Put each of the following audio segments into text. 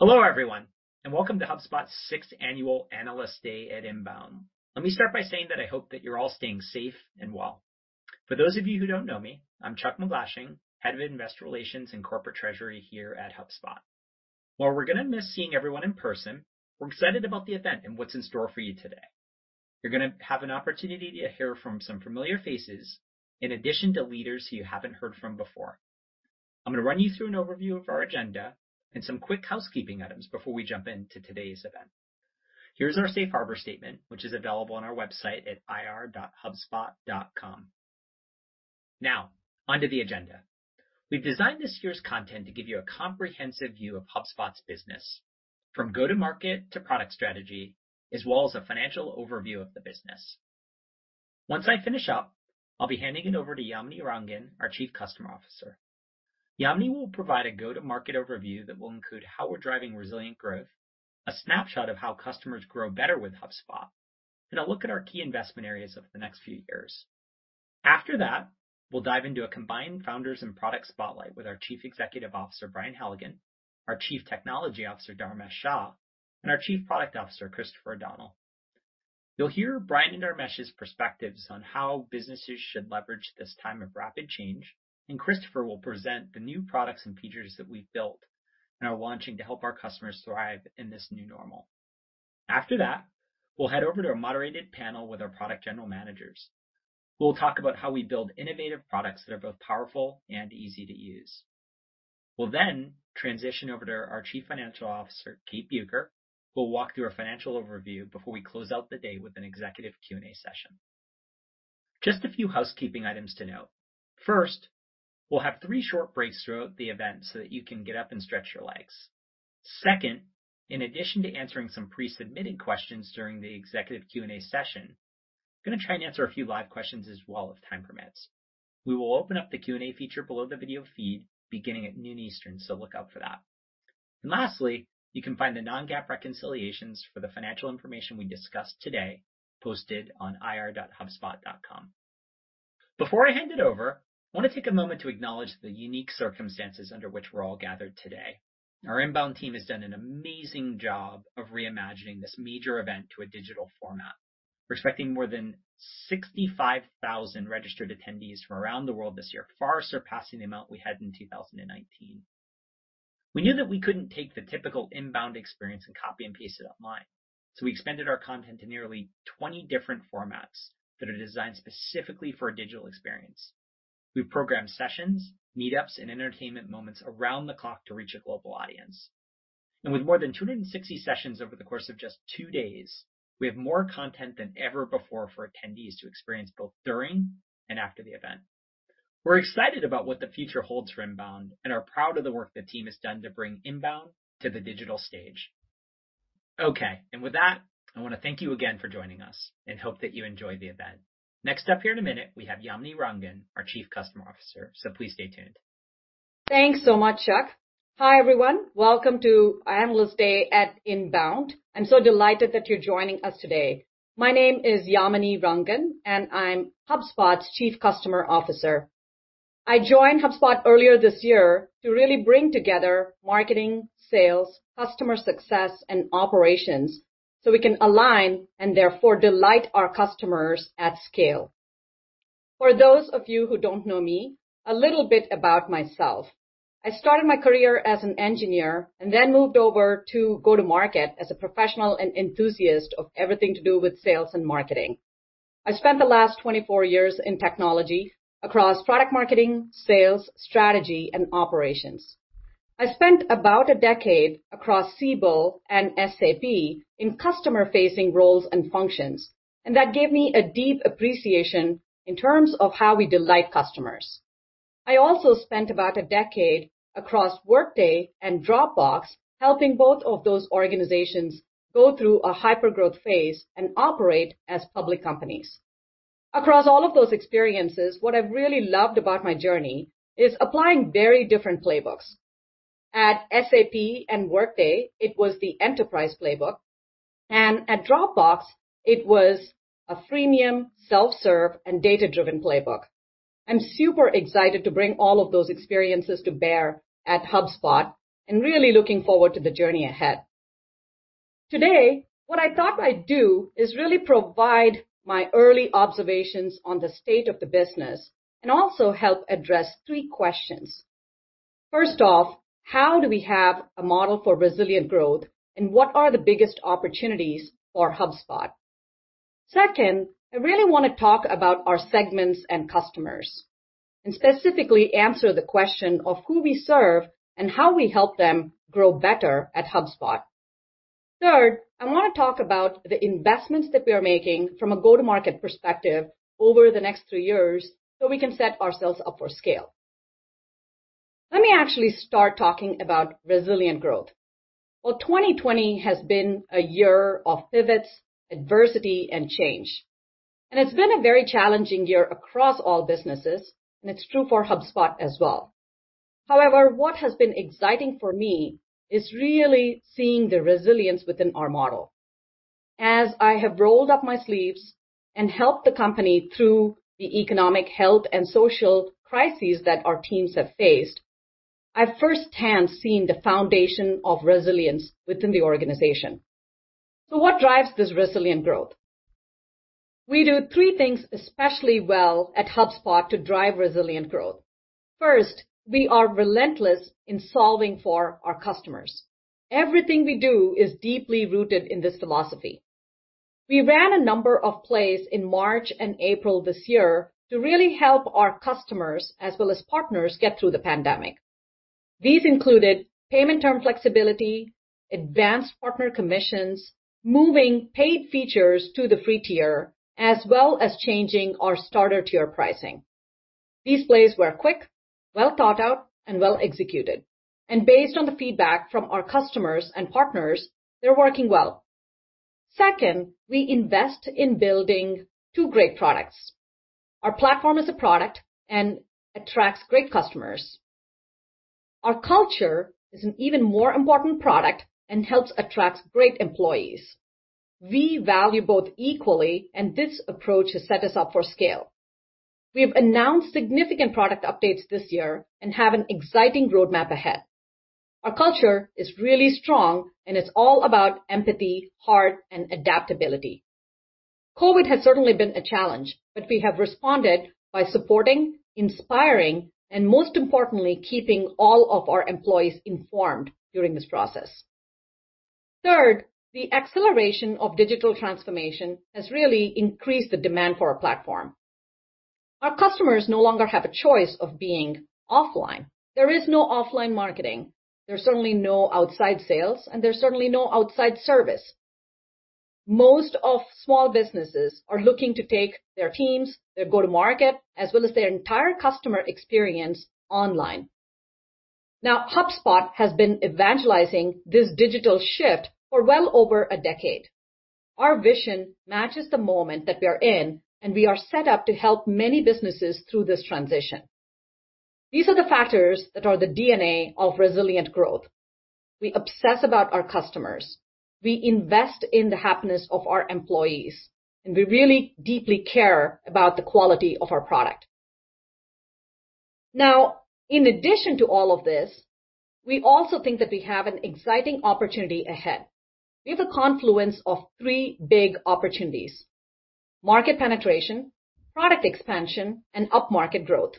Hello, everyone, and welcome to HubSpot's sixth annual Analyst Day at INBOUND. Let me start by saying that I hope that you're all staying safe and well. For those of you who don't know me, I'm Chuck MacGlashing, Head of Investor Relations and Corporate Treasury here at HubSpot. While we're going to miss seeing everyone in person, we're excited about the event and what's in store for you today. You're going to have an opportunity to hear from some familiar faces in addition to leaders who you haven't heard from before. I'm going to run you through an overview of our agenda and some quick housekeeping items before we jump into today's event. Here's our safe harbor statement, which is available on our website at ir.hubspot.com. Now, onto the agenda. We've designed this year's content to give you a comprehensive view of HubSpot's business, from go-to-market to product strategy, as well as a financial overview of the business. Once I finish up, I'll be handing it over to Yamini Rangan, our Chief Customer Officer. Yamini will provide a go-to-market overview that will include how we're driving resilient growth, a snapshot of how customers grow better with HubSpot, and a look at our key investment areas over the next few years. After that, we'll dive into a combined founders and product spotlight with our Chief Executive Officer, Brian Halligan, our Chief Technology Officer, Dharmesh Shah, and our Chief Product Officer, Christopher O'Donnell. You'll hear Brian and Dharmesh's perspectives on how businesses should leverage this time of rapid change, and Christopher will present the new products and features that we've built and are launching to help our customers thrive in this new normal. After that, we'll head over to a moderated panel with our product general managers, who will talk about how we build innovative products that are both powerful and easy to use. We'll then transition over to our Chief Financial Officer, Kate Bueker, who will walk through a financial overview before we close out the day with an executive Q&A session. Just a few housekeeping items to note. First, we'll have three short breaks throughout the event so that you can get up and stretch your legs. Second, in addition to answering some pre-submitted questions during the executive Q&A session, going to try and answer a few live questions as well, if time permits. We will open up the Q&A feature below the video feed beginning at noon Eastern, so look out for that. Lastly, you can find the non-GAAP reconciliations for the financial information we discuss today posted on ir.hubspot.com. Before I hand it over, I want to take a moment to acknowledge the unique circumstances under which we're all gathered today. Our INBOUND team has done an amazing job of reimagining this major event to a digital format. We're expecting more than 65,000 registered attendees from around the world this year, far surpassing the amount we had in 2019. We knew that we couldn't take the typical INBOUND experience and copy and paste it online. We expanded our content to nearly 20 different formats that are designed specifically for a digital experience. We've programmed sessions, meetups, and entertainment moments around the clock to reach a global audience. With more than 260 sessions over the course of just two days, we have more content than ever before for attendees to experience both during and after the event. We're excited about what the future holds for INBOUND and are proud of the work the team has done to bring INBOUND to the digital stage. Okay. With that, I want to thank you again for joining us and hope that you enjoy the event. Next up here in a minute, we have Yamini Rangan, our Chief Customer Officer. Please stay tuned. Thanks so much, Chuck. Hi, everyone. Welcome to Analyst Day at INBOUND. I'm so delighted that you're joining us today. My name is Yamini Rangan, and I'm HubSpot's Chief Customer Officer. I joined HubSpot earlier this year to really bring together marketing, sales, customer success, and operations so we can align and therefore delight our customers at scale. For those of you who don't know me, a little bit about myself. I started my career as an engineer and then moved over to go-to-market as a professional and enthusiast of everything to do with sales and marketing. I spent the last 24 years in technology across product marketing, sales, strategy, and operations. I spent about a decade across Siebel and SAP in customer-facing roles and functions, and that gave me a deep appreciation in terms of how we delight customers. I also spent about a decade across Workday and Dropbox helping both of those organizations go through a hypergrowth phase and operate as public companies. Across all of those experiences, what I've really loved about my journey is applying very different playbooks. At SAP and Workday, it was the enterprise playbook, and at Dropbox, it was a freemium, self-serve, and data-driven playbook. I'm super excited to bring all of those experiences to bear at HubSpot and really looking forward to the journey ahead. Today, what I thought I'd do is really provide my early observations on the state of the business and also help address three questions. First off, how do we have a model for resilient growth, and what are the biggest opportunities for HubSpot? Second, I really want to talk about our segments and customers and specifically answer the question of who we serve and how we help them grow better at HubSpot. Third, I want to talk about the investments that we are making from a go-to-market perspective over the next three years so we can set ourselves up for scale. Let me actually start talking about resilient growth. Well, 2020 has been a year of pivots, adversity, and change, and it's been a very challenging year across all businesses, and it's true for HubSpot as well. However, what has been exciting for me is really seeing the resilience within our model. As I have rolled up my sleeves and helped the company through the economic, health, and social crises that our teams have faced, I've firsthand seen the foundation of resilience within the organization. What drives this resilient growth? We do three things especially well at HubSpot to drive resilient growth. First, we are relentless in solving for our customers. Everything we do is deeply rooted in this philosophy. We ran a number of plays in March and April this year to really help our customers as well as partners get through the pandemic. These included payment term flexibility, advanced partner commissions, moving paid features to the free tier, as well as changing our Starter tier pricing. These plays were quick, well-thought out, and well-executed. Based on the feedback from our customers and partners, they're working well. Second, we invest in building two great products. Our platform is a product and attracts great customers. Our culture is an even more important product and helps attract great employees. We value both equally, and this approach has set us up for scale. We have announced significant product updates this year and have an exciting roadmap ahead. Our culture is really strong, and it's all about empathy, heart, and adaptability. COVID has certainly been a challenge, but we have responded by supporting, inspiring, and most importantly, keeping all of our employees informed during this process. Third, the acceleration of digital transformation has really increased the demand for our platform. Our customers no longer have a choice of being offline. There is no offline marketing. There's certainly no outside sales, and there's certainly no outside service. Most of small businesses are looking to take their teams, their go-to-market, as well as their entire customer experience online. HubSpot has been evangelizing this digital shift for well over a decade. Our vision matches the moment that we are in, and we are set up to help many businesses through this transition. These are the factors that are the DNA of resilient growth. We obsess about our customers, we invest in the happiness of our employees, and we really deeply care about the quality of our product. In addition to all of this, we also think that we have an exciting opportunity ahead. We have a confluence of three big opportunities. Market penetration, product expansion, and up-market growth.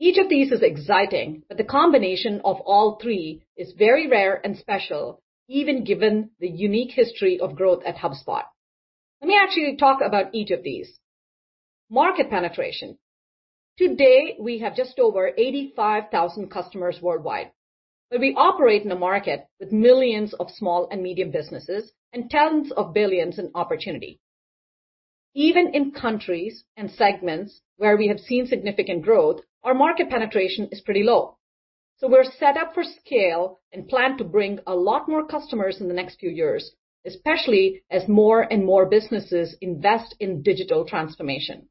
Each of these is exciting, but the combination of all three is very rare and special, even given the unique history of growth at HubSpot. Let me actually talk about each of these. Market penetration. Today, we have just over 85,000 customers worldwide, but we operate in a market with millions of small and medium businesses and tens of billions in opportunity. Even in countries and segments where we have seen significant growth, our market penetration is pretty low. We're set up for scale and plan to bring a lot more customers in the next few years, especially as more and more businesses invest in digital transformation.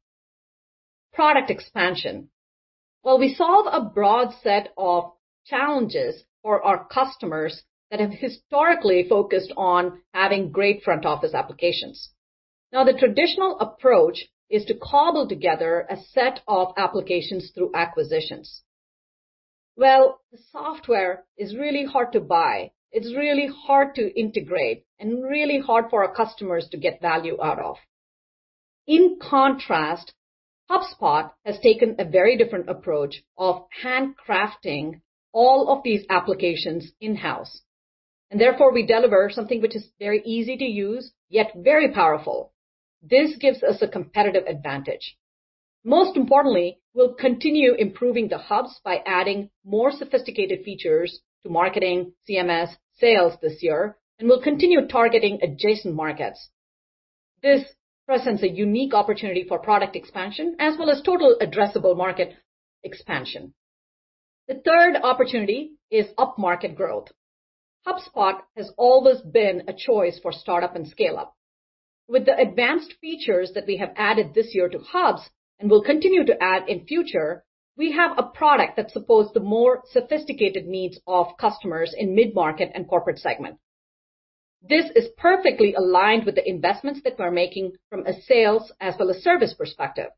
Product expansion. While we solve a broad set of challenges for our customers that have historically focused on having great front-office applications. Now, the traditional approach is to cobble together a set of applications through acquisitions. Well, the software is really hard to buy, it's really hard to integrate, and really hard for our customers to get value out of. In contrast, HubSpot has taken a very different approach of handcrafting all of these applications in-house, and therefore we deliver something which is very easy to use, yet very powerful. This gives us a competitive advantage. Most importantly, we'll continue improving the hubs by adding more sophisticated features to Marketing, CMS, Sales this year, and we'll continue targeting adjacent markets. This presents a unique opportunity for product expansion as well as total addressable market expansion. The third opportunity is up-market growth. HubSpot has always been a choice for startup and scale-up. With the advanced features that we have added this year to hubs and will continue to add in future, we have a product that supports the more sophisticated needs of customers in mid-market and corporate segment. This is perfectly aligned with the investments that we're making from a sales as well as service perspective.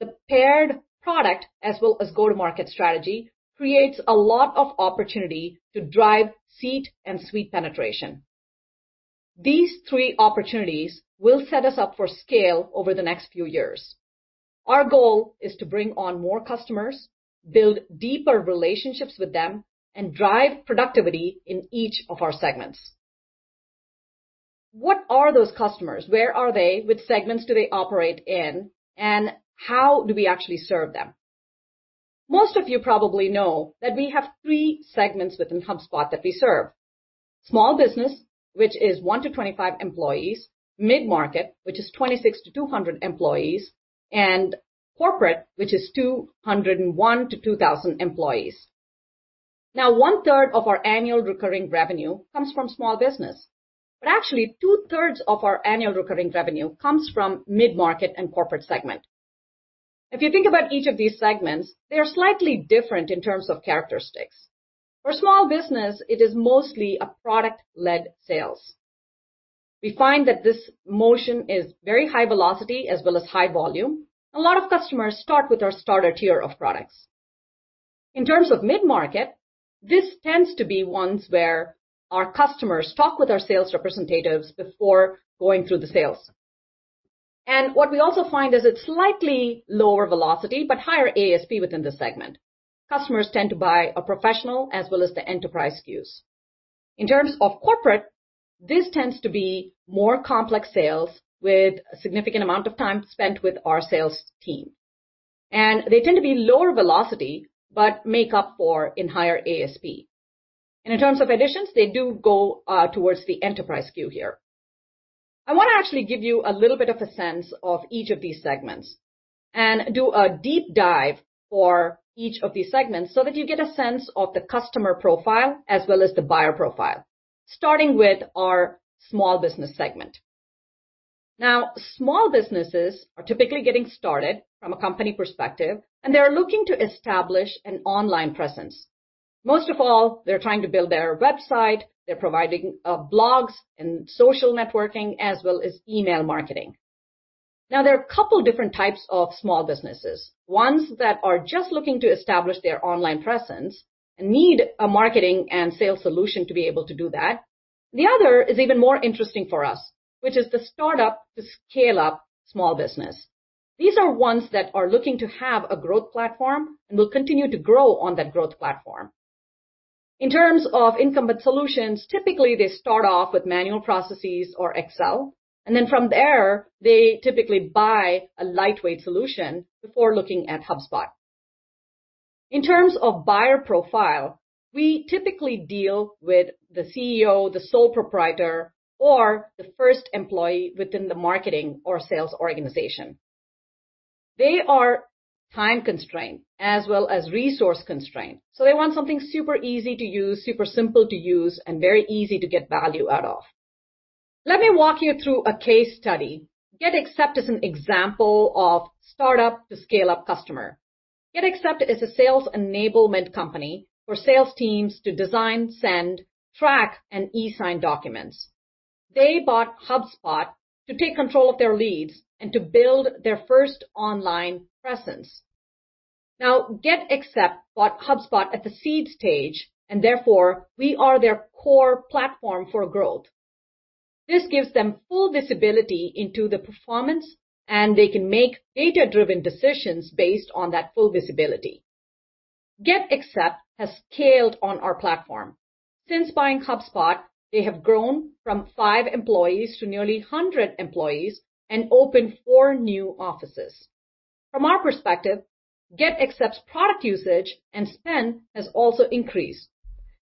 The paired product as well as go-to-market strategy creates a lot of opportunity to drive seat and suite penetration. These three opportunities will set us up for scale over the next few years. Our goal is to bring on more customers, build deeper relationships with them, and drive productivity in each of our segments. What are those customers? Where are they? Which segments do they operate in? How do we actually serve them? Most of you probably know that we have three segments within HubSpot that we serve. Small business, which is 1-25 employees, mid-market, which is 26-200 employees, and corporate, which is 201-2,000 employees. 1/3 of our annual recurring revenue comes from small business, actually 2/3 of our annual recurring revenue comes from mid-market and corporate segment. If you think about each of these segments, they are slightly different in terms of characteristics. For small business, it is mostly a product-led sales. We find that this motion is very high velocity as well as high volume. A lot of customers start with our Starter tier of products. In terms of mid-market, this tends to be ones where our customers talk with our sales representatives before going through the sales. What we also find is it's slightly lower velocity, but higher ASP within this segment. Customers tend to buy a professional as well as the Enterprise SKUs. In terms of corporate, this tends to be more complex sales with a significant amount of time spent with our sales team. They tend to be lower velocity, but make up for in higher ASP. In terms of editions, they do go towards the enterprise SKU here. I want to actually give you a little bit of a sense of each of these segments and do a deep dive for each of these segments so that you get a sense of the customer profile as well as the buyer profile, starting with our small business segment. Now, small businesses are typically getting started from a company perspective, and they are looking to establish an online presence. Most of all, they're trying to build their website, they're providing blogs and social networking, as well as email marketing. There are a couple different types of small businesses. Ones that are just looking to establish their online presence need a marketing and sales solution to be able to do that. The other is even more interesting for us, which is the startup to scale-up small business. These are ones that are looking to have a growth platform and will continue to grow on that growth platform. In terms of incumbent solutions, typically they start off with manual processes or Excel, and then from there, they typically buy a lightweight solution before looking at HubSpot. In terms of buyer profile, we typically deal with the CEO, the sole proprietor, or the first employee within the marketing or sales organization. They are time-constrained as well as resource-constrained, so they want something super easy to use, super simple to use, and very easy to get value out of. Let me walk you through a case study. GetAccept is an example of startup to scale-up customer. GetAccept is a sales enablement company for sales teams to design, send, track, and e-sign documents. They bought HubSpot to take control of their leads and to build their first online presence. Now, GetAccept bought HubSpot at the seed stage, and therefore we are their core platform for growth. This gives them full visibility into the performance, and they can make data-driven decisions based on that full visibility. GetAccept has scaled on our platform. Since buying HubSpot, they have grown from five employees to nearly 100 employees and opened four new offices. From our perspective, GetAccept's product usage and spend has also increased.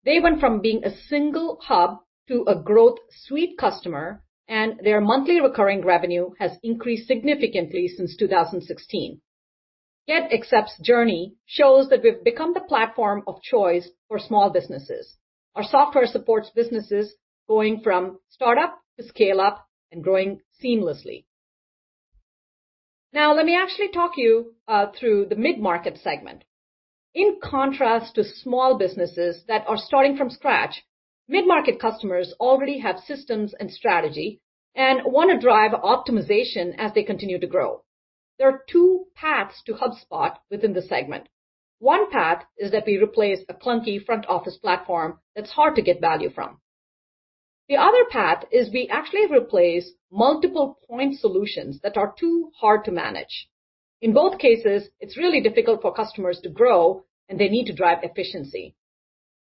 They went from being a single hub to a Growth Suite customer, and their monthly recurring revenue has increased significantly since 2016. GetAccept's journey shows that we've become the platform of choice for small businesses. Our software supports businesses going from startup to scale-up and growing seamlessly. Now, let me actually talk you through the mid-market segment. In contrast to small businesses that are starting from scratch, mid-market customers already have systems and strategy and want to drive optimization as they continue to grow. There are two paths to HubSpot within this segment. One path is that we replace a clunky front-office platform that's hard to get value from. The other path is we actually replace multiple point solutions that are too hard to manage. In both cases, it's really difficult for customers to grow, and they need to drive efficiency.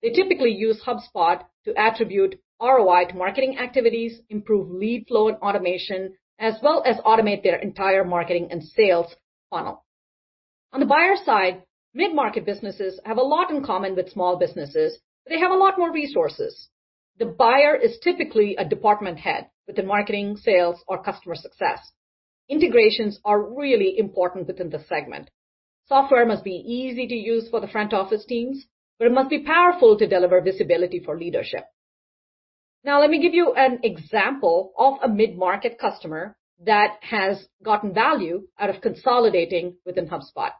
They typically use HubSpot to attribute ROI to marketing activities, improve lead flow and automation, as well as automate their entire marketing and sales funnel. On the buyer side, mid-market businesses have a lot in common with small businesses, but they have a lot more resources. The buyer is typically a department head within marketing, sales, or customer success. Integrations are really important within this segment. Software must be easy to use for the front-office teams, but it must be powerful to deliver visibility for leadership. Now, let me give you an example of a mid-market customer that has gotten value out of consolidating within HubSpot.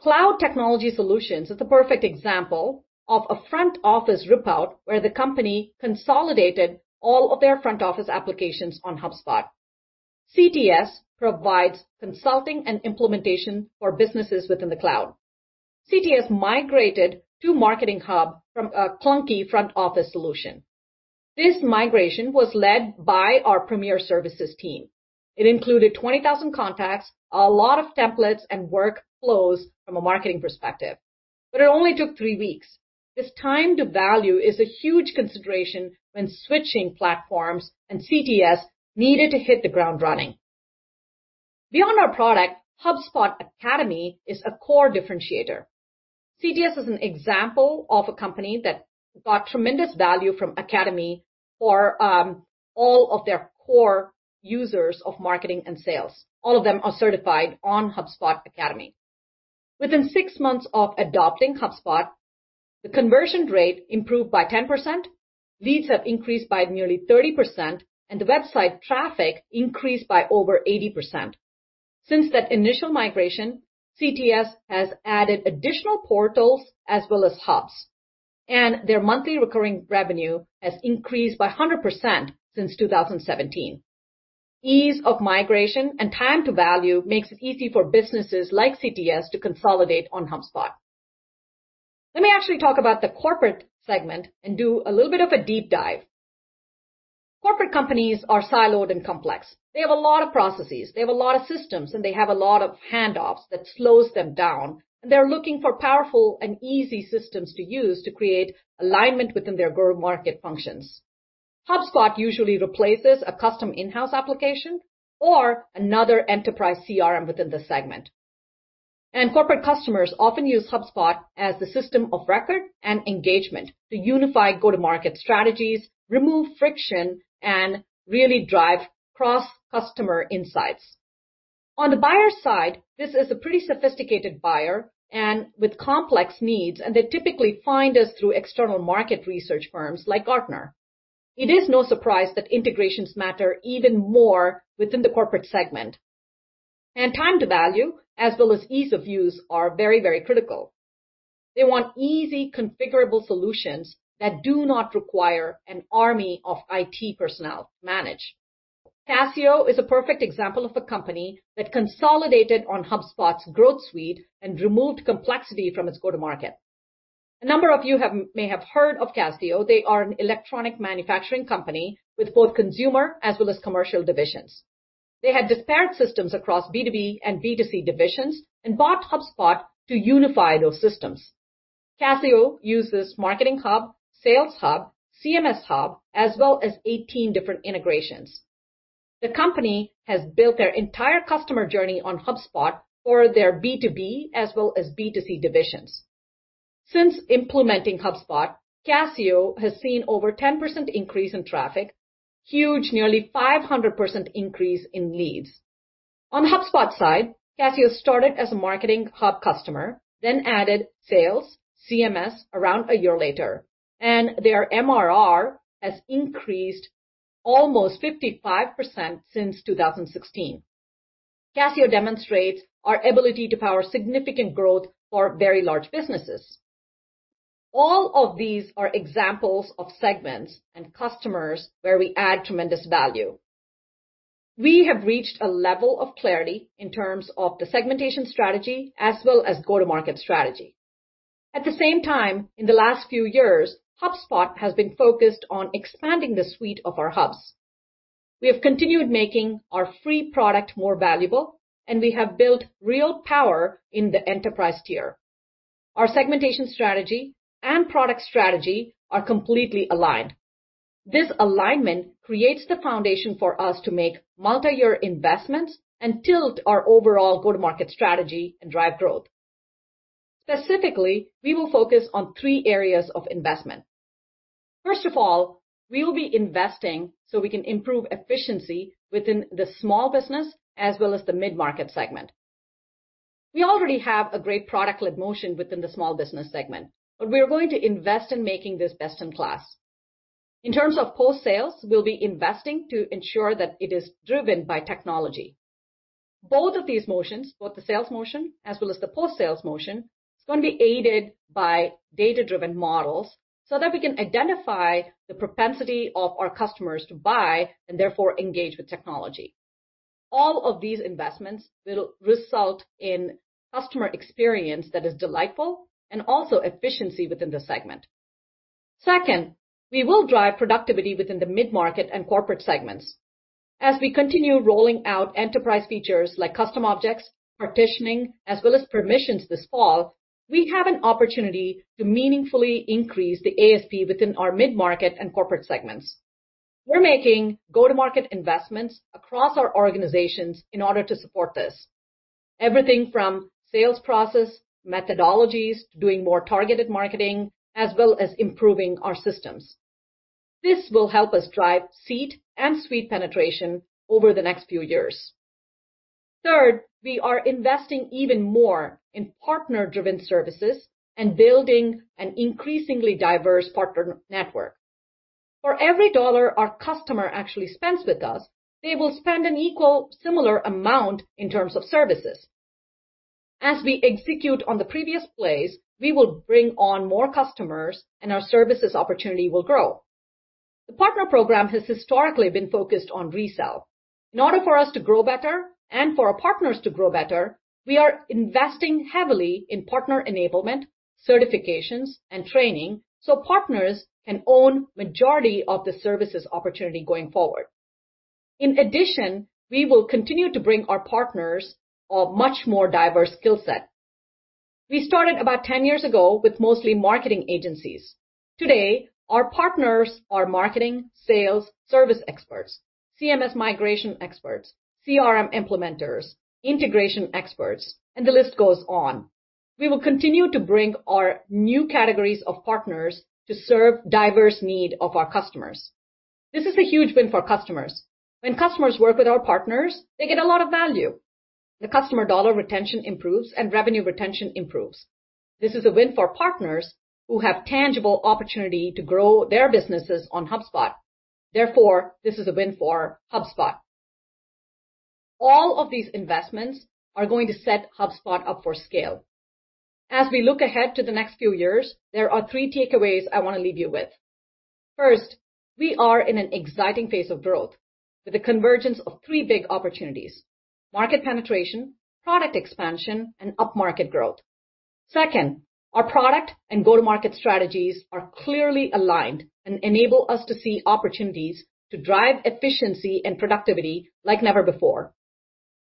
Cloud Technology Solutions is the perfect example of a front-office rip-out where the company consolidated all of their front-office applications on HubSpot. CTS provides consulting and implementation for businesses within the cloud. CTS migrated to Marketing Hub from a clunky front-office solution. This migration was led by our Premier Services team. It included 20,000 contacts, a lot of templates, and workflows from a marketing perspective. It only took three weeks. This time to value is a huge consideration when switching platforms, and CTS needed to hit the ground running. Beyond our product, HubSpot Academy is a core differentiator. CTS is an example of a company that got tremendous value from Academy for all of their core users of marketing and sales. All of them are certified on HubSpot Academy. Within six months of adopting HubSpot, the conversion rate improved by 10%, leads have increased by nearly 30%, and the website traffic increased by over 80%. Since that initial migration, CTS has added additional portals as well as hubs. Their monthly recurring revenue has increased by 100% since 2017. Ease of migration and time to value makes it easy for businesses like CTS to consolidate on HubSpot. Let me actually talk about the corporate segment and do a little bit of a deep dive. Corporate companies are siloed and complex. They have a lot of processes, they have a lot of systems, and they have a lot of hand-offs that slows them down, and they're looking for powerful and easy systems to use to create alignment within their go-to-market functions. HubSpot usually replaces a custom in-house application or another enterprise CRM within the segment. Corporate customers often use HubSpot as the system of record and engagement to unify go-to-market strategies, remove friction, and really drive cross-customer insights. On the buyer side, this is a pretty sophisticated buyer and with complex needs, and they typically find us through external market research firms like Gartner. It is no surprise that integrations matter even more within the corporate segment. Time to value as well as ease of use are very critical. They want easy, configurable solutions that do not require an army of IT personnel to manage. Casio is a perfect example of a company that consolidated on HubSpot's Growth Suite and removed complexity from its go-to-market. A number of you may have heard of Casio. They are an electronic manufacturing company with both consumer as well as commercial divisions. They had disparate systems across B2B and B2C divisions and bought HubSpot to unify those systems. Casio uses Marketing Hub, Sales Hub, CMS Hub, as well as 18 different integrations. The company has built their entire customer journey on HubSpot for their B2B as well as B2C divisions. Since implementing HubSpot, Casio has seen over 10% increase in traffic, huge, nearly 500% increase in leads. On the HubSpot side, Casio started as a Marketing Hub customer, then added sales, CMS around a year later, and their MRR has increased almost 55% since 2016. Casio demonstrates our ability to power significant growth for very large businesses. All of these are examples of segments and customers where we add tremendous value. We have reached a level of clarity in terms of the segmentation strategy as well as go-to-market strategy. At the same time, in the last few years, HubSpot has been focused on expanding the suite of our hubs. We have continued making our free product more valuable, and we have built real power in the enterprise tier. Our segmentation strategy and product strategy are completely aligned. This alignment creates the foundation for us to make multi-year investments and tilt our overall go-to-market strategy and drive growth. Specifically, we will focus on three areas of investment. First of all, we will be investing so we can improve efficiency within the small business as well as the mid-market segment. We already have a great product-led motion within the small business segment, but we are going to invest in making this best in class. In terms of post-sales, we'll be investing to ensure that it is driven by technology. Both of these motions, both the sales motion as well as the post-sales motion, is going to be aided by data-driven models so that we can identify the propensity of our customers to buy and therefore engage with technology. All of these investments will result in customer experience that is delightful and also efficiency within the segment. Second, we will drive productivity within the mid-market and corporate segments. As we continue rolling out enterprise features like custom objects, partitioning, as well as permissions this fall, we have an opportunity to meaningfully increase the ASP within our mid-market and corporate segments. We're making go-to-market investments across our organizations in order to support this. Everything from sales process methodologies to doing more targeted marketing, as well as improving our systems. This will help us drive seat and suite penetration over the next few years. Third, we are investing even more in partner-driven services and building an increasingly diverse partner network. For every dollar our customer actually spends with us, they will spend an equal similar amount in terms of services. As we execute on the previous plays, we will bring on more customers and our services opportunity will grow. The partner program has historically been focused on resell. In order for us to grow better and for our partners to grow better, we are investing heavily in partner enablement, certifications, and training so partners can own majority of the services opportunity going forward. In addition, we will continue to bring our partners a much more diverse skill set. We started about 10 years ago with mostly marketing agencies. Today, our partners are marketing, sales, service experts, CMS migration experts, CRM implementers, integration experts, and the list goes on. We will continue to bring our new categories of partners to serve diverse need of our customers. This is a huge win for customers. When customers work with our partners, they get a lot of value. The customer dollar retention improves, and revenue retention improves. This is a win for partners who have tangible opportunity to grow their businesses on HubSpot. This is a win for HubSpot. All of these investments are going to set HubSpot up for scale. As we look ahead to the next few years, there are three takeaways I want to leave you with. First, we are in an exciting phase of growth with the convergence of three big opportunities, market penetration, product expansion, and up-market growth. Second, our product and go-to-market strategies are clearly aligned and enable us to see opportunities to drive efficiency and productivity like never before.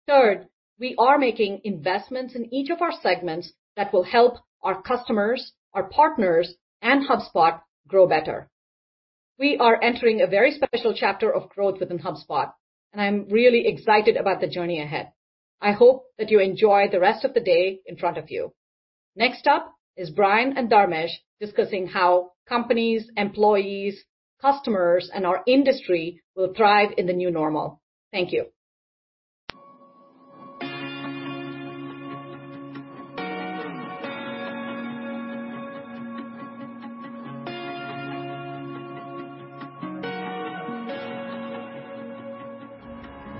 Third, we are making investments in each of our segments that will help our customers, our partners, and HubSpot grow better. We are entering a very special chapter of growth within HubSpot, and I'm really excited about the journey ahead. I hope that you enjoy the rest of the day in front of you. Next up is Brian and Dharmesh discussing how companies, employees, customers, and our industry will thrive in the new normal. Thank you.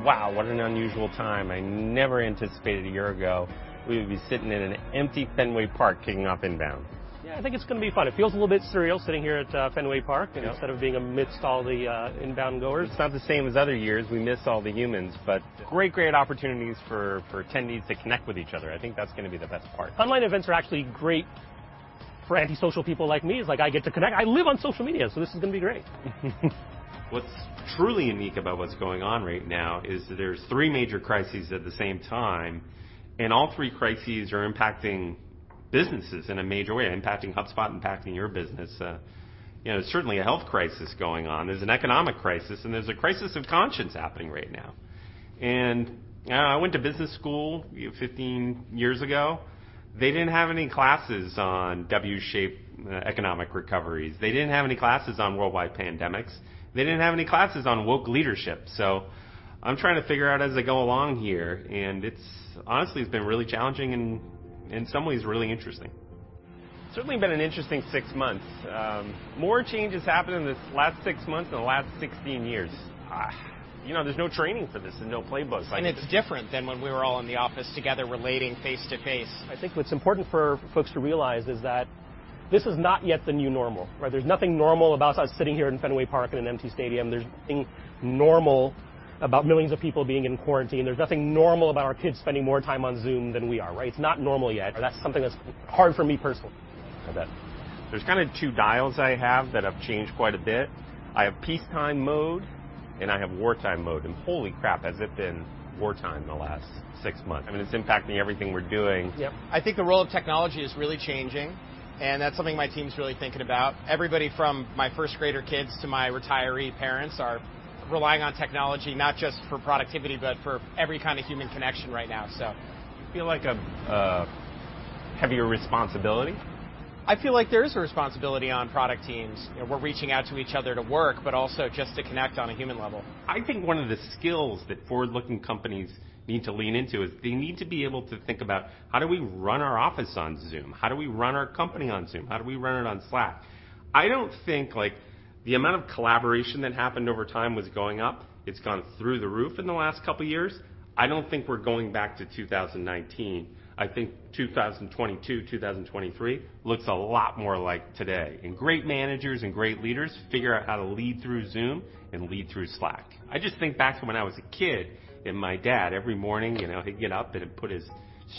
Wow, what an unusual time. I never anticipated a year ago we would be sitting in an empty Fenway Park kicking off INBOUND. Yeah, I think it's going to be fun. It feels a little bit surreal sitting here at Fenway Park instead of being amidst all the INBOUND goers. It's not the same as other years. We miss all the humans, but great opportunities for attendees to connect with each other. I think that's going to be the best part. Online events are actually great for antisocial people like me. It's like I get to connect. I live on social media, this is going to be great. What's truly unique about what's going on right now is that there's three major crises at the same time, and all three crises are impacting businesses in a major way, impacting HubSpot, impacting your business. There's certainly a health crisis going on, there's an economic crisis, and there's a crisis of conscience happening right now. I went to business school 15 years ago. They didn't have any classes on W-shape economic recoveries. They didn't have any classes on worldwide pandemics. They didn't have any classes on woke leadership. I'm trying to figure out as I go along here, and honestly, it's been really challenging and in some ways really interesting. Certainly been an interesting six months. More changes happened in this last six months than the last 16 years. There's no training for this. There's no Playbooks. It's different than when we were all in the office together relating face-to-face. I think what's important for folks to realize is that this is not yet the new normal. There's nothing normal about us sitting here in Fenway Park in an empty stadium. There's nothing normal about millions of people being in quarantine. There's nothing normal about our kids spending more time on Zoom than we are. It's not normal yet. That's something that's hard for me personally. I bet. There's two dials I have that have changed quite a bit. I have peacetime mode, and I have wartime mode. Holy crap, has it been wartime the last six months? It's impacting everything we're doing. Yep. I think the role of technology is really changing, and that's something my team's really thinking about. Everybody from my first grader kids to my retiree parents are relying on technology not just for productivity, but for every kind of human connection right now. Do you feel like a heavier responsibility? I feel like there is a responsibility on product teams. We're reaching out to each other to work, but also just to connect on a human level. I think one of the skills that forward-looking companies need to lean into is they need to be able to think about how do we run our office on Zoom? How do we run our company on Zoom? How do we run it on Slack? I don't think the amount of collaboration that happened over time was going up. It's gone through the roof in the last couple of years. I don't think we're going back to 2019. I think 2022, 2023 looks a lot more like today, and great managers and great leaders figure out how to lead through Zoom and lead through Slack. I just think back to when I was a kid, and my dad, every morning, he'd get up and put his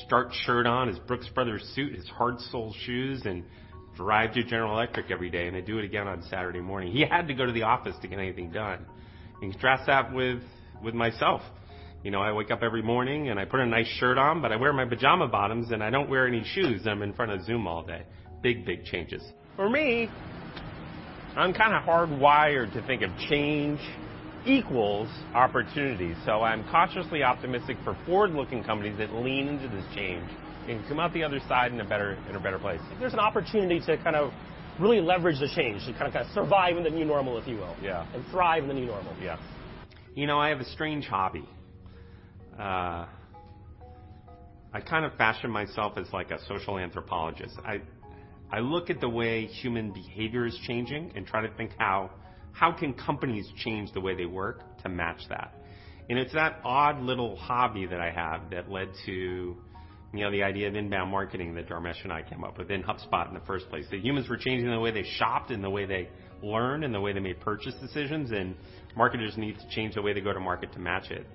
starched shirt on, his Brooks Brothers suit, his hard-sole shoes, and drive to General Electric every day, and then do it again on Saturday morning. He had to go to the office to get anything done. Contrast that with myself. I wake up every morning, and I put a nice shirt on, but I wear my pajama bottoms, and I don't wear any shoes. I'm in front of Zoom all day. Big changes. For me, I'm hardwired to think of change equals opportunity. I'm cautiously optimistic for forward-looking companies that lean into this change and come out the other side in a better place. There's an opportunity to really leverage the change, to survive in the new normal, if you will. Yeah. Thrive in the new normal. Yeah. I have a strange hobby. I fashion myself as a social anthropologist. I look at the way human behavior is changing and try to think how can companies change the way they work to match that? It's that odd little hobby that I have that led to the idea of inbound marketing that Dharmesh and I came up with in HubSpot in the first place. That humans were changing the way they shopped and the way they learn and the way they made purchase decisions, and marketers need to change the way they go to market to match it.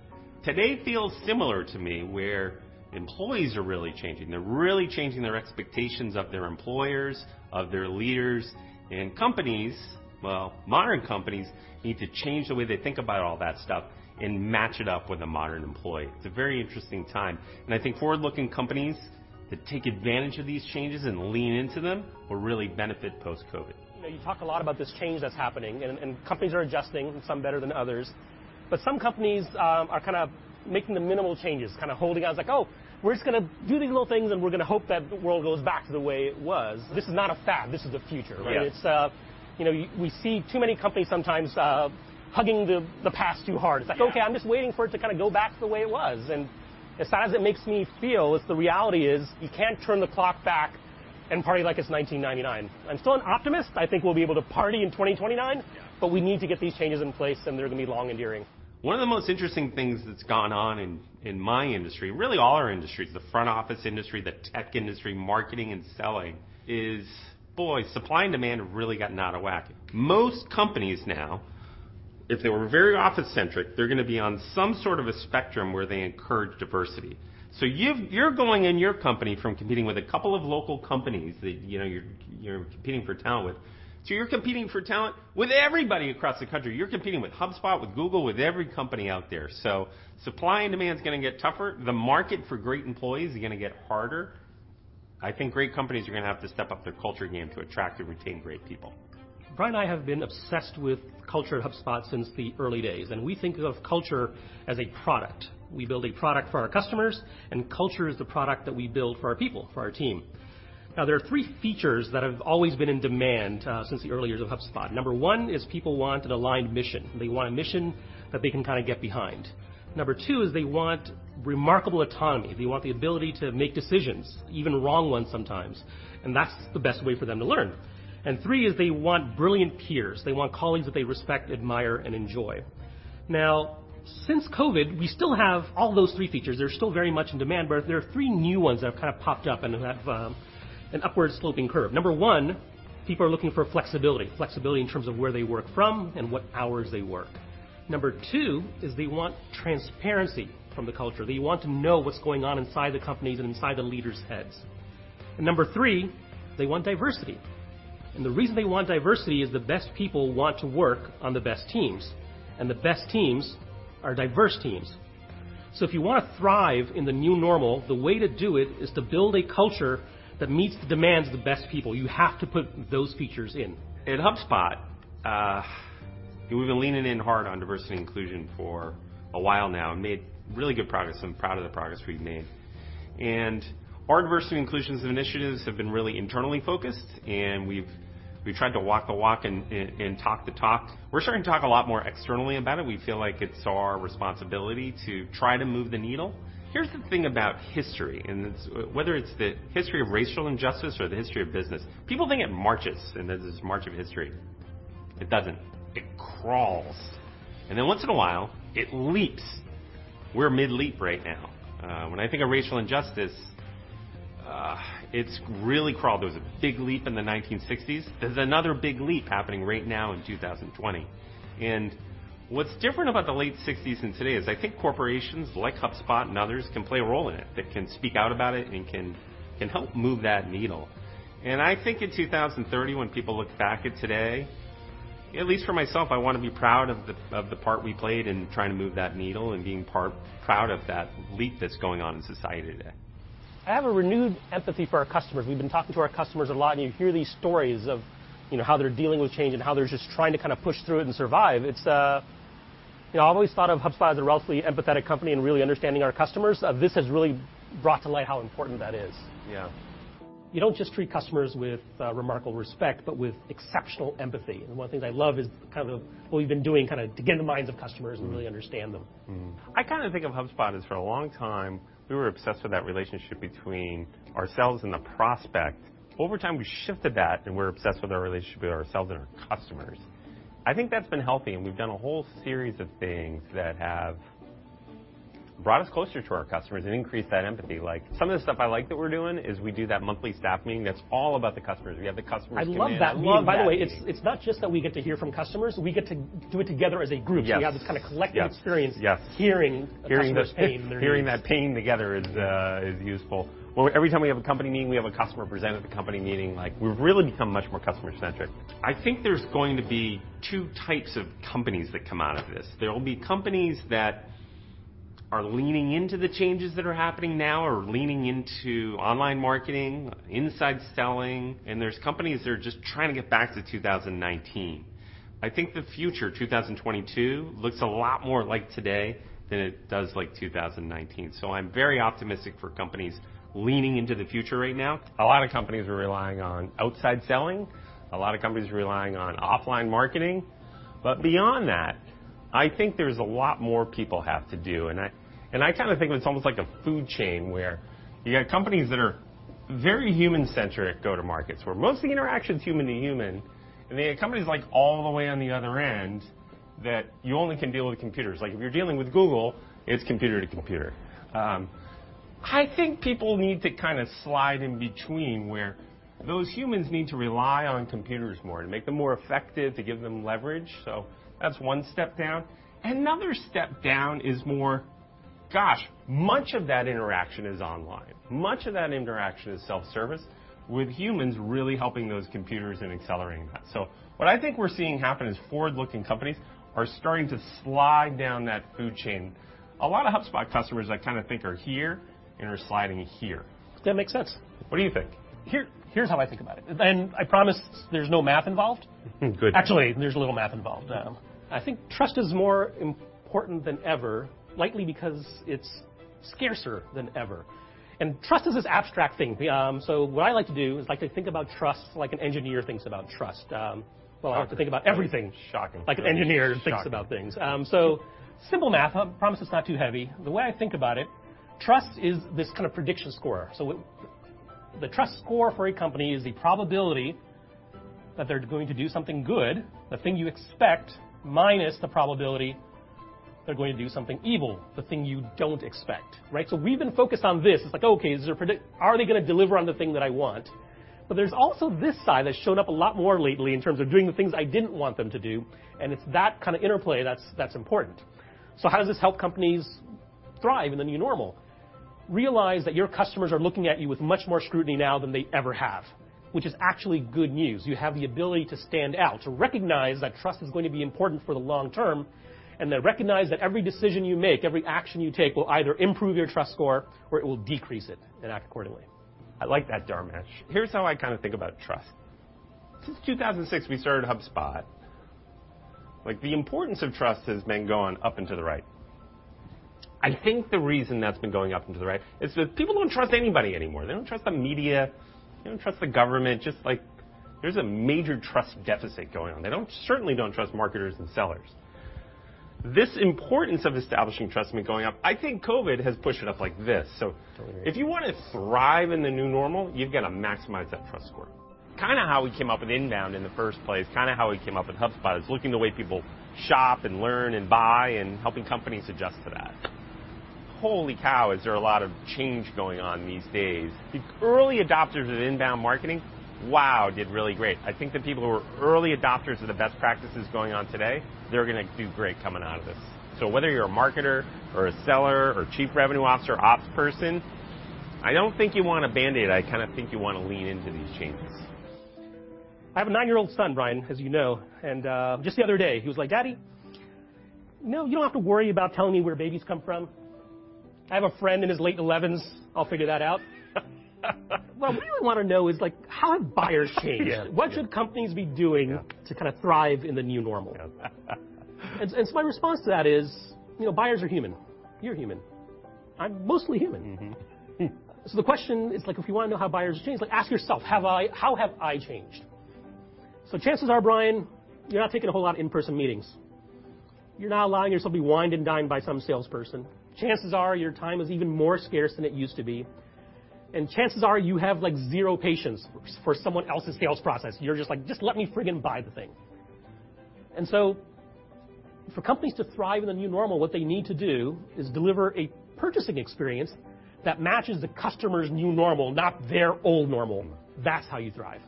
Today feels similar to me, where employees are really changing. They're really changing their expectations of their employers, of their leaders, and companies, well, modern companies need to change the way they think about all that stuff and match it up with a modern employee. It's a very interesting time. I think forward-looking companies that take advantage of these changes and lean into them will really benefit post-COVID. You talk a lot about this change that's happening, and companies are adjusting, some better than others. Some companies are making the minimal changes, holding on. It's like, oh, we're just going to do these little things, and we're going to hope that the world goes back to the way it was. This is not a fad, this is the future, right? Yeah. We see too many companies sometimes hugging the past too hard. Yeah. It's like, okay, I'm just waiting for it to go back to the way it was. As sad as it makes me feel, the reality is you can't turn the clock back and party like it's 1999. I'm still an optimist. I think we'll be able to party in 2029. Yeah. We need to get these changes in place, and they're going to be long and enduring. One of the most interesting things that's gone on in my industry, really all our industries, the front office industry, the tech industry, marketing and selling, is boy, supply and demand have really gotten out of whack. Most companies now, if they were very office-centric, they're going to be on some sort of a spectrum where they encourage diversity. You're going in your company from competing with a couple of local companies that you're competing for talent with, to you're competing for talent with everybody across the country. You're competing with HubSpot, with Google, with every company out there. Supply and demand's going to get tougher. The market for great employees is going to get harder. I think great companies are going to have to step up their culture game to attract and retain great people. Brian and I have been obsessed with culture at HubSpot since the early days, and we think of culture as a product. We build a product for our customers, and culture is the product that we build for our people, for our team. There are three features that have always been in demand since the early years of HubSpot. Number one is people want an aligned mission. They want a mission that they can get behind. Number two is they want remarkable autonomy. They want the ability to make decisions, even wrong ones sometimes, and that's the best way for them to learn. Three is they want brilliant peers. They want colleagues that they respect, admire, and enjoy. Since COVID, we still have all those three features. They're still very much in demand, but there are three new ones that have popped up and have an upward-sloping curve. Number one, people are looking for flexibility. Flexibility in terms of where they work from and what hours they work. Number two is they want transparency from the culture. They want to know what's going on inside the companies and inside the leaders' heads. Number three, they want diversity. The reason they want diversity is the best people want to work on the best teams, and the best teams are diverse teams. If you want to thrive in the new normal, the way to do it is to build a culture that meets the demands of the best people. You have to put those features in. At HubSpot, we've been leaning in hard on diversity and inclusion for a while now made really good progress, I'm proud of the progress we've made. Our diversity and inclusion initiatives have been really internally focused, and we've tried to walk the walk and talk the talk. We're starting to talk a lot more externally about it. We feel like it's our responsibility to try to move the needle. Here's the thing about history, whether it's the history of racial injustice or the history of business, people think it marches, there's this march of history. It doesn't. It crawls. Then once in a while, it leaps. We're mid-leap right now. When I think of racial injustice, it's really crawled. There was a big leap in the 1960s. There's another big leap happening right now in 2020. What's different about the late 1960s and today is I think corporations like HubSpot and others can play a role in it, that can speak out about it, and can help move that needle. I think in 2030, when people look back at today, at least for myself, I want to be proud of the part we played in trying to move that needle and being part proud of that leap that's going on in society today. I have a renewed empathy for our customers. We've been talking to our customers a lot, and you hear these stories of how they're dealing with change and how they're just trying to push through it and survive. I've always thought of HubSpot as a relatively empathetic company in really understanding our customers. This has really brought to light how important that is. Yeah. You don't just treat customers with remarkable respect, but with exceptional empathy. One of the things I love is what we've been doing to get in the minds of customers and really understand them. I think of HubSpot as for a long time, we were obsessed with that relationship between ourselves and the prospect. Over time, we shifted that, and we're obsessed with our relationship with ourselves and our customers. I think that's been healthy, and we've done a whole series of things that have brought us closer to our customers and increased that empathy. Some of the stuff I like that we're doing is we do that monthly staff meeting that's all about the customers. We have the customers come in and run that meeting. I love that meeting. By the way, it is not just that we get to hear from customers, we get to do it together as a group. Yes. You have this collective experience- Yes... hearing a customer's pain and their needs. Hearing that pain together is useful. Well, every time we have a company meeting, we have a customer present at the company meeting. We've really become much more customer-centric. I think there's going to be two types of companies that come out of this. There'll be companies that are leaning into the changes that are happening now, are leaning into online marketing, inside selling, and there's companies that are just trying to get back to 2019. I think the future, 2022, looks a lot more like today than it does like 2019. I'm very optimistic for companies leaning into the future right now. A lot of companies are relying on outside selling. A lot of companies are relying on offline marketing. Beyond that, I think there's a lot more people have to do, and I think of it's almost like a food chain where you got companies that are very human-centric go-to-markets, where most of the interaction's human to human. You got companies all the way on the other end that you only can deal with computers. If you're dealing with Google, it's computer to computer. I think people need to slide in between where those humans need to rely on computers more to make them more effective, to give them leverage. That's one step down. Another step down is more, gosh, much of that interaction is online. Much of that interaction is self-service with humans really helping those computers and accelerating that. What I think we're seeing happen is forward-looking companies are starting to slide down that food chain. A lot of HubSpot customers I think are here, and are sliding here. That makes sense. What do you think? Here's how I think about it, and I promise there's no math involved. Good. Actually, there's a little math involved. Yeah. I think trust is more important than ever, likely because it's scarcer than ever. Trust is this abstract thing. What I like to do is I like to think about trust like an engineer thinks about trust. Wow. Well, I like to think about everything shocking like an engineer thinks about things. Shocking. Simple math. I promise it's not too heavy. The way I think about it, trust is this kind of prediction score. The trust score for a company is the probability that they're going to do something good, the thing you expect, minus the probability they're going to do something evil, the thing you don't expect. Right? We've been focused on this. It's like, okay, are they going to deliver on the thing that I want? There's also this side that's shown up a lot more lately in terms of doing the things I didn't want them to do, and it's that kind of interplay that's important. How does this help companies thrive in the new normal? Realize that your customers are looking at you with much more scrutiny now than they ever have, which is actually good news. You have the ability to stand out, to recognize that trust is going to be important for the long term, and then recognize that every decision you make, every action you take, will either improve your trust score, or it will decrease it, and act accordingly. I like that, Dharmesh. Here's how I kind of think about trust. Since 2006, we started HubSpot. The importance of trust has been going up and to the right. I think the reason that's been going up and to the right is that people don't trust anybody anymore. They don't trust the media. They don't trust the government. Just like there's a major trust deficit going on. They certainly don't trust marketers and sellers. This importance of establishing trust has been going up. I think COVID has pushed it up like this. Totally. If you want to thrive in the new normal, you've got to maximize that trust score. Kind of how we came up with inbound in the first place, kind of how we came up with HubSpot, is looking at the way people shop and learn and buy, and helping companies adjust to that. Holy cow, is there a lot of change going on these days. The early adopters of inbound marketing, wow, did really great. I think the people who are early adopters of the best practices going on today, they're going to do great coming out of this. Whether you're a marketer or a seller or chief revenue officer, ops person, I don't think you want a band-aid. I kind of think you want to lean into these changes. I have a nine-year-old son, Brian, as you know, and just the other day, he was like, daddy, no, you don't have to worry about telling me where babies come from. I have a friend in his late elevens. I'll figure that out. What we really want to know is how have buyers changed? Yeah. What should companies be doing to kind of thrive in the new normal? Yeah. My response to that is buyers are human. You're human. I'm mostly human. The question is, if you want to know how buyers have changed, ask yourself, how have I changed? Chances are, Brian, you're not taking a whole lot of in-person meetings. You're not allowing yourself to be wined and dined by some salesperson. Chances are your time is even more scarce than it used to be, and chances are you have zero patience for someone else's sales process. You're just like, Just let me frigging buy the thing. For companies to thrive in the new normal, what they need to do is deliver a purchasing experience that matches the customer's new normal, not their old normal. That's how you thrive.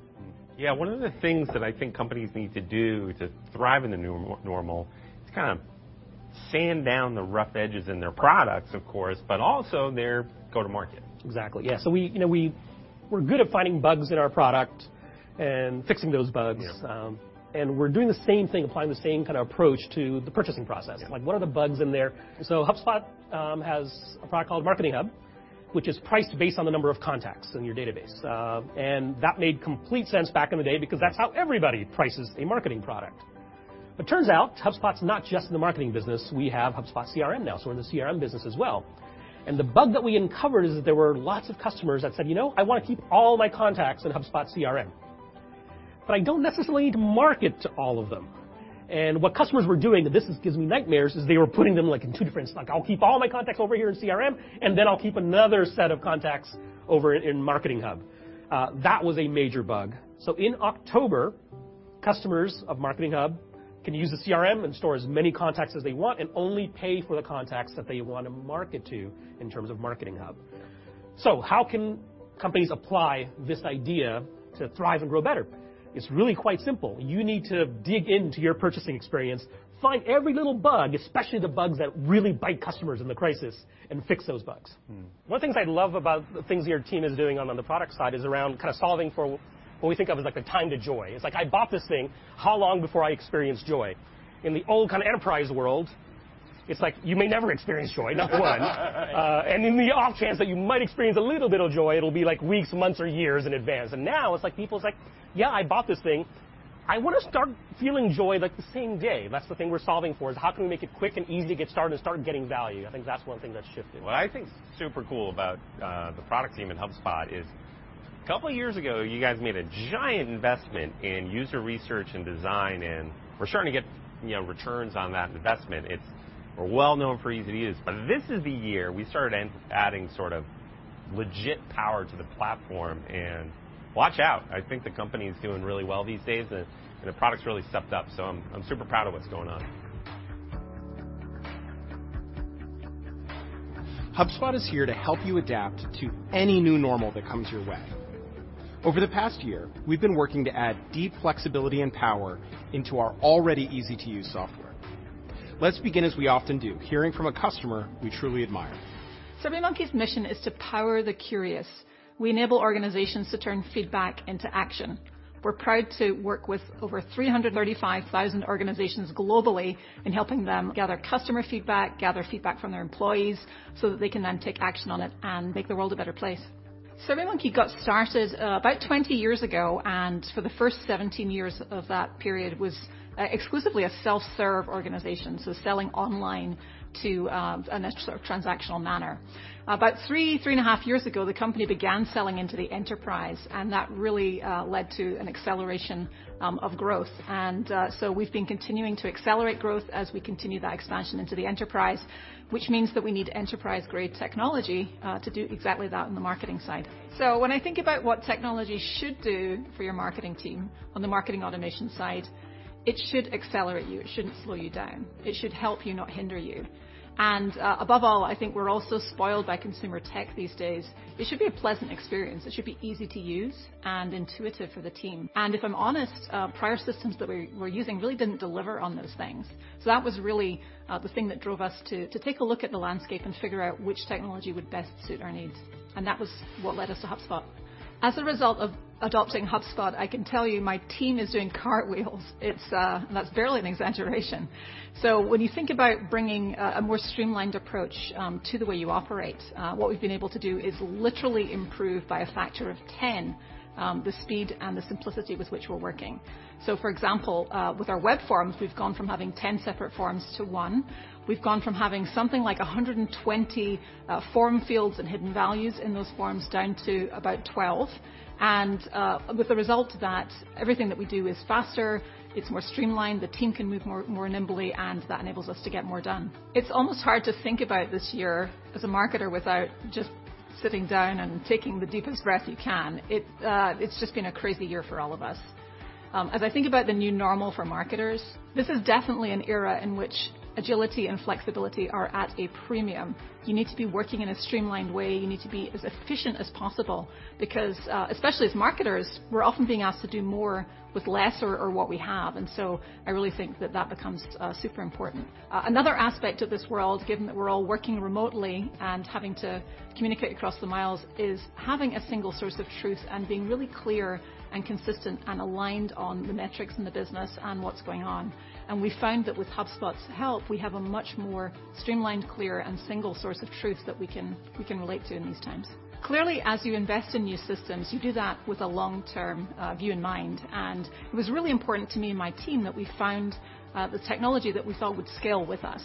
Yeah. One of the things that I think companies need to do to thrive in the new normal is to kind of sand down the rough edges in their products, of course, but also their go to market. Exactly. Yeah. We're good at finding bugs in our product and fixing those bugs. Yeah. We're doing the same thing, applying the same kind of approach to the purchasing process. Yeah. What are the bugs in there? HubSpot has a product called Marketing Hub, which is priced based on the number of contacts in your database. That made complete sense back in the day because that's how everybody prices a marketing product. It turns out HubSpot's not just in the marketing business. We have HubSpot CRM now, so we're in the CRM business as well. The bug that we uncovered is that there were lots of customers that said, you know, I want to keep all my contacts in HubSpot CRM, but I don't necessarily need to market to all of them. What customers were doing, and this gives me nightmares, is they were putting them in two different spots. I'll keep all my contacts over here in CRM, and then I'll keep another set of contacts over in Marketing Hub. That was a major bug. In October, customers of Marketing Hub can use the CRM and store as many contacts as they want and only pay for the contacts that they want to market to in terms of Marketing Hub. Yeah. How can companies apply this idea to thrive and grow better? It's really quite simple. You need to dig into your purchasing experience, find every little bug, especially the bugs that really bite customers in the crisis, and fix those bugs. One of the things I love about the things your team is doing on the product side is around kind of solving for what we think of as like the time to joy. It's like, I bought this thing, how long before I experience joy? In the old kind of enterprise world, it's like you may never experience joy, number one. In the off chance that you might experience a little bit of joy, it'll be like weeks, months, or years in advance. Now it's like people's like, yeah, I bought this thing. I want to start feeling joy the same day. That's the thing we're solving for, is how can we make it quick and easy to get started and start getting value? I think that's one thing that's shifted. What I think is super cool about the product team at HubSpot is a couple of years ago, you guys made a giant investment in user research and design. We're starting to get returns on that investment. We're well known for ease of use. This is the year we started adding sort of legit power to the platform. Watch out. I think the company's doing really well these days. The product's really stepped up. I'm super proud of what's going on. HubSpot is here to help you adapt to any new normal that comes your way. Over the past year, we've been working to add deep flexibility and power into our already easy to use software. Let's begin as we often do, hearing from a customer we truly admire. SurveyMonkey's mission is to power the curious. We enable organizations to turn feedback into action. We're proud to work with over 335,000 organizations globally in helping them gather customer feedback, gather feedback from their employees, so that they can then take action on it and make the world a better place. SurveyMonkey got started about 20 years ago. For the first 17 years of that period was exclusively a self-serve organization, so selling online in a transactional manner. About three and a half years ago, the company began selling into the enterprise. That really led to an acceleration of growth. We've been continuing to accelerate growth as we continue that expansion into the enterprise, which means that we need enterprise-grade technology to do exactly that on the marketing side. When I think about what technology should do for your marketing team on the marketing automation side, it should accelerate you. It shouldn't slow you down. It should help you, not hinder you. Above all, I think we're all so spoiled by consumer tech these days, it should be a pleasant experience. It should be easy to use and intuitive for the team. If I'm honest, prior systems that we were using really didn't deliver on those things. That was really the thing that drove us to take a look at the landscape and figure out which technology would best suit our needs. That was what led us to HubSpot. As a result of adopting HubSpot, I can tell you my team is doing cartwheels, and that's barely an exaggeration. When you think about bringing a more streamlined approach to the way you operate, what we've been able to do is literally improve by a factor of 10 the speed and the simplicity with which we're working. For example, with our web forms, we've gone from having 10 separate forms to one. We've gone from having something like 120 form fields and hidden values in those forms down to about 12. With the result of that, everything that we do is faster, it's more streamlined, the team can move more nimbly, and that enables us to get more done. It's almost hard to think about this year as a marketer without just sitting down and taking the deepest breath you can. It's just been a crazy year for all of us. As I think about the new normal for marketers, this is definitely an era in which agility and flexibility are at a premium. You need to be working in a streamlined way. You need to be as efficient as possible because, especially as marketers, we're often being asked to do more with less or what we have. I really think that that becomes super important. Another aspect of this world, given that we're all working remotely and having to communicate across the miles, is having a single source of truth and being really clear and consistent and aligned on the metrics in the business and what's going on. We found that with HubSpot's help, we have a much more streamlined, clear, and single source of truth that we can relate to in these times. Clearly, as you invest in new systems, you do that with a long-term view in mind. It was really important to me and my team that we found the technology that we felt would scale with us.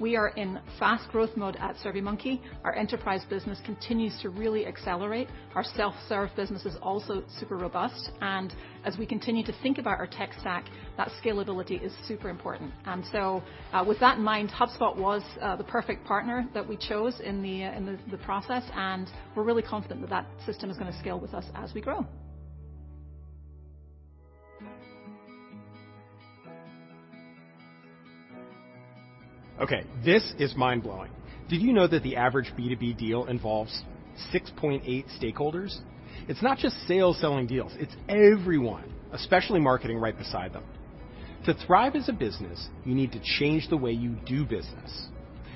We are in fast growth mode at SurveyMonkey. Our enterprise business continues to really accelerate. Our self-serve business is also super robust. As we continue to think about our tech stack, that scalability is super important. With that in mind, HubSpot was the perfect partner that we chose in the process, and we're really confident that that system is going to scale with us as we grow. Okay, this is mind-blowing. Did you know that the average B2B deal involves 6.8 stakeholders? It's not just sales selling deals, it's everyone, especially marketing right beside them. To thrive as a business, you need to change the way you do business,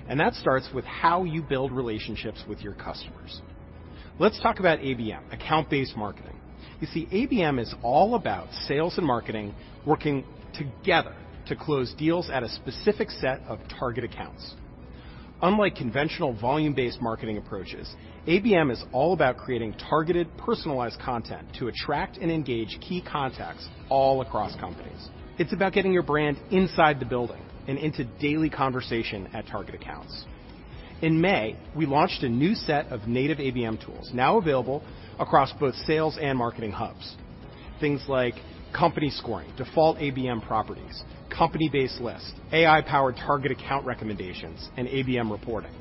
and that starts with how you build relationships with your customers. Let's talk about ABM, account-based marketing. You see, ABM is all about sales and marketing working together to close deals at a specific set of target accounts. Unlike conventional volume-based marketing approaches, ABM is all about creating targeted, personalized content to attract and engage key contacts all across companies. It's about getting your brand inside the building and into daily conversation at target accounts. In May, we launched a new set of native ABM tools, now available across both Sales Hub and Marketing Hub. Things like company scoring, default ABM properties, company-based lists, AI-powered target account recommendations, and ABM reporting.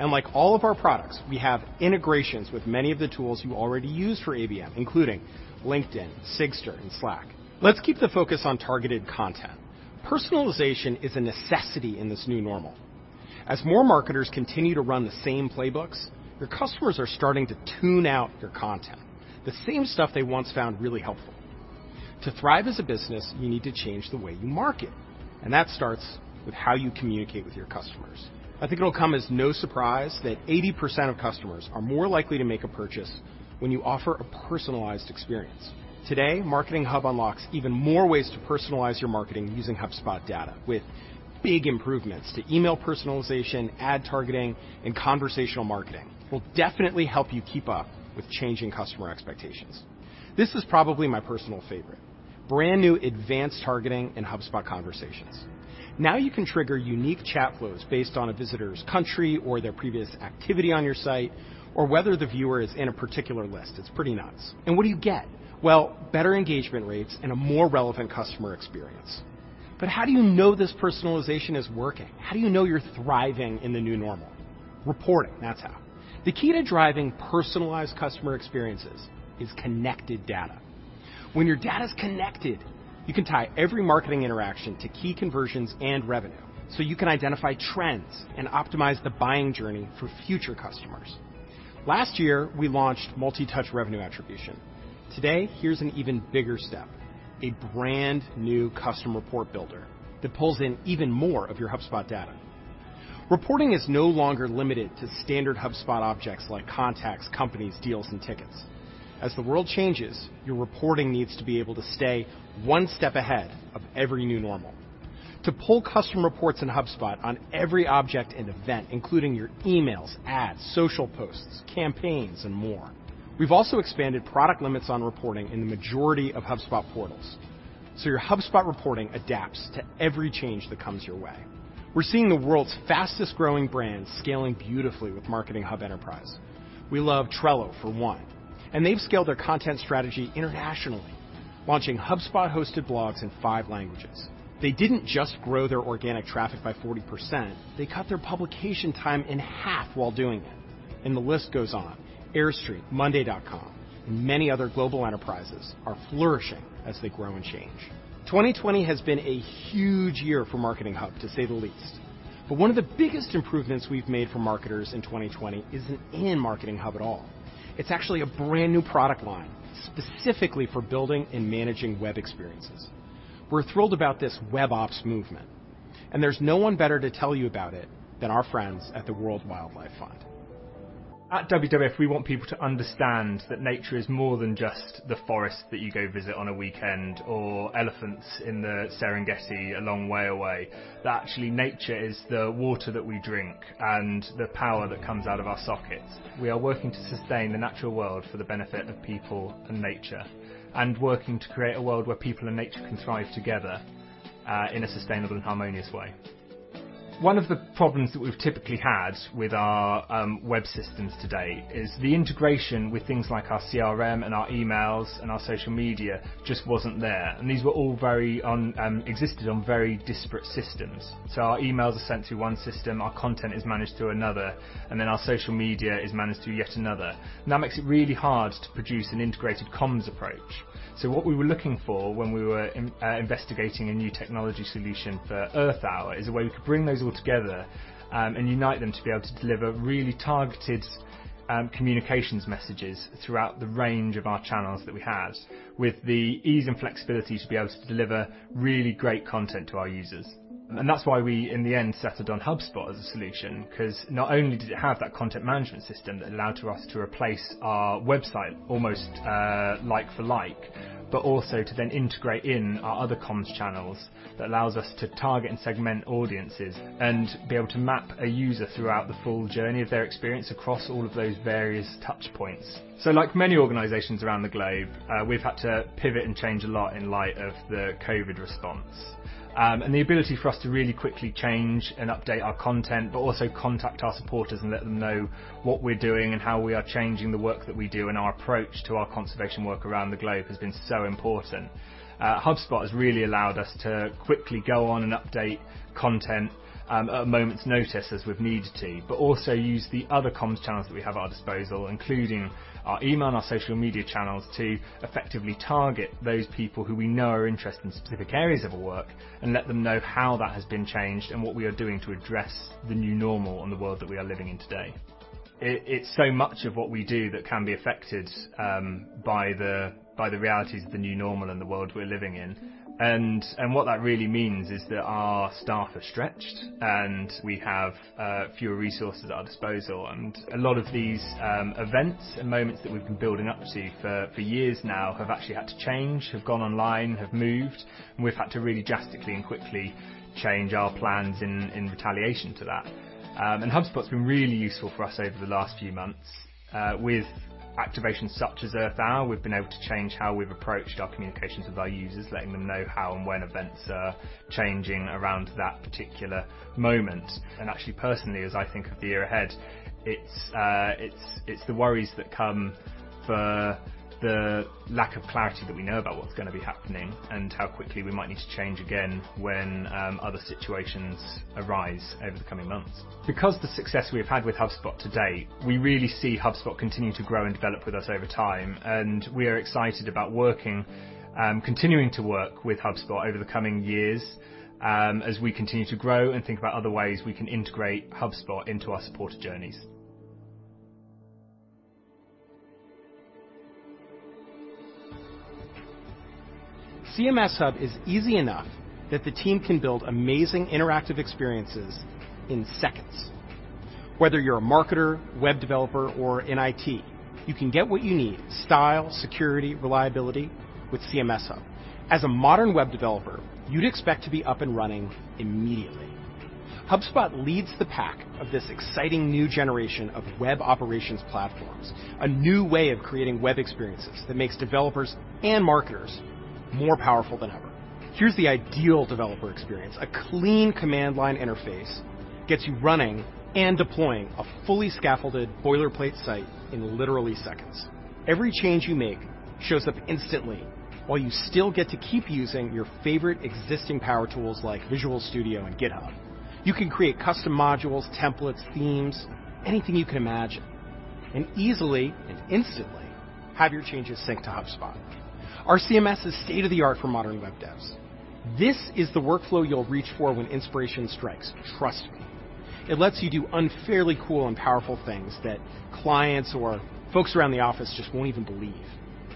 Like all of our products, we have integrations with many of the tools you already use for ABM, including LinkedIn, Sigstr, and Slack. Let's keep the focus on targeted content. Personalization is a necessity in this new normal. As more marketers continue to run the same playbooks, your customers are starting to tune out your content, the same stuff they once found really helpful. To thrive as a business, you need to change the way you market, and that starts with how you communicate with your customers. I think it'll come as no surprise that 80% of customers are more likely to make a purchase when you offer a personalized experience. Today, Marketing Hub unlocks even more ways to personalize your marketing using HubSpot data with big improvements to email personalization, ad targeting, and conversational marketing. We'll definitely help you keep up with changing customer expectations. This is probably my personal favorite, brand-new advanced targeting in HubSpot Conversations. Now you can trigger unique chat flows based on a visitor's country or their previous activity on your site, or whether the viewer is in a particular list. It's pretty nuts. What do you get? Well, better engagement rates and a more relevant customer experience. How do you know this personalization is working? How do you know you're thriving in the new normal? Reporting, that's how. The key to driving personalized customer experiences is connected data. When your data's connected, you can tie every marketing interaction to key conversions and revenue, so you can identify trends and optimize the buying journey for future customers. Last year, we launched multi-touch revenue attribution. Today, here's an even bigger step, a brand-new custom report builder that pulls in even more of your HubSpot data. Reporting is no longer limited to standard HubSpot objects like contacts, companies, deals, and tickets. As the world changes, your reporting needs to be able to stay one step ahead of every new normal. To pull custom reports in HubSpot on every object and event, including your emails, ads, social posts, campaigns, and more. We've also expanded product limits on reporting in the majority of HubSpot portals, so your HubSpot reporting adapts to every change that comes your way. We're seeing the world's fastest-growing brands scaling beautifully with Marketing Hub Enterprise. We love Trello, for one, and they've scaled their content strategy internationally, launching HubSpot-hosted blogs in five languages. They didn't just grow their organic traffic by 40%, they cut their publication time in half while doing it and the list goes on. Airstream, monday.com, and many other global enterprises are flourishing as they grow and change. 2020 has been a huge year for Marketing Hub, to say the least. One of the biggest improvements we've made for marketers in 2020 isn't in Marketing Hub at all. It's actually a brand-new product line specifically for building and managing WebOps experiences. We're thrilled about this WebOps movement, and there's no one better to tell you about it than our friends at the World Wildlife Fund. At WWF, we want people to understand that nature is more than just the forest that you go visit on a weekend or elephants in the Serengeti a long way away. That actually nature is the water that we drink and the power that comes out of our sockets. We are working to sustain the natural world for the benefit of people and nature, working to create a world where people and nature can thrive together in a sustainable and harmonious way. One of the problems that we've typically had with our web systems today is the integration with things like our CRM and our emails and our social media just wasn't there. These existed on very disparate systems. Our emails are sent through one system, our content is managed through another, and then our social media is managed through yet another. That makes it really hard to produce an integrated comms approach. What we were looking for when we were investigating a new technology solution for Earth Hour is a way we could bring those all together and unite them to be able to deliver really targeted communications messages throughout the range of our channels that we have, with the ease and flexibility to be able to deliver really great content to our users. That's why we, in the end, settled on HubSpot as a solution, because not only did it have that content management system that allowed to us to replace our website almost like-for-like, but also to then integrate in our other comms channels that allows us to target and segment audiences and be able to map a user throughout the full journey of their experience across all of those various touch points. Like many organizations around the globe, we've had to pivot and change a lot in light of the COVID response. The ability for us to really quickly change and update our content, but also contact our supporters and let them know what we're doing and how we are changing the work that we do and our approach to our conservation work around the globe has been so important. HubSpot has really allowed us to quickly go on and update content at a moment's notice as we've needed to, but also use the other comms channels that we have at our disposal, including our email and our social media channels, to effectively target those people who we know are interested in specific areas of our work and let them know how that has been changed and what we are doing to address the new normal and the world that we are living in today. It's so much of what we do that can be affected by the realities of the new normal and the world we're living in. What that really means is that our staff are stretched, and we have fewer resources at our disposal. A lot of these events and moments that we've been building up to for years now have actually had to change, have gone online, have moved, and we've had to really drastically and quickly change our plans in retaliation to that. HubSpot's been really useful for us over the last few months. With activations such as Earth Hour, we've been able to change how we've approached our communications with our users, letting them know how and when events are changing around that particular moment. Actually, personally, as I think of the year ahead, it's the worries that come for the lack of clarity that we know about what's going to be happening and how quickly we might need to change again when other situations arise over the coming months. Because the success we've had with HubSpot to-date, we really see HubSpot continuing to grow and develop with us over time, and we are excited about continuing to work with HubSpot over the coming years, as we continue to grow and think about other ways we can integrate HubSpot into our supporter journeys. CMS Hub is easy enough that the team can build amazing interactive experiences in seconds. Whether you're a marketer, web developer, or in IT, you can get what you need, style, security, reliability, with CMS Hub. As a modern web developer, you'd expect to be up and running immediately. HubSpot leads the pack of this exciting new generation of web operations platforms. A new way of creating web experiences that makes developers and marketers more powerful than ever. Here's the ideal developer experience. A clean command line interface gets you running and deploying a fully scaffolded boilerplate site in literally seconds. Every change you make shows up instantly while you still get to keep using your favorite existing power tools like Visual Studio and GitHub. You can create custom modules, templates, themes, anything you can imagine, and easily and instantly have your changes sync to HubSpot. Our CMS is state-of-the-art for modern web devs. This is the workflow you will reach for when inspiration strikes. Trust me. It lets you do unfairly cool and powerful things that clients or folks around the office just won't even believe.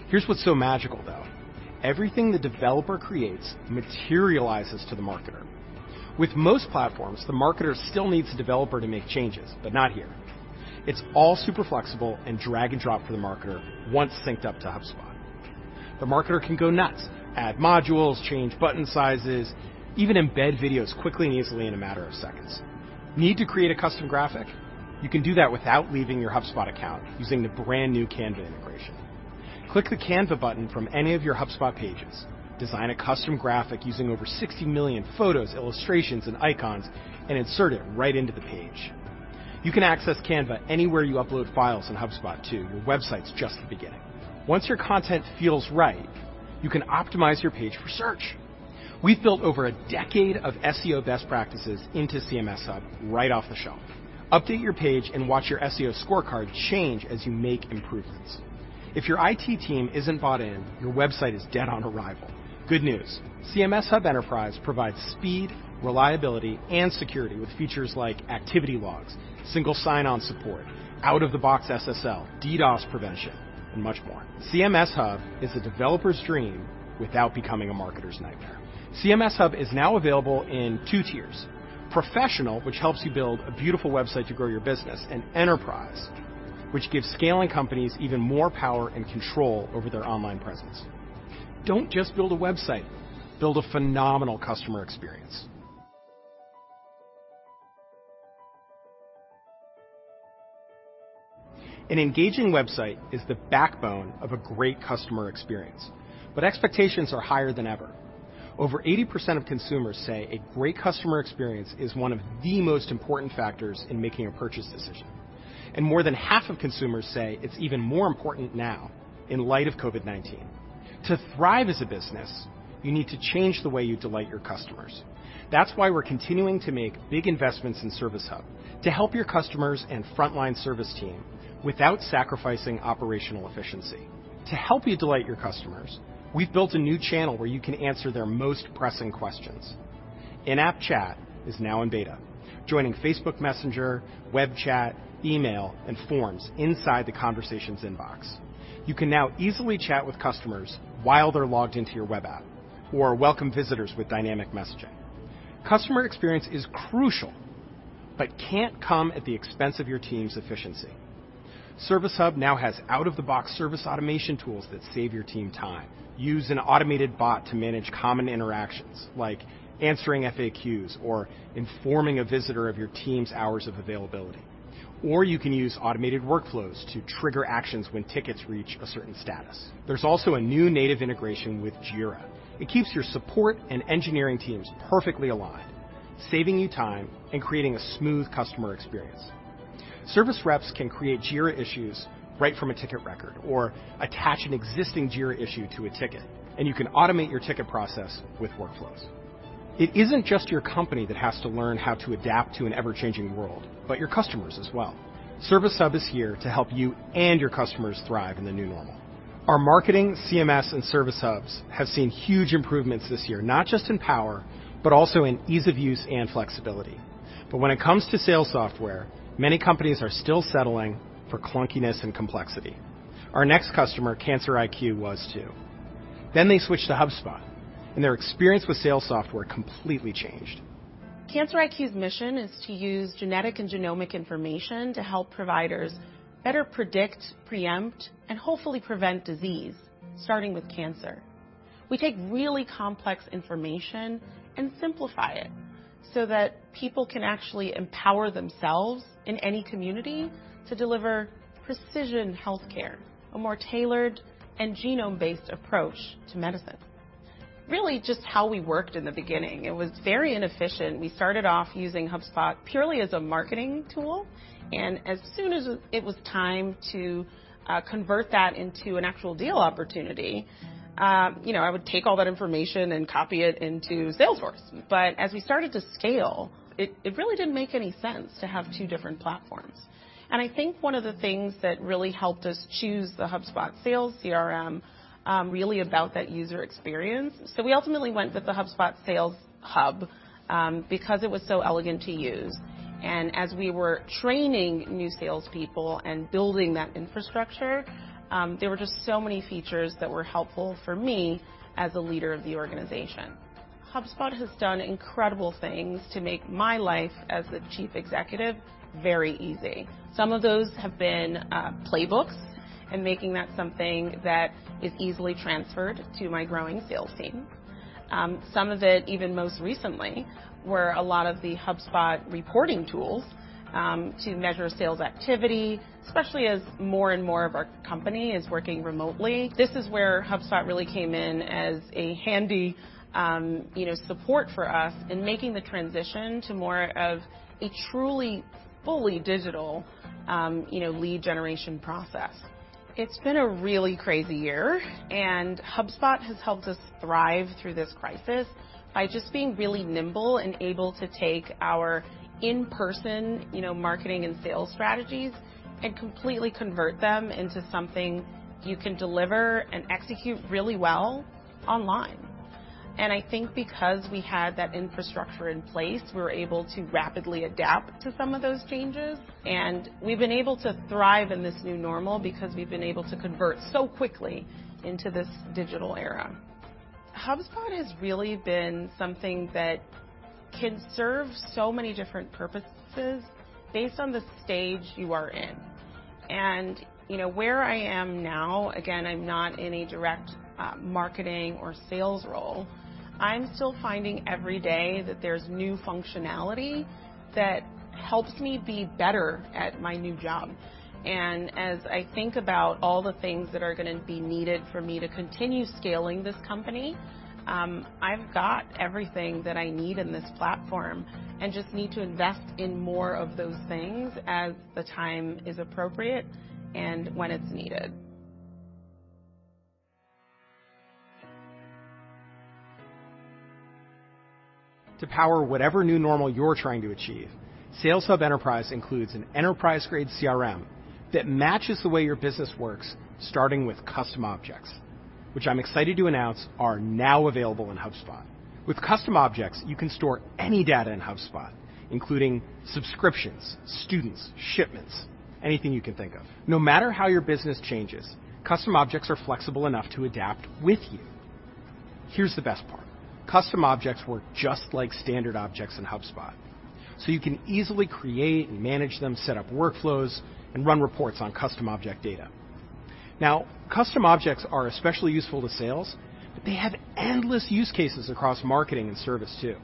Here's what's so magical, though. Everything the developer creates materializes to the marketer. With most platforms, the marketer still needs a developer to make changes. Not here. It's all super flexible and drag and drop for the marketer once synced up to HubSpot. The marketer can go nuts, add modules, change button sizes, even embed videos quickly and easily in a matter of seconds. Need to create a custom graphic? You can do that without leaving your HubSpot account using the brand-new Canva integration. Click the Canva button from any of your HubSpot pages. Design a custom graphic using over 60 million photos, illustrations, and icons, insert it right into the page. You can access Canva anywhere you upload files in HubSpot, too. Your website's just the beginning. Once your content feels right, you can optimize your page for search. We've built over a decade of SEO best practices into CMS Hub right off the shelf. Update your page, watch your SEO scorecard change as you make improvements. If your IT team isn't bought in, your website is dead on arrival. Good news. CMS Hub Enterprise provides speed, reliability, and security with features like activity logs, single sign-on support, out-of-the-box SSL, DDoS prevention, and much more. CMS Hub is a developer's dream without becoming a marketer's nightmare. CMS Hub is now available in two tiers, Professional, which helps you build a beautiful website to grow your business, and Enterprise, which gives scaling companies even more power and control over their online presence. Don't just build a website, build a phenomenal customer experience. An engaging website is the backbone of a great customer experience, but expectations are higher than ever. Over 80% of consumers say a great customer experience is one of the most important factors in making a purchase decision, and more than half of consumers say it's even more important now in light of COVID-19. To thrive as a business, you need to change the way you delight your customers. That's why we're continuing to make big investments in Service Hub to help your customers and frontline service team without sacrificing operational efficiency. To help you delight your customers, we've built a new channel where you can answer their most pressing questions. In-app chat is now in beta, joining Facebook Messenger, web chat, email, and forms inside the Conversations Inbox. You can now easily chat with customers while they're logged into your web app or welcome visitors with dynamic messaging. Customer experience is crucial but can't come at the expense of your team's efficiency. Service Hub now has out-of-the-box service automation tools that save your team time. Use an automated bot to manage common interactions like answering FAQs or informing a visitor of your team's hours of availability. You can use automated workflows to trigger actions when tickets reach a certain status. There's also a new native integration with Jira. It keeps your support and engineering teams perfectly aligned, saving you time and creating a smooth customer experience. Service reps can create Jira issues right from a ticket record or attach an existing Jira issue to a ticket, and you can automate your ticket process with workflows. It isn't just your company that has to learn how to adapt to an ever-changing world, but your customers as well. Service Hub is here to help you and your customers thrive in the new normal. Our Marketing, CMS, and Service Hubs have seen huge improvements this year, not just in power, but also in ease of use and flexibility. When it comes to sales software, many companies are still settling for clunkiness and complexity. Our next customer, CancerIQ, was, too. They switched to HubSpot, and their experience with sales software completely changed. CancerIQ's mission is to use genetic and genomic information to help providers better predict, preempt, and hopefully prevent disease, starting with cancer. We take really complex information and simplify it so that people can actually empower themselves in any community to deliver precision healthcare, a more tailored and genome-based approach to medicine. Really just how we worked in the beginning, it was very inefficient. We started off using HubSpot purely as a marketing tool, and as soon as it was time to convert that into an actual deal opportunity, I would take all that information and copy it into Salesforce. As we started to scale, it really didn't make any sense to have two different platforms. I think one of the things that really helped us choose the HubSpot Sales CRM, really about that user experience. We ultimately went with the HubSpot Sales Hub because it was so elegant to use. As we were training new salespeople and building that infrastructure, there were just so many features that were helpful for me as a leader of the organization. HubSpot has done incredible things to make my life as the chief executive very easy. Some of those have been Playbooks and making that something that is easily transferred to my growing sales team. Some of it, even most recently, were a lot of the HubSpot reporting tools to measure sales activity, especially as more and more of our company is working remotely. This is where HubSpot really came in as a handy support for us in making the transition to more of a truly, fully digital lead generation process. It's been a really crazy year. HubSpot has helped us thrive through this crisis by just being really nimble and able to take our in-person marketing and sales strategies and completely convert them into something you can deliver and execute really well online. I think because we had that infrastructure in place, we were able to rapidly adapt to some of those changes, and we've been able to thrive in this new normal because we've been able to convert so quickly into this digital era. HubSpot has really been something that can serve so many different purposes based on the stage you are in. Where I am now, again, I'm not in a direct marketing or sales role. I'm still finding every day that there's new functionality that helps me be better at my new job. As I think about all the things that are going to be needed for me to continue scaling this company, I've got everything that I need in this platform and just need to invest in more of those things as the time is appropriate and when it's needed. To power whatever new normal you're trying to achieve, Sales Hub Enterprise includes an enterprise-grade CRM that matches the way your business works, starting with custom objects, which I'm excited to announce are now available in HubSpot. With custom objects, you can store any data in HubSpot, including subscriptions, students, shipments, anything you can think of. No matter how your business changes, custom objects are flexible enough to adapt with you. Here's the best part. Custom objects work just like standard objects in HubSpot, so you can easily create and manage them, set up workflows, and run reports on custom object data. Now, custom objects are especially useful to sales, but they have endless use cases across marketing and service too.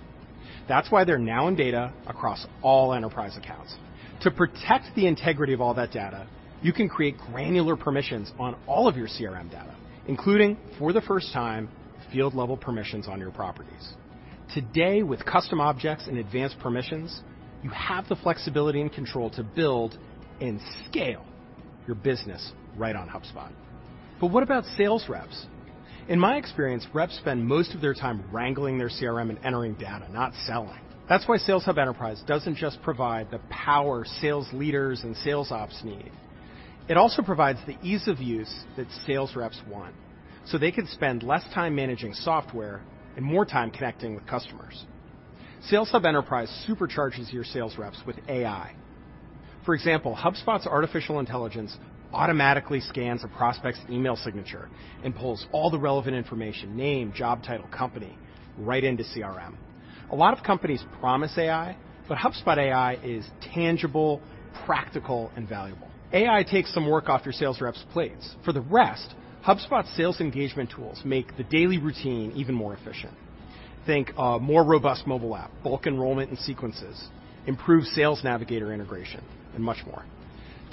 That's why they're now in data across all enterprise accounts. To protect the integrity of all that data, you can create granular permissions on all of your CRM data, including, for the first time, field-level permissions on your properties. Today, with custom objects and advanced permissions, you have the flexibility and control to build and scale your business right on HubSpot. What about sales reps? In my experience, reps spend most of their time wrangling their CRM and entering data, not selling. That's why Sales Hub Enterprise doesn't just provide the power sales leaders and sales ops need. It also provides the ease of use that sales reps want, so they can spend less time managing software and more time connecting with customers. Sales Hub Enterprise supercharges your sales reps with AI. For example, HubSpot's artificial intelligence automatically scans a prospect's email signature and pulls all the relevant information, name, job title, company, right into CRM. A lot of companies promise AI, but HubSpot AI is tangible, practical, and valuable. AI takes some work off your sales reps' plates. For the rest, HubSpot sales engagement tools make the daily routine even more efficient. Think a more robust mobile app, bulk enrollment and sequences, improved Sales Navigator integration, and much more.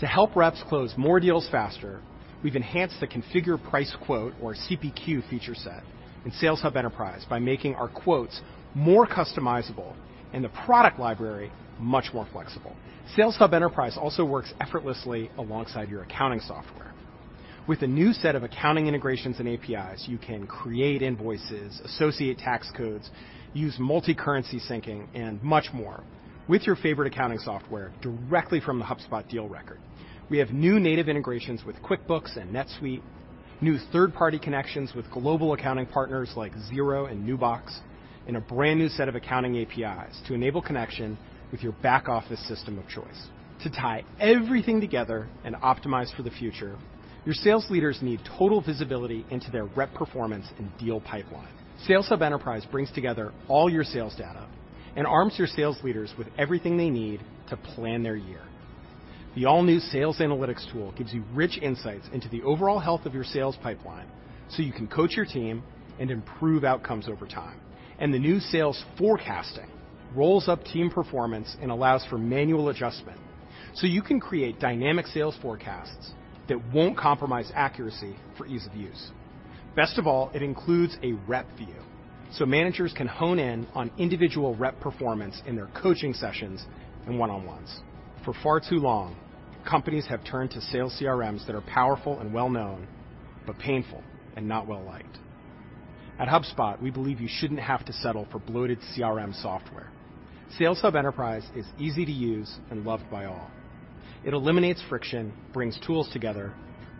To help reps close more deals faster, we've enhanced the configure price quote, or CPQ feature set in Sales Hub Enterprise by making our quotes more customizable and the product library much more flexible. Sales Hub Enterprise also works effortlessly alongside your accounting software. With a new set of accounting integrations and APIs, you can create invoices, associate tax codes, use multi-currency syncing, and much more with your favorite accounting software directly from the HubSpot deal record. We have new native integrations with QuickBooks and NetSuite, new third-party connections with global accounting partners like Xero and Nubox, and a brand new set of accounting APIs to enable connection with your back office system of choice. To tie everything together and optimize for the future, your sales leaders need total visibility into their rep performance and deal pipeline. Sales Hub Enterprise brings together all your sales data and arms your sales leaders with everything they need to plan their year. The all-new sales analytics tool gives you rich insights into the overall health of your sales pipeline so you can coach your team and improve outcomes over time. The new sales forecasting rolls up team performance and allows for manual adjustment so you can create dynamic sales forecasts that won't compromise accuracy for ease of use. Best of all, it includes a rep view, so managers can hone in on individual rep performance in their coaching sessions and one-on-ones. For far too long, companies have turned to sales CRMs that are powerful and well-known but painful and not well-liked. At HubSpot, we believe you shouldn't have to settle for bloated CRM software. Sales Hub Enterprise is easy to use and loved by all. It eliminates friction, brings tools together,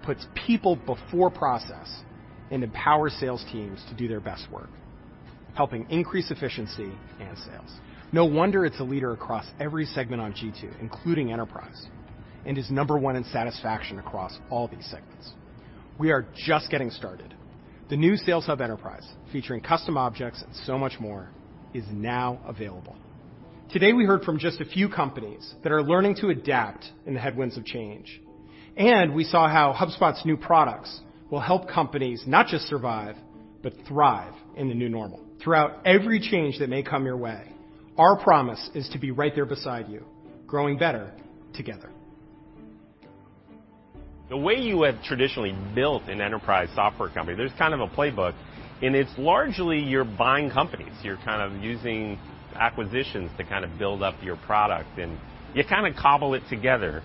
puts people before process, and empowers sales teams to do their best work, helping increase efficiency and sales. No wonder it's a leader across every segment on G2, including enterprise, and is number one in satisfaction across all these segments. We are just getting started. The new Sales Hub Enterprise, featuring custom objects and so much more, is now available. Today, we heard from just a few companies that are learning to adapt in the headwinds of change, and we saw how HubSpot's new products will help companies not just survive but thrive in the new normal. Throughout every change that may come your way, our promise is to be right there beside you, growing better together. The way you have traditionally built an enterprise software company, there's kind of a playbook, it's largely you're buying companies. You're kind of using acquisitions to build up your product, you kind of cobble it together.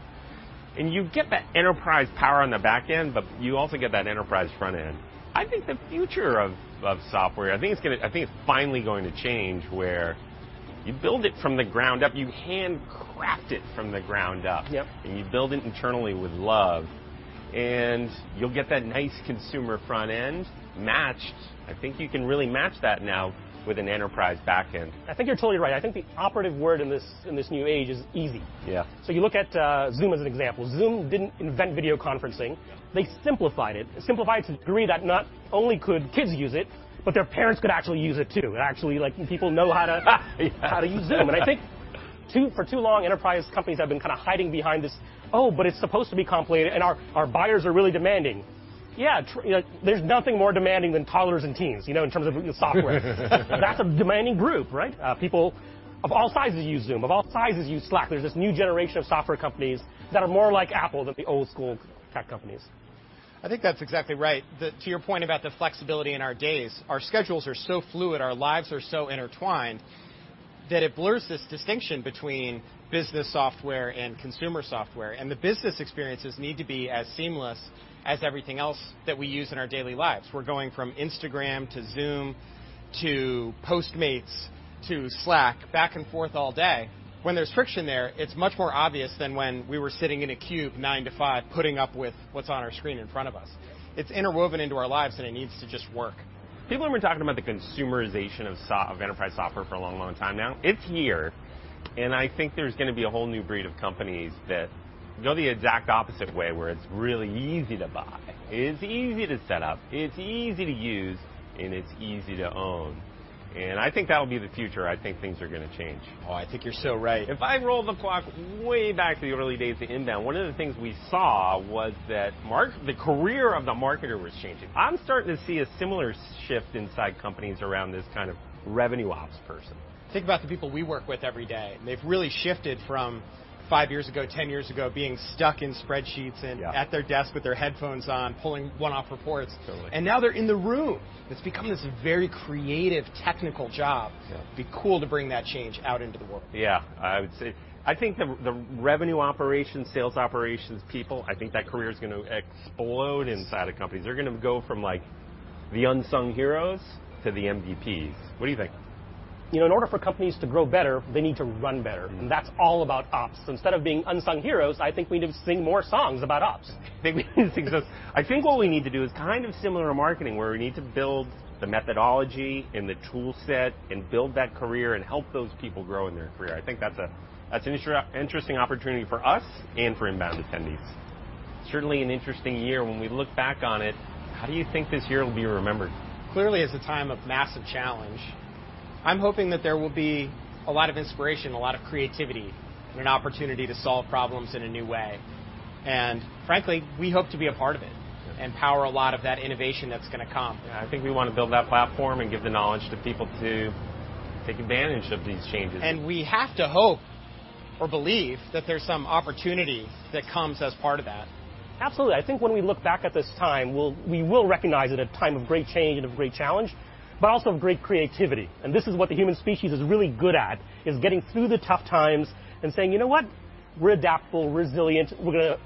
You get that enterprise power on the back end, you also get that enterprise front end. I think the future of software, I think it's finally going to change, where you build it from the ground up, you handcraft it from the ground up. Yep. You build it internally with love. You'll get that nice consumer front end matched. I think you can really match that now with an enterprise back end. I think you're totally right. I think the operative word in this new age is easy. Yeah. You look at Zoom as an example. Zoom didn't invent video conferencing. Yeah. They simplified it. Simplified it to a degree that not only could kids use it, but their parents could actually use it, too, actually like people know how to use Zoom. I think for too long, enterprise companies have been kind of hiding behind this, oh, but it's supposed to be complicated, and our buyers are really demanding. Yeah, there's nothing more demanding than toddlers and teens, in terms of software. That's a demanding group, right? People of all sizes use Zoom. Of all sizes use Slack. There's this new generation of software companies that are more like Apple than the old school tech companies. I think that's exactly right. To your point about the flexibility in our days, our schedules are so fluid, our lives are so intertwined, that it blurs this distinction between business software and consumer software, and the business experiences need to be as seamless as everything else that we use in our daily lives. We're going from Instagram to Zoom, to Postmates, to Slack, back and forth all day. When there's friction there, it's much more obvious than when we were sitting in a cube nine to five, putting up with what's on our screen in front of us. It's interwoven into our lives, and it needs to just work. People have been talking about the consumerization of enterprise software for a long, long time now. It's here, and I think there's going to be a whole new breed of companies that go the exact opposite way, where it's really easy to buy, it's easy to set up, it's easy to use, and it's easy to own. I think that will be the future. I think things are going to change. Oh, I think you're so right. If I roll the clock way back to the early days of INBOUND, one of the things we saw was that the career of the marketer was changing. I'm starting to see a similar shift inside companies around this kind of revenue ops person. Think about the people we work with every day, and they've really shifted from five years ago, 10 years ago, being stuck in spreadsheets- Yeah... at their desk with their headphones on, pulling one-off reports. Totally. Now they're in the room. It's become this very creative, technical job. Yeah. Be cool to bring that change out into the world. Yeah. I would say, I think the revenue operations, sales operations people, I think that career is going to explode inside of companies. They're going to go from the unsung heroes to the MVPs. What do you think? In order for companies to grow better, they need to run better. That's all about ops. Instead of being unsung heroes, I think we need to sing more songs about ops. I think what we need to do is kind of similar to marketing, where we need to build the methodology and the tool set, and build that career, and help those people grow in their career. I think that's an interesting opportunity for us and for INBOUND attendees. Certainly an interesting year when we look back on it. How do you think this year will be remembered? Clearly it's a time of massive challenge. I'm hoping that there will be a lot of inspiration, a lot of creativity, and an opportunity to solve problems in a new way. Frankly, we hope to be a part of it and power a lot of that innovation that's going to come. Yeah, I think we want to build that platform and give the knowledge to people to take advantage of these changes. We have to hope or believe that there's some opportunity that comes as part of that. Absolutely. I think when we look back at this time, we will recognize it a time of great change and of great challenge, but also of great creativity. This is what the human species is really good at, is getting through the tough times and saying, you know what? We're adaptable, we're resilient.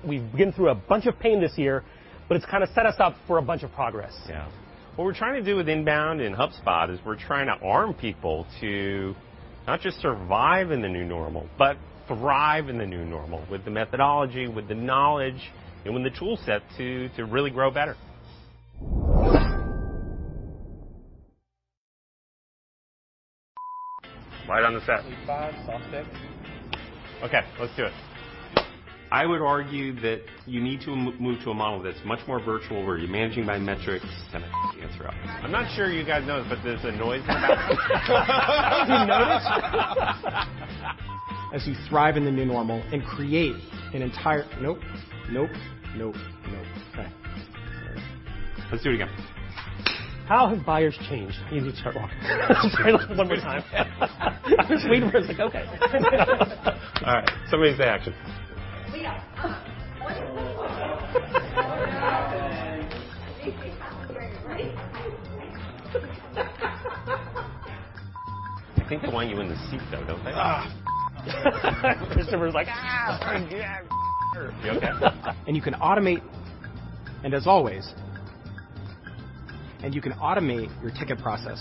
We've been through a bunch of pain this year, but it's set us up for a bunch of progress. Yeah. What we're trying to do with INBOUND and HubSpot is we're trying to arm people to not just survive in the new normal, but thrive in the new normal, with the methodology, with the knowledge, and with the tool set to really grow better. Light on the set. Scene five, soft sticks. Okay, let's do it. I would argue that you need to move to a model that's much more virtual, where you're managing by metrics. That's a answer. I'm not sure you guys know this, but there's a noise in the back. Oh, you noticed? As we thrive in the new normal and create an entire. Let's do it again. How have buyers changed? I need to start walking. One more time. I'm just waiting for his, okay. All right. Somebody say action. [inaudible] I think they want you in the seat, though, don't they? Ugh. Christopher's like, "Fuck yeah!" You okay? You can automate your ticket process.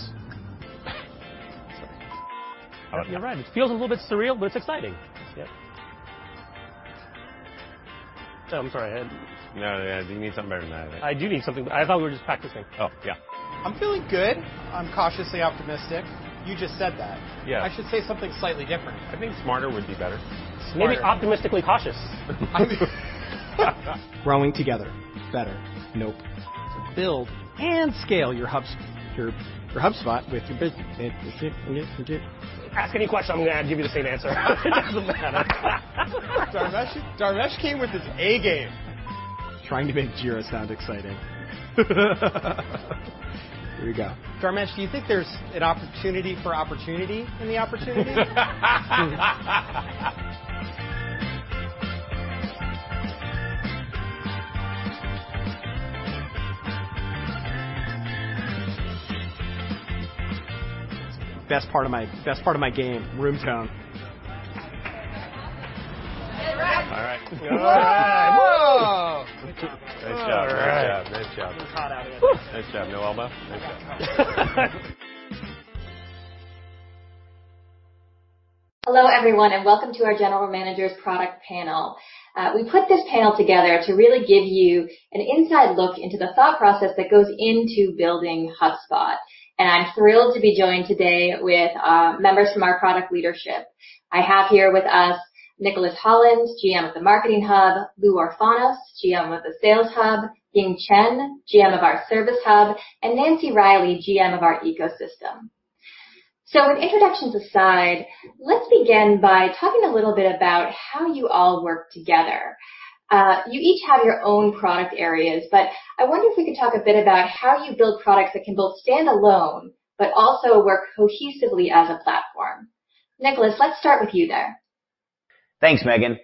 Sorry. You're right. It feels a little bit surreal, but it's exciting. Yeah. Oh, I'm sorry. No, you need something better than that, I think. I do need something I thought we were just practicing. Oh, yeah. I'm feeling good. I'm cautiously optimistic. You just said that. Yeah. I should say something slightly different. I think smarter would be better. Maybe optimistically cautious. Growing together. Better. Nope. To build and scale your HubSpot with your. Ask any question, I'm going to give you the same answer. Dharmesh came with his A game. Trying to make Jira sound exciting. Here we go. Dharmesh, do you think there's an opportunity for opportunity in the opportunity? Best part of my game, room tone. Wrap. All right. Whoa. Nice job. All right. Nice job. Being caught out of it. Nice job. No elbow? Nice job. Hello, everyone, welcome to our general managers product panel. We put this panel together to really give you an inside look into the thought process that goes into building HubSpot. I'm thrilled to be joined today with members from our product leadership. I have here with us Nicholas Holland, GM of the Marketing Hub, Lou Orfanos, GM of the Sales Hub, Ying Chen, GM of our Service Hub, and Nancy Riley, GM of our Ecosystem. With introductions aside, let's begin by talking a little bit about how you all work together. You each have your own product areas, but I wonder if we could talk a bit about how you build products that can both stand alone, but also work cohesively as a platform. Nicholas, let's start with you there. Thanks, Megan.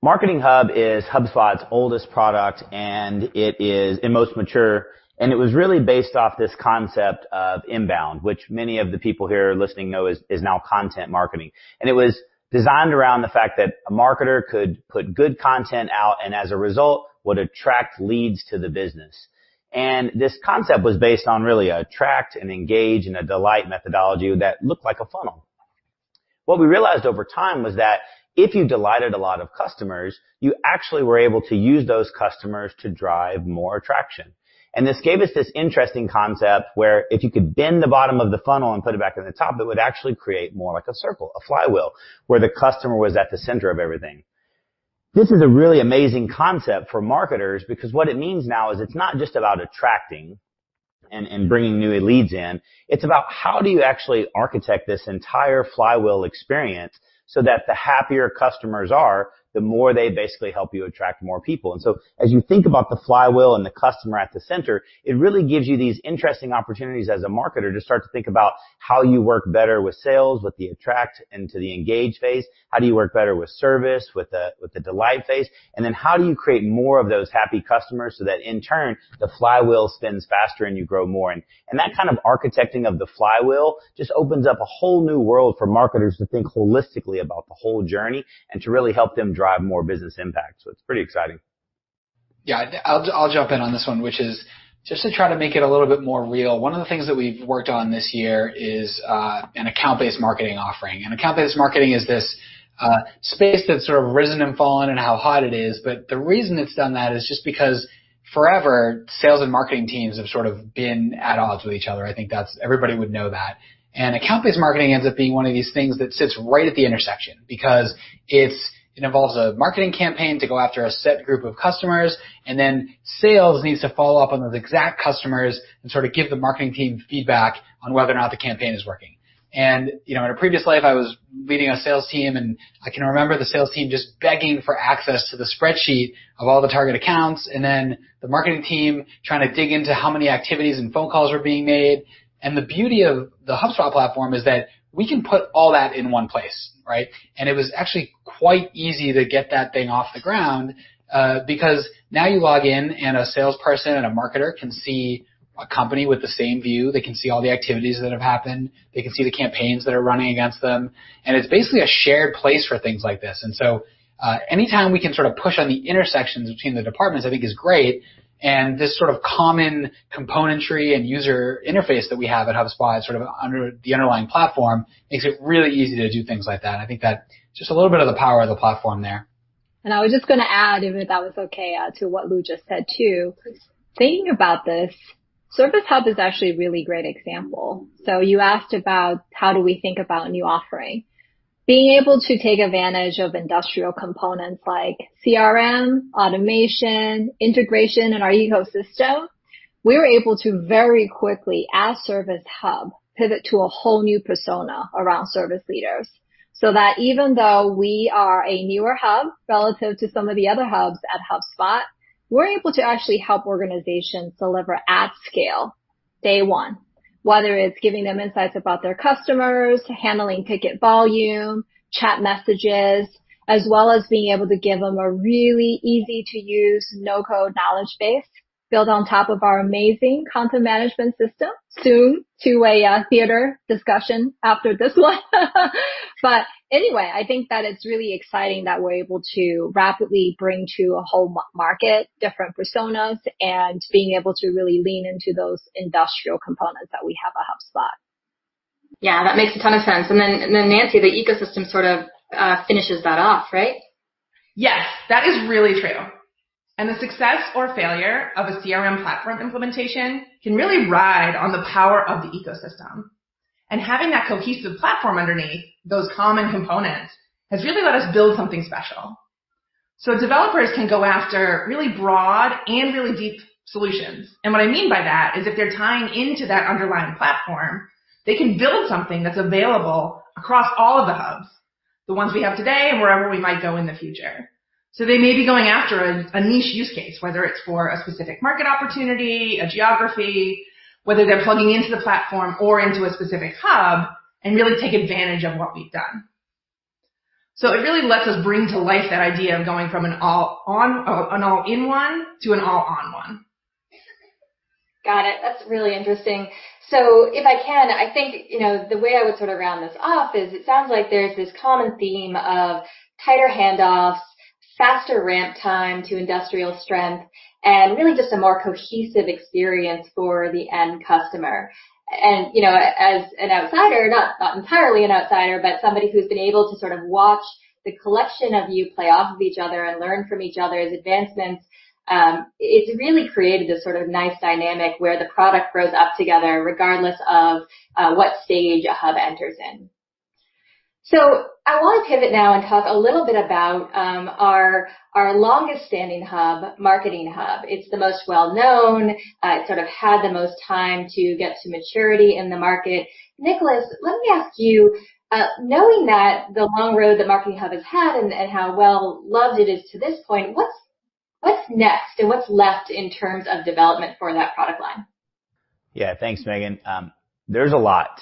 Marketing Hub is HubSpot's oldest product and it is most mature. It was really based off this concept of inbound, which many of the people here listening know is now content marketing. It was designed around the fact that a marketer could put good content out and, as a result, would attract leads to the business. This concept was based on really attract and engage and a delight methodology that looked like a funnel. What we realized over time was that if you delighted a lot of customers, you actually were able to use those customers to drive more attraction. This gave us this interesting concept where if you could bend the bottom of the funnel and put it back in the top, it would actually create more like a circle, a flywheel, where the customer was at the center of everything. This is a really amazing concept for marketers because what it means now is it is not just about attracting and bringing new leads in, it is about how do you actually architect this entire flywheel experience so that the happier customers are, the more they basically help you attract more people. As you think about the flywheel and the customer at the center, it really gives you these interesting opportunities as a marketer to start to think about how you work better with sales, with the attract into the engage phase. How do you work better with service, with the delight phase, how do you create more of those happy customers so that in turn, the flywheel spins faster and you grow more? That kind of architecting of the flywheel just opens up a whole new world for marketers to think holistically about the whole journey and to really help them drive more business impact. It's pretty exciting. Yeah. I'll jump in on this one, which is just to try to make it a little bit more real. One of the things that we've worked on this year is an account-based marketing offering. Account-based marketing is this space that's sort of risen and fallen and how hot it is. The reason it's done that is just because forever, sales and marketing teams have sort of been at odds with each other. I think everybody would know that. Account-based marketing ends up being one of these things that sits right at the intersection because it involves a marketing campaign to go after a set group of customers, and then sales needs to follow up on those exact customers and sort of give the marketing team feedback on whether or not the campaign is working. In a previous life, I was leading a sales team, and I can remember the sales team just begging for access to the spreadsheet of all the target accounts, and then the marketing team trying to dig into how many activities and phone calls were being made. The beauty of the HubSpot platform is that we can put all that in one place, right? It was actually quite easy to get that thing off the ground, because now you log in and a salesperson and a marketer can see a company with the same view. They can see all the activities that have happened. They can see the campaigns that are running against them. It's basically a shared place for things like this. Anytime we can sort of push on the intersections between the departments, I think is great. This sort of common componentry and user interface that we have at HubSpot, sort of the underlying platform, makes it really easy to do things like that. I think that's just a little bit of the power of the platform there. I was just going to add, if that was okay, to what Lou just said, too. Of course. Thinking about this, Service Hub is actually a really great example. You asked about how do we think about a new offering. Being able to take advantage of industrial components like CRM, automation, integration in our ecosystem, we were able to very quickly, as Service Hub, pivot to a whole new persona around service leaders. That even though we are a newer hub relative to some of the other hubs at HubSpot, we're able to actually help organizations deliver at scale day one, whether it's giving them insights about their customers, handling ticket volume, chat messages, as well as being able to give them a really easy-to-use, no-code knowledge base built on top of our amazing content management system. Soon to a theater discussion after this one. Anyway, I think that it's really exciting that we're able to rapidly bring to a whole market different personas, and being able to really lean into those industrial components that we have at HubSpot. Yeah, that makes a ton of sense. Nancy, the Ecosystem sort of finishes that off, right? Yes, that is really true. The success or failure of a CRM platform implementation can really ride on the power of the ecosystem. Having that cohesive platform underneath, those common components, has really let us build something special. Developers can go after really broad and really deep solutions. What I mean by that is if they're tying into that underlying platform, they can build something that's available across all of the hubs, the ones we have today and wherever we might go in the future. They may be going after a niche use case, whether it's for a specific market opportunity, a geography, whether they're plugging into the platform or into a specific hub and really take advantage of what we've done. It really lets us bring to life that idea of going from an all in one to an all on one. Got it. That's really interesting. If I can, I think, the way I would sort of round this off is it sounds like there's this common theme of tighter handoffs, faster ramp time to industrial strength, and really just a more cohesive experience for the end customer. As an outsider, not entirely an outsider, but somebody who's been able to sort of watch the collection of you play off of each other and learn from each other's advancements, it's really created this sort of nice dynamic where the product grows up together regardless of what stage a hub enters in. I want to pivot now and talk a little bit about our longest standing hub, Marketing Hub. It's the most well-known. It sort of had the most time to get to maturity in the market. Nicholas, let me ask you, knowing that the long road that Marketing Hub has had and how well-loved it is to this point, what's next and what's left in terms of development for that product line? Thanks, Megan. There's a lot,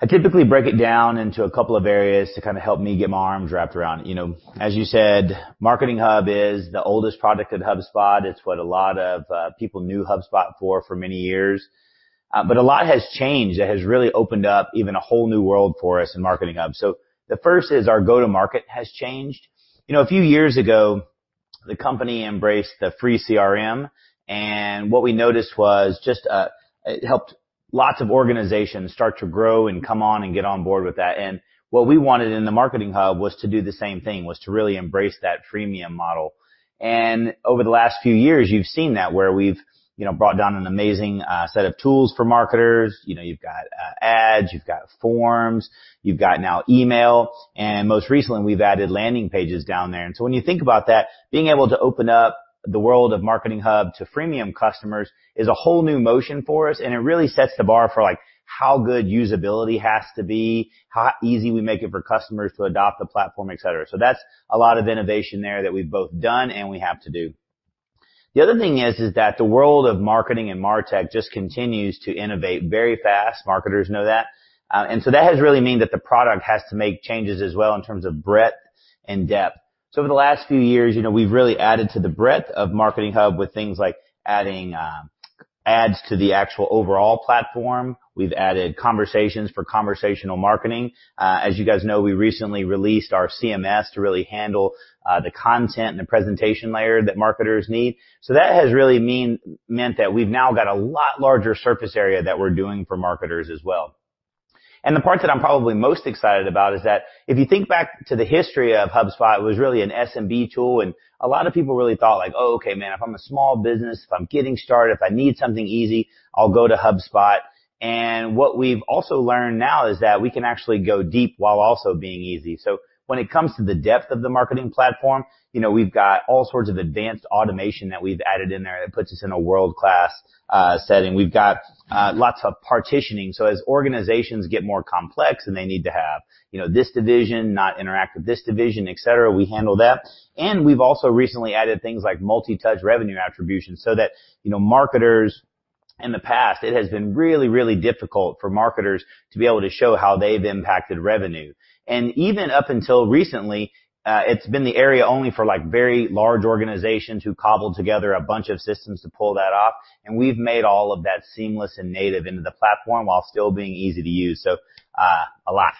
I typically break it down into a couple of areas to kind of help me get my arms wrapped around it. As you said, Marketing Hub is the oldest product at HubSpot. It's what a lot of people knew HubSpot for many years. A lot has changed that has really opened up even a whole new world for us in Marketing Hub. The first is our go-to market has changed. A few years ago, the company embraced the free CRM, what we noticed was just it helped lots of organizations start to grow and come on and get on board with that. What we wanted in the Marketing Hub was to do the same thing, was to really embrace that freemium model. Over the last few years, you've seen that where we've brought down an amazing set of tools for marketers. You've got ads, you've got forms, you've got now email, and most recently, we've added landing pages down there. When you think about that, being able to open up the world of Marketing Hub to freemium customers is a whole new motion for us, and it really sets the bar for how good usability has to be, how easy we make it for customers to adopt the platform, et cetera. That's a lot of innovation there that we've both done and we have to do. The other thing is that the world of marketing and martech just continues to innovate very fast. Marketers know that. That has really meant that the product has to make changes as well in terms of breadth and depth. Over the last few years, we've really added to the breadth of Marketing Hub with things like adding ads to the actual overall platform. We've added conversations for conversational marketing. As you guys know, we recently released our CMS to really handle the content and the presentation layer that marketers need. That has really meant that we've now got a lot larger surface area that we're doing for marketers as well. The part that I'm probably most excited about is that if you think back to the history of HubSpot, it was really an SMB tool, and a lot of people really thought, like, oh, okay, man, if I'm a small business, if I'm getting started, if I need something easy, I'll go to HubSpot. What we've also learned now is that we can actually go deep while also being easy. When it comes to the depth of the marketing platform, we've got all sorts of advanced automation that we've added in there that puts us in a world-class setting. We've got lots of partitioning, so as organizations get more complex and they need to have this division not interact with this division, et cetera, we handle that. We've also recently added things like multi-touch revenue attribution so that marketers in the past, it has been really, really difficult for marketers to be able to show how they've impacted revenue. Even up until recently, it's been the area only for very large organizations who cobbled together a bunch of systems to pull that off, and we've made all of that seamless and native into the platform while still being easy to use. A lot.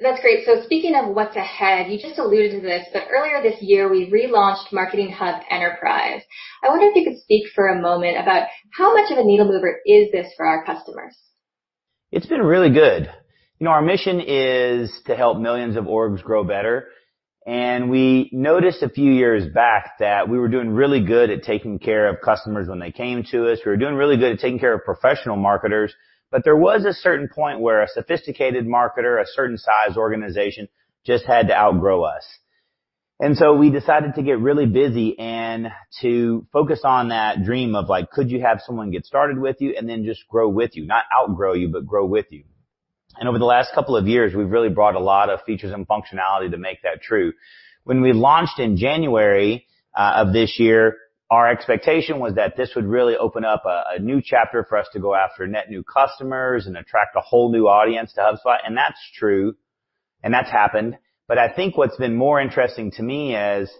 That's great. Speaking of what's ahead, you just alluded to this, earlier this year, we relaunched Marketing Hub Enterprise. I wonder if you could speak for a moment about how much of a needle mover is this for our customers? It's been really good. Our mission is to help millions of orgs grow better, and we noticed a few years back that we were doing really good at taking care of customers when they came to us. We were doing really good at taking care of professional marketers. There was a certain point where a sophisticated marketer, a certain size organization, just had to outgrow us. We decided to get really busy and to focus on that dream of could you have someone get started with you and then just grow with you? Not outgrow you, but grow with you. Over the last couple of years, we've really brought a lot of features and functionality to make that true. When we launched in January of this year, our expectation was that this would really open up a new chapter for us to go after net new customers and attract a whole new audience to HubSpot, and that's true, and that's happened. I think what's been more interesting to me as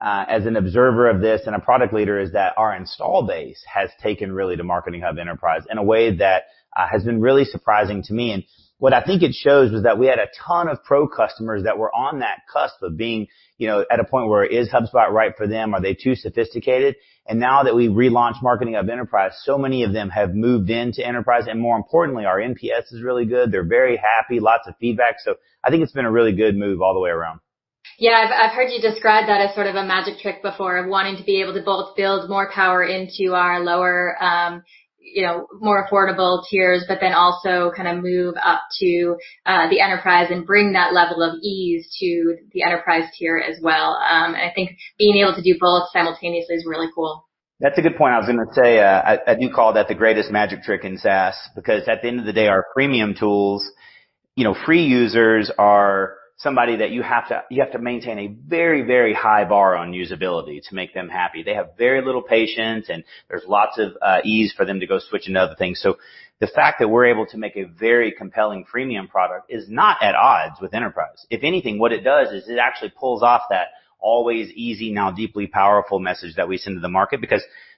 an observer of this and a product leader, is that our install base has taken really to Marketing Hub Enterprise in a way that has been really surprising to me. What I think it shows is that we had a ton of pro customers that were on that cusp of being at a point where, is HubSpot right for them? Are they too sophisticated? Now that we've relaunched Marketing Hub Enterprise, so many of them have moved into Enterprise, and more importantly, our NPS is really good. They're very happy, lots of feedback. I think it's been a really good move all the way around. Yeah. I've heard you describe that as sort of a magic trick before, wanting to be able to both build more power into our lower, more affordable tiers, but then also kind of move up to the enterprise and bring that level of ease to the enterprise tier as well. I think being able to do both simultaneously is really cool. That's a good point. I was going to say, I do call that the greatest magic trick in SaaS, because at the end of the day, our premium tools, free users are somebody that you have to maintain a very, very high bar on usability to make them happy. They have very little patience, there's lots of ease for them to go switch into other things. The fact that we're able to make a very compelling freemium product is not at odds with Enterprise. If anything, what it does is it actually pulls off that always easy, now deeply powerful message that we send to the market.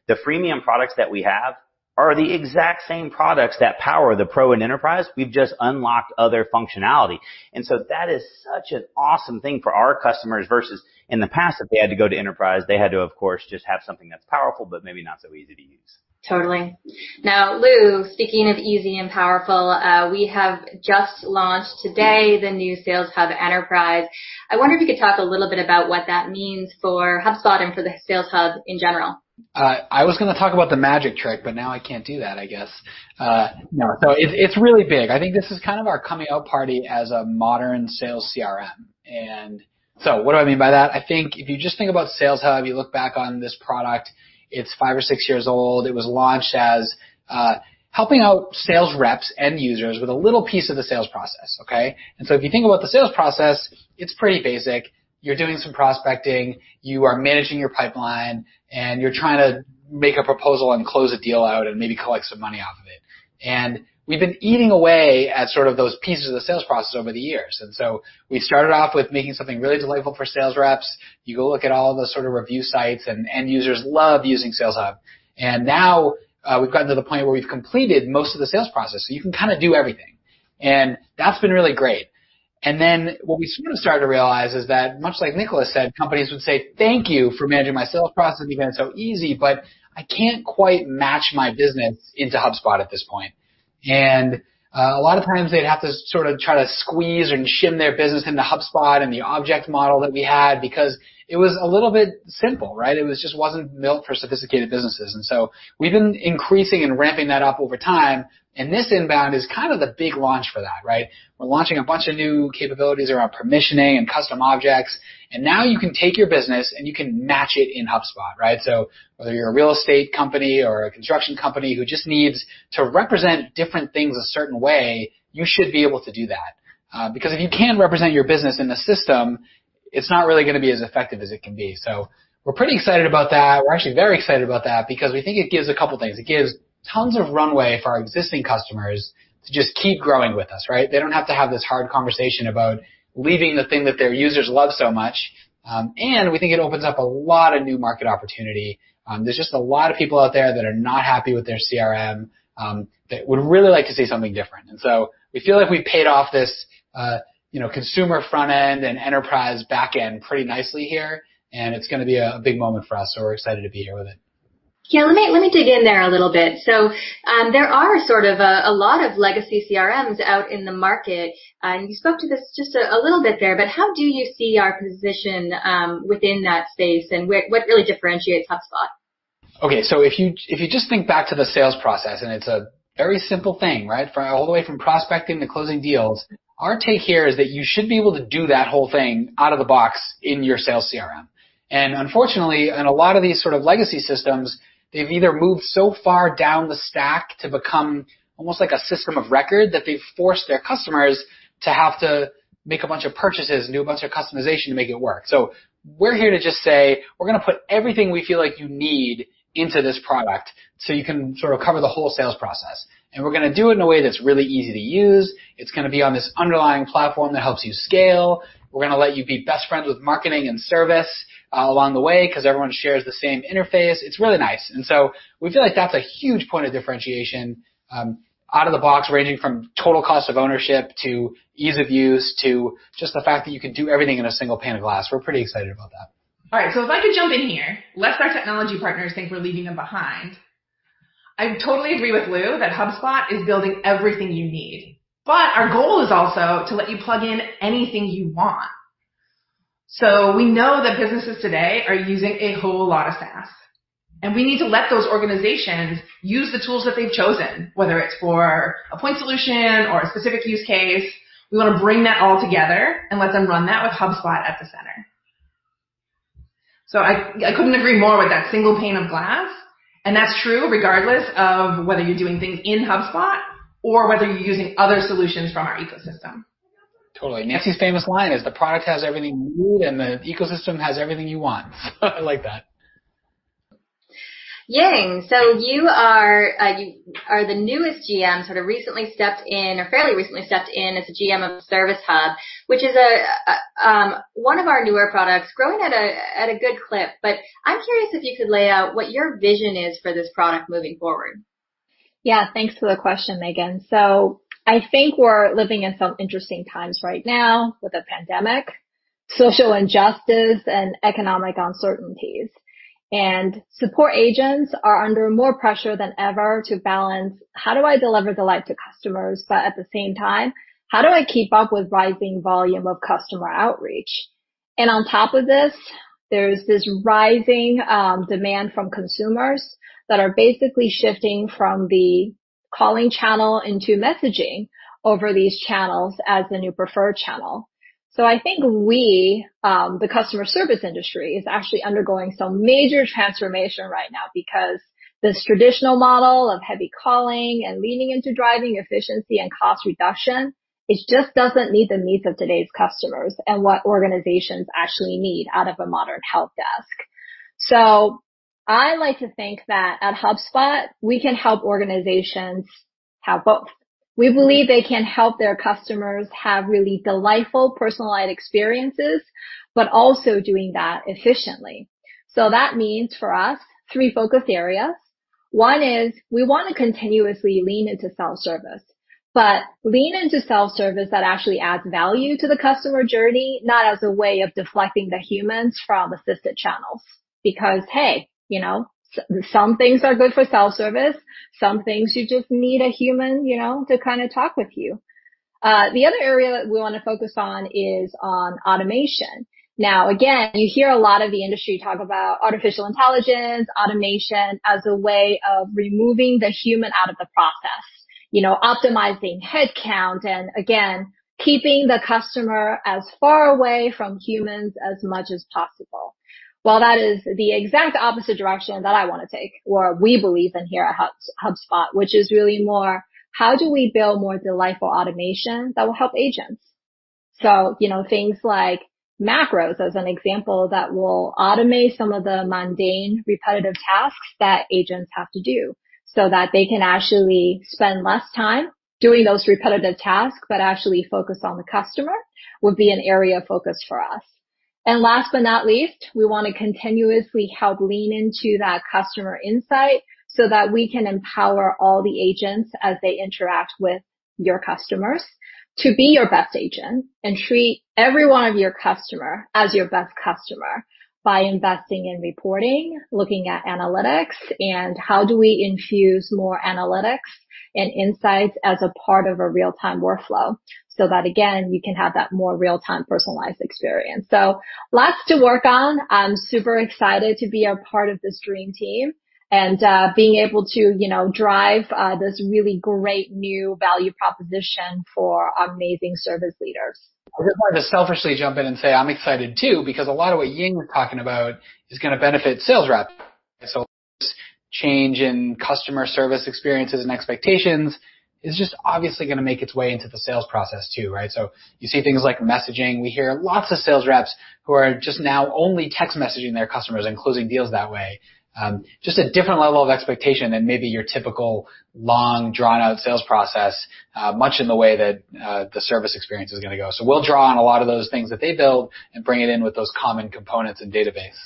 The premium products that we have, are the exact same products that power the Pro and Enterprise, we've just unlocked other functionality. That is such an awesome thing for our customers versus in the past if they had to go to Enterprise, they had to, of course, just have something that's powerful, but maybe not so easy to use. Totally. Now, Lou, speaking of easy and powerful, we have just launched today the new Sales Hub Enterprise. I wonder if you could talk a little bit about what that means for HubSpot and for the Sales Hub in general. I was going to talk about the magic trick, but now I can't do that, I guess. It's really big. I think this is kind of our coming out party as a modern sales CRM. What do I mean by that? I think if you just think about Sales Hub, you look back on this product, it's five or six years old. It was launched as helping out sales reps, end users, with a little piece of the sales process. Okay? If you think about the sales process, it's pretty basic. You're doing some prospecting, you are managing your pipeline, and you're trying to make a proposal and close a deal out and maybe collect some money off of it. We've been eating away at sort of those pieces of the sales process over the years. We started off with making something really delightful for sales reps. You go look at all the sort of review sites, end users love using Sales Hub. Now we've gotten to the point where we've completed most of the sales process. You can kind of do everything. That's been really great. What we sort of started to realize is that much like Nicholas said, companies would say, thank you for managing my sales process and you've made it so easy, but I can't quite match my business into HubSpot at this point. A lot of times they'd have to sort of try to squeeze and shim their business into HubSpot and the object model that we had because it was a little bit simple, right? It just wasn't built for sophisticated businesses. We've been increasing and ramping that up over time, and this INBOUND is kind of the big launch for that, right? We're launching a bunch of new capabilities around permissioning and custom objects, and now you can take your business and you can match it in HubSpot, right? Whether you're a real estate company or a construction company who just needs to represent different things a certain way, you should be able to do that. Because if you can't represent your business in the system, it's not really going to be as effective as it can be. We're pretty excited about that. We're actually very excited about that because we think it gives a couple things. It gives tons of runway for our existing customers to just keep growing with us, right? They don't have to have this hard conversation about leaving the thing that their users love so much. We think it opens up a lot of new market opportunity. There's just a lot of people out there that are not happy with their CRM, that would really like to see something different. We feel like we've paid off this consumer front end and enterprise back end pretty nicely here, and it's going to be a big moment for us. We're excited to be here with it. Yeah. Let me dig in there a little bit. There are sort of a lot of legacy CRMs out in the market. You spoke to this just a little bit there, but how do you see our position within that space and what really differentiates HubSpot? Okay, if you just think back to the sales process, and it's a very simple thing, right? All the way from prospecting to closing deals. Our take here is that you should be able to do that whole thing out of the box in your sales CRM. Unfortunately, in a lot of these sort of legacy systems, they've either moved so far down the stack to become almost like a system of record that they've forced their customers to have to make a bunch of purchases and do a bunch of customization to make it work. We're here to just say, we're going to put everything we feel like you need into this product so you can sort of cover the whole sales process, and we're going to do it in a way that's really easy to use. It's going to be on this underlying platform that helps you scale. We're going to let you be best friends with marketing and service along the way because everyone shares the same interface. It's really nice. We feel like that's a huge point of differentiation out of the box, ranging from total cost of ownership to ease of use to just the fact that you can do everything in a single pane of glass. We're pretty excited about that. All right, if I could jump in here, lest our technology partners think we're leaving them behind. I totally agree with Lou that HubSpot is building everything you need, but our goal is also to let you plug in anything you want. We know that businesses today are using a whole lot of SaaS, and we need to let those organizations use the tools that they've chosen, whether it's for a point solution or a specific use case. We want to bring that all together and let them run that with HubSpot at the center. I couldn't agree more with that single pane of glass, and that's true regardless of whether you're doing things in HubSpot or whether you're using other solutions from our ecosystem. Totally. Nancy's famous line is, the product has everything you need and the ecosystem has everything you want. I like that. Ying, you are the newest GM, sort of recently stepped in, or fairly recently stepped in as the GM of Service Hub, which is one of our newer products growing at a good clip. I'm curious if you could lay out what your vision is for this product moving forward. Thanks for the question, Megan. I think we're living in some interesting times right now with the pandemic, social injustice, and economic uncertainties. Support agents are under more pressure than ever to balance, how do I deliver delight to customers, but at the same time, how do I keep up with rising volume of customer outreach? On top of this, there's this rising demand from consumers that are basically shifting from the calling channel into messaging over these channels as the new preferred channel. I think we, the customer service industry, is actually undergoing some major transformation right now because this traditional model of heavy calling and leaning into driving efficiency and cost reduction, it just doesn't meet the needs of today's customers and what organizations actually need out of a modern helpdesk. I like to think that at HubSpot, we can help organizations have both. We believe they can help their customers have really delightful personalized experiences, but also doing that efficiently. That means for us, three focus areas. One is we want to continuously lean into self-service, but lean into self-service that actually adds value to the customer journey, not as a way of deflecting the humans from assisted channels. Because, hey, some things are good for self-service, some things you just need a human to talk with you. The other area that we want to focus on is on automation. Now, again, you hear a lot of the industry talk about artificial intelligence, automation as a way of removing the human out of the process. Optimizing head count and, again, keeping the customer as far away from humans as much as possible. Well, that is the exact opposite direction that I want to take, or we believe in here at HubSpot, which is really more how do we build more delightful automation that will help agents? Things like macros, as an example, that will automate some of the mundane, repetitive tasks that agents have to do. That they can actually spend less time doing those repetitive tasks, but actually focus on the customer, would be an area of focus for us. Last but not least, we want to continuously help lean into that customer insight so that we can empower all the agents as they interact with your customers to be your best agent and treat every one of your customer as your best customer by investing in reporting, looking at analytics, and how do we infuse more analytics and insights as a part of a real-time workflow. That, again, you can have that more real-time personalized experience. Lots to work on. I'm super excited to be a part of this dream team and being able to drive this really great new value proposition for amazing service leaders. I just wanted to selfishly jump in and say I'm excited too, because a lot of what Ying was talking about is going to benefit sales reps. This change in customer service experiences and expectations is just obviously going to make its way into the sales process too, right? You see things like messaging. We hear lots of sales reps who are just now only text messaging their customers and closing deals that way. Just a different level of expectation than maybe your typical long drawn-out sales process, much in the way that the service experience is going to go. We'll draw on a lot of those things that they build and bring it in with those common components and database.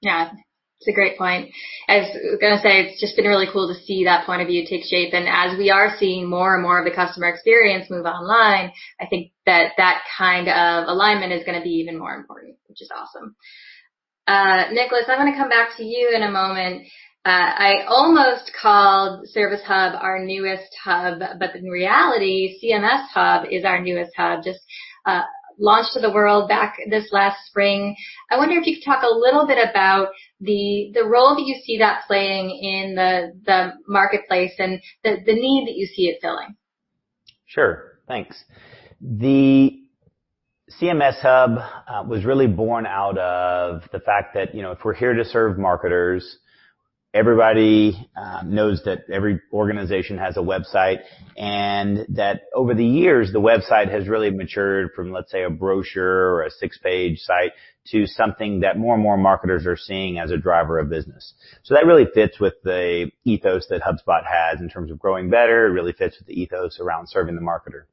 Yeah. It's a great point. I was going to say, it's just been really cool to see that point of view take shape. As we are seeing more and more of the customer experience move online, I think that that kind of alignment is going to be even more important, which is awesome. Nicholas, I'm going to come back to you in a moment. I almost called Service Hub our newest hub, but in reality, CMS Hub is our newest hub, just launched to the world back this last spring. I wonder if you could talk a little bit about the role that you see that playing in the marketplace and the need that you see it filling. Sure. Thanks. The CMS Hub was really born out of the fact that if we're here to serve marketers, everybody knows that every organization has a website, and that over the years, the website has really matured from, let's say, a brochure or a six-page site to something that more and more marketers are seeing as a driver of business. That really fits with the ethos that HubSpot has in terms of growing better. It really fits with the ethos around serving the marketer.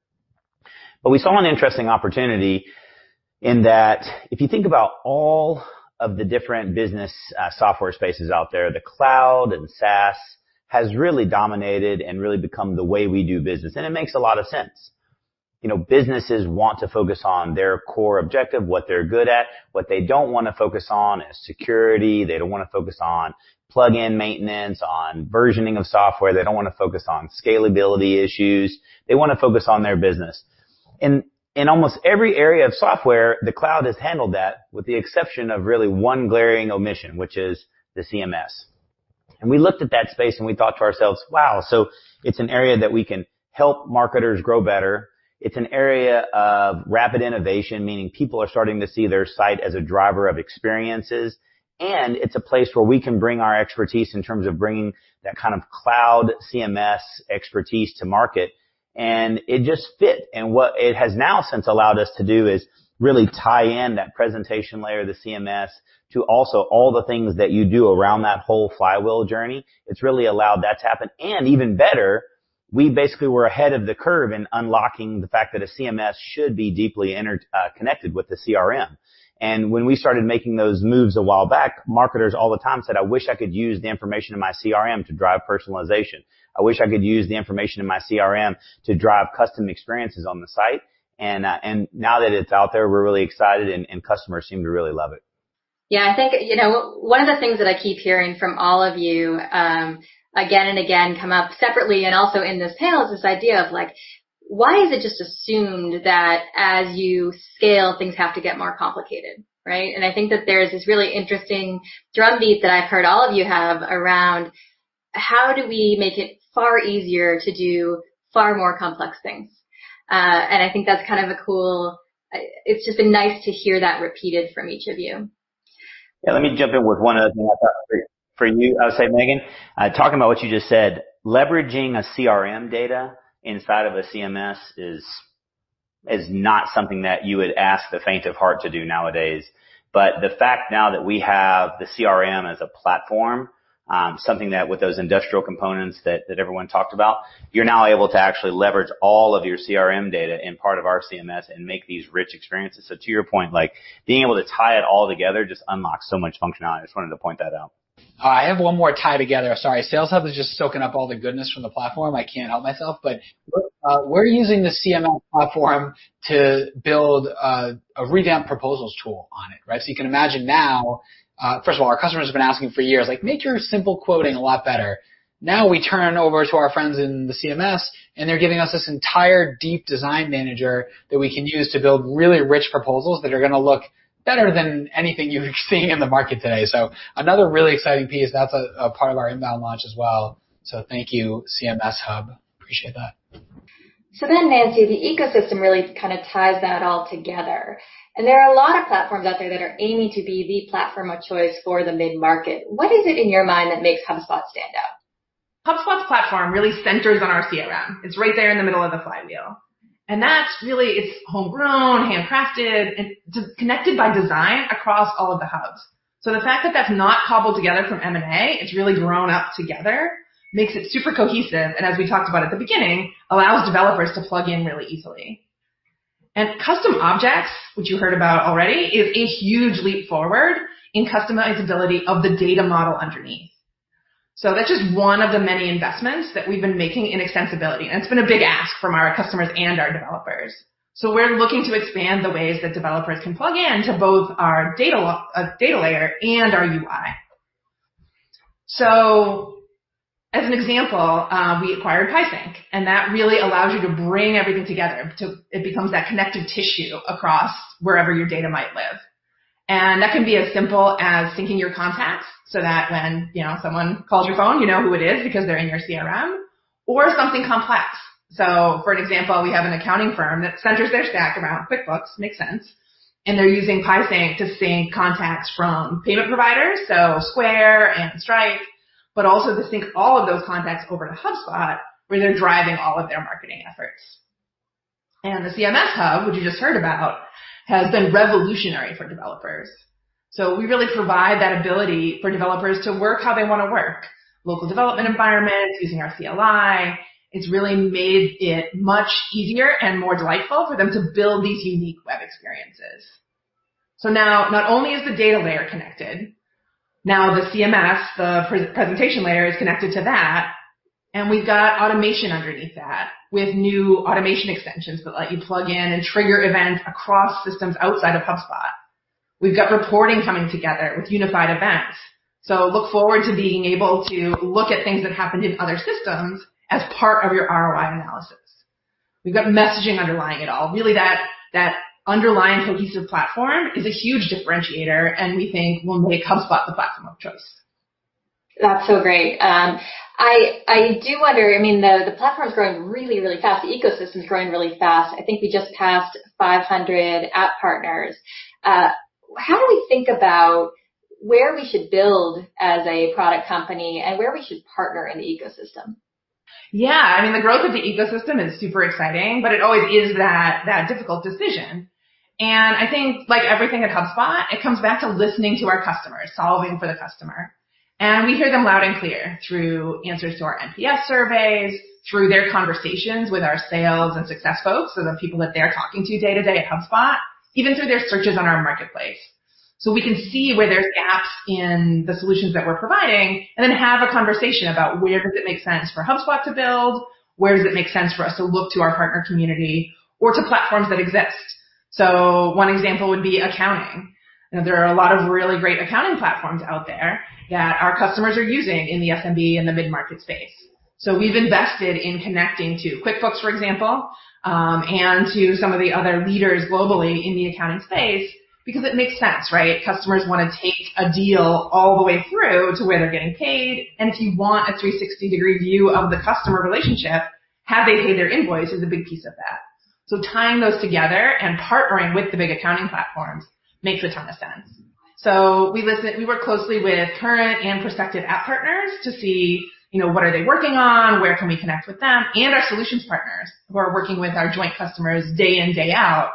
We saw an interesting opportunity in that if you think about all of the different business software spaces out there, the cloud and SaaS has really dominated and really become the way we do business. It makes a lot of sense. Businesses want to focus on their core objective, what they're good at. What they don't want to focus on is security. They don't want to focus on plugin maintenance, on versioning of software. They don't want to focus on scalability issues. They want to focus on their business. In almost every area of software, the cloud has handled that with the exception of really one glaring omission, which is the CMS. We looked at that space and we thought to ourselves, Wow. It's an area that we can help marketers grow better. It's an area of rapid innovation, meaning people are starting to see their site as a driver of experiences, and it's a place where we can bring our expertise in terms of bringing that kind of cloud CMS expertise to market, and it just fit. What it has now since allowed us to do is really tie in that presentation layer of the CMS to also all the things that you do around that whole flywheel journey. It's really allowed that to happen. Even better, we basically were ahead of the curve in unlocking the fact that a CMS should be deeply interconnected with the CRM. When we started making those moves a while back, marketers all the time said, I wish I could use the information in my CRM to drive personalization. I wish I could use the information in my CRM to drive custom experiences on the site. Now that it's out there, we're really excited and customers seem to really love it. Yeah, I think one of the things that I keep hearing from all of you, again and again, come up separately and also in this panel is this idea of why is it just assumed that as you scale, things have to get more complicated, right? I think that there's this really interesting drumbeat that I've heard all of you have around how do we make it far easier to do far more complex things. I think that's kind of a cool. It's just been nice to hear that repeated from each of you. Yeah, let me jump in with one other thing I thought for you, I would say, Megan. Talking about what you just said, leveraging a CRM data inside of a CMS is not something that you would ask the faint of heart to do nowadays. The fact now that we have the CRM as a platform, something that with those industrial components that everyone talked about, you're now able to actually leverage all of your CRM data in part of our CMS and make these rich experiences. To your point, being able to tie it all together just unlocks so much functionality. I just wanted to point that out. I have one more tie together. Sorry. Sales Hub is just soaking up all the goodness from the platform. I can't help myself. We're using the CMS Hub platform to build a revamped proposals tool on it. You can imagine now, first of all, our customers have been asking for years, like, make your simple quoting a lot better. Now we turn it over to our friends in the CMS Hub, and they're giving us this entire deep design manager that we can use to build really rich proposals that are going to look better than anything you've seen in the market today. Another really exciting piece that's a part of our INBOUND launch as well. Thank you, CMS Hub. Appreciate that. Nancy, the ecosystem really kind of ties that all together, and there are a lot of platforms out there that are aiming to be the platform of choice for the mid-market. What is it in your mind that makes HubSpot stand out? HubSpot's platform really centers on our CRM. It's right there in the middle of the flywheel. That really is homegrown, handcrafted, and connected by design across all of the hubs. The fact that that's not cobbled together from M&A, it's really grown up together, makes it super cohesive, and as we talked about at the beginning, allows developers to plug in really easily. Custom objects, which you heard about already, is a huge leap forward in customizability of the data model underneath. That's just one of the many investments that we've been making in extensibility, and it's been a big ask from our customers and our developers. We're looking to expand the ways that developers can plug in to both our data layer and our UI. As an example, we acquired PieSync, and that really allows you to bring everything together. It becomes that connective tissue across wherever your data might live. That can be as simple as syncing your contacts so that when someone calls your phone, you know who it is because they're in your CRM, or something complex. For an example, we have an accounting firm that centers their stack around QuickBooks, makes sense, and they're using PieSync to sync contacts from payment providers, Square and Stripe, but also to sync all of those contacts over to HubSpot, where they're driving all of their marketing efforts. The CMS Hub, which you just heard about, has been revolutionary for developers. We really provide that ability for developers to work how they want to work, local development environments using our CLI. It's really made it much easier and more delightful for them to build these unique web experiences. Now, not only is the data layer connected, now the CMS, the presentation layer, is connected to that, and we've got automation underneath that with new automation extensions that let you plug in and trigger events across systems outside of HubSpot. We've got reporting coming together with unified events. Look forward to being able to look at things that happened in other systems as part of your ROI analysis. We've got messaging underlying it all. Really that underlying cohesive platform is a huge differentiator, and we think will make HubSpot the platform of choice. That's so great. I do wonder, the platform's growing really, really fast. The ecosystem's growing really fast. I think we just passed 500 app partners. How do we think about where we should build as a product company and where we should partner in the ecosystem? Yeah. The growth of the ecosystem is super exciting, but it always is that difficult decision. I think like everything at HubSpot, it comes back to listening to our customers, solving for the customer. We hear them loud and clear through answers to our NPS surveys, through their conversations with our sales and success folks, so the people that they're talking to day-to-day at HubSpot, even through their searches on our marketplace. We can see where there's gaps in the solutions that we're providing and then have a conversation about where does it make sense for HubSpot to build? Where does it make sense for us to look to our partner community or to platforms that exist? One example would be accounting. There are a lot of really great accounting platforms out there that our customers are using in the SMB and the mid-market space. We've invested in connecting to QuickBooks, for example, and to some of the other leaders globally in the accounting space because it makes sense, right? Customers want to take a deal all the way through to where they're getting paid. If you want a 360-degree view of the customer relationship, have they pay their invoice is a big piece of that. Tying those together and partnering with the big accounting platforms makes a ton of sense. We work closely with current and prospective app partners to see what are they working on, where can we connect with them, and our solutions partners who are working with our joint customers day in, day out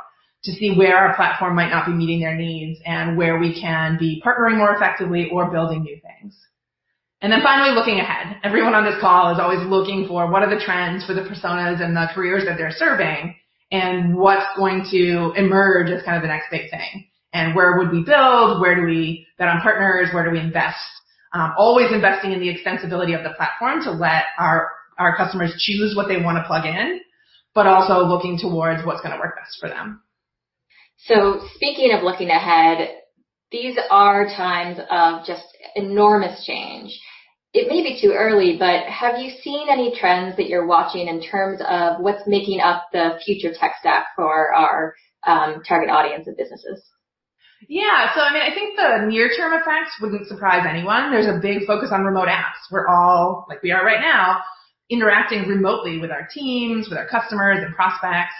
to see where our platform might not be meeting their needs and where we can be partnering more effectively or building new things. Finally, looking ahead. Everyone on this call is always looking for what are the trends for the personas and the careers that they're serving, and what's going to emerge as kind of the next big thing. Where would we build? Where do we bet on partners? Where do we invest? Always investing in the extensibility of the platform to let our customers choose what they want to plug in, but also looking towards what's going to work best for them. Speaking of looking ahead, these are times of just enormous change. It may be too early, but have you seen any trends that you're watching in terms of what's making up the future tech stack for our target audience of businesses? Yeah. I think the near-term effects wouldn't surprise anyone. There's a big focus on remote apps. We're all, like we are right now, interacting remotely with our teams, with our customers and prospects.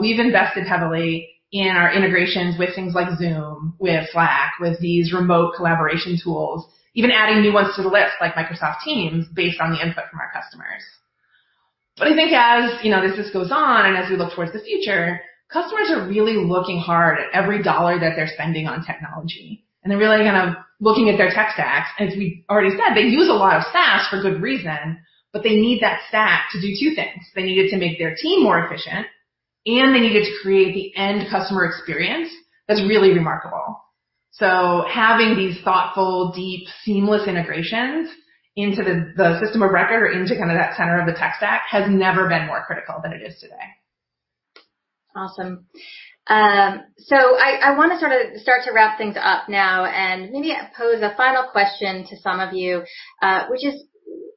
We've invested heavily in our integrations with things like Zoom, with Slack, with these remote collaboration tools, even adding new ones to the list, like Microsoft Teams, based on the input from our customers. I think as this goes on, as we look towards the future, customers are really looking hard at every dollar that they're spending on technology, and they're really looking at their tech stacks. As we already said, they use a lot of SaaS for good reason, but they need that stack to do two things. They need it to make their team more efficient, and they need it to create the end customer experience that's really remarkable. Having these thoughtful, deep, seamless integrations into the system of record or into that center of the tech stack has never been more critical than it is today. Awesome. I want to start to wrap things up now and maybe pose a final question to some of you, which is,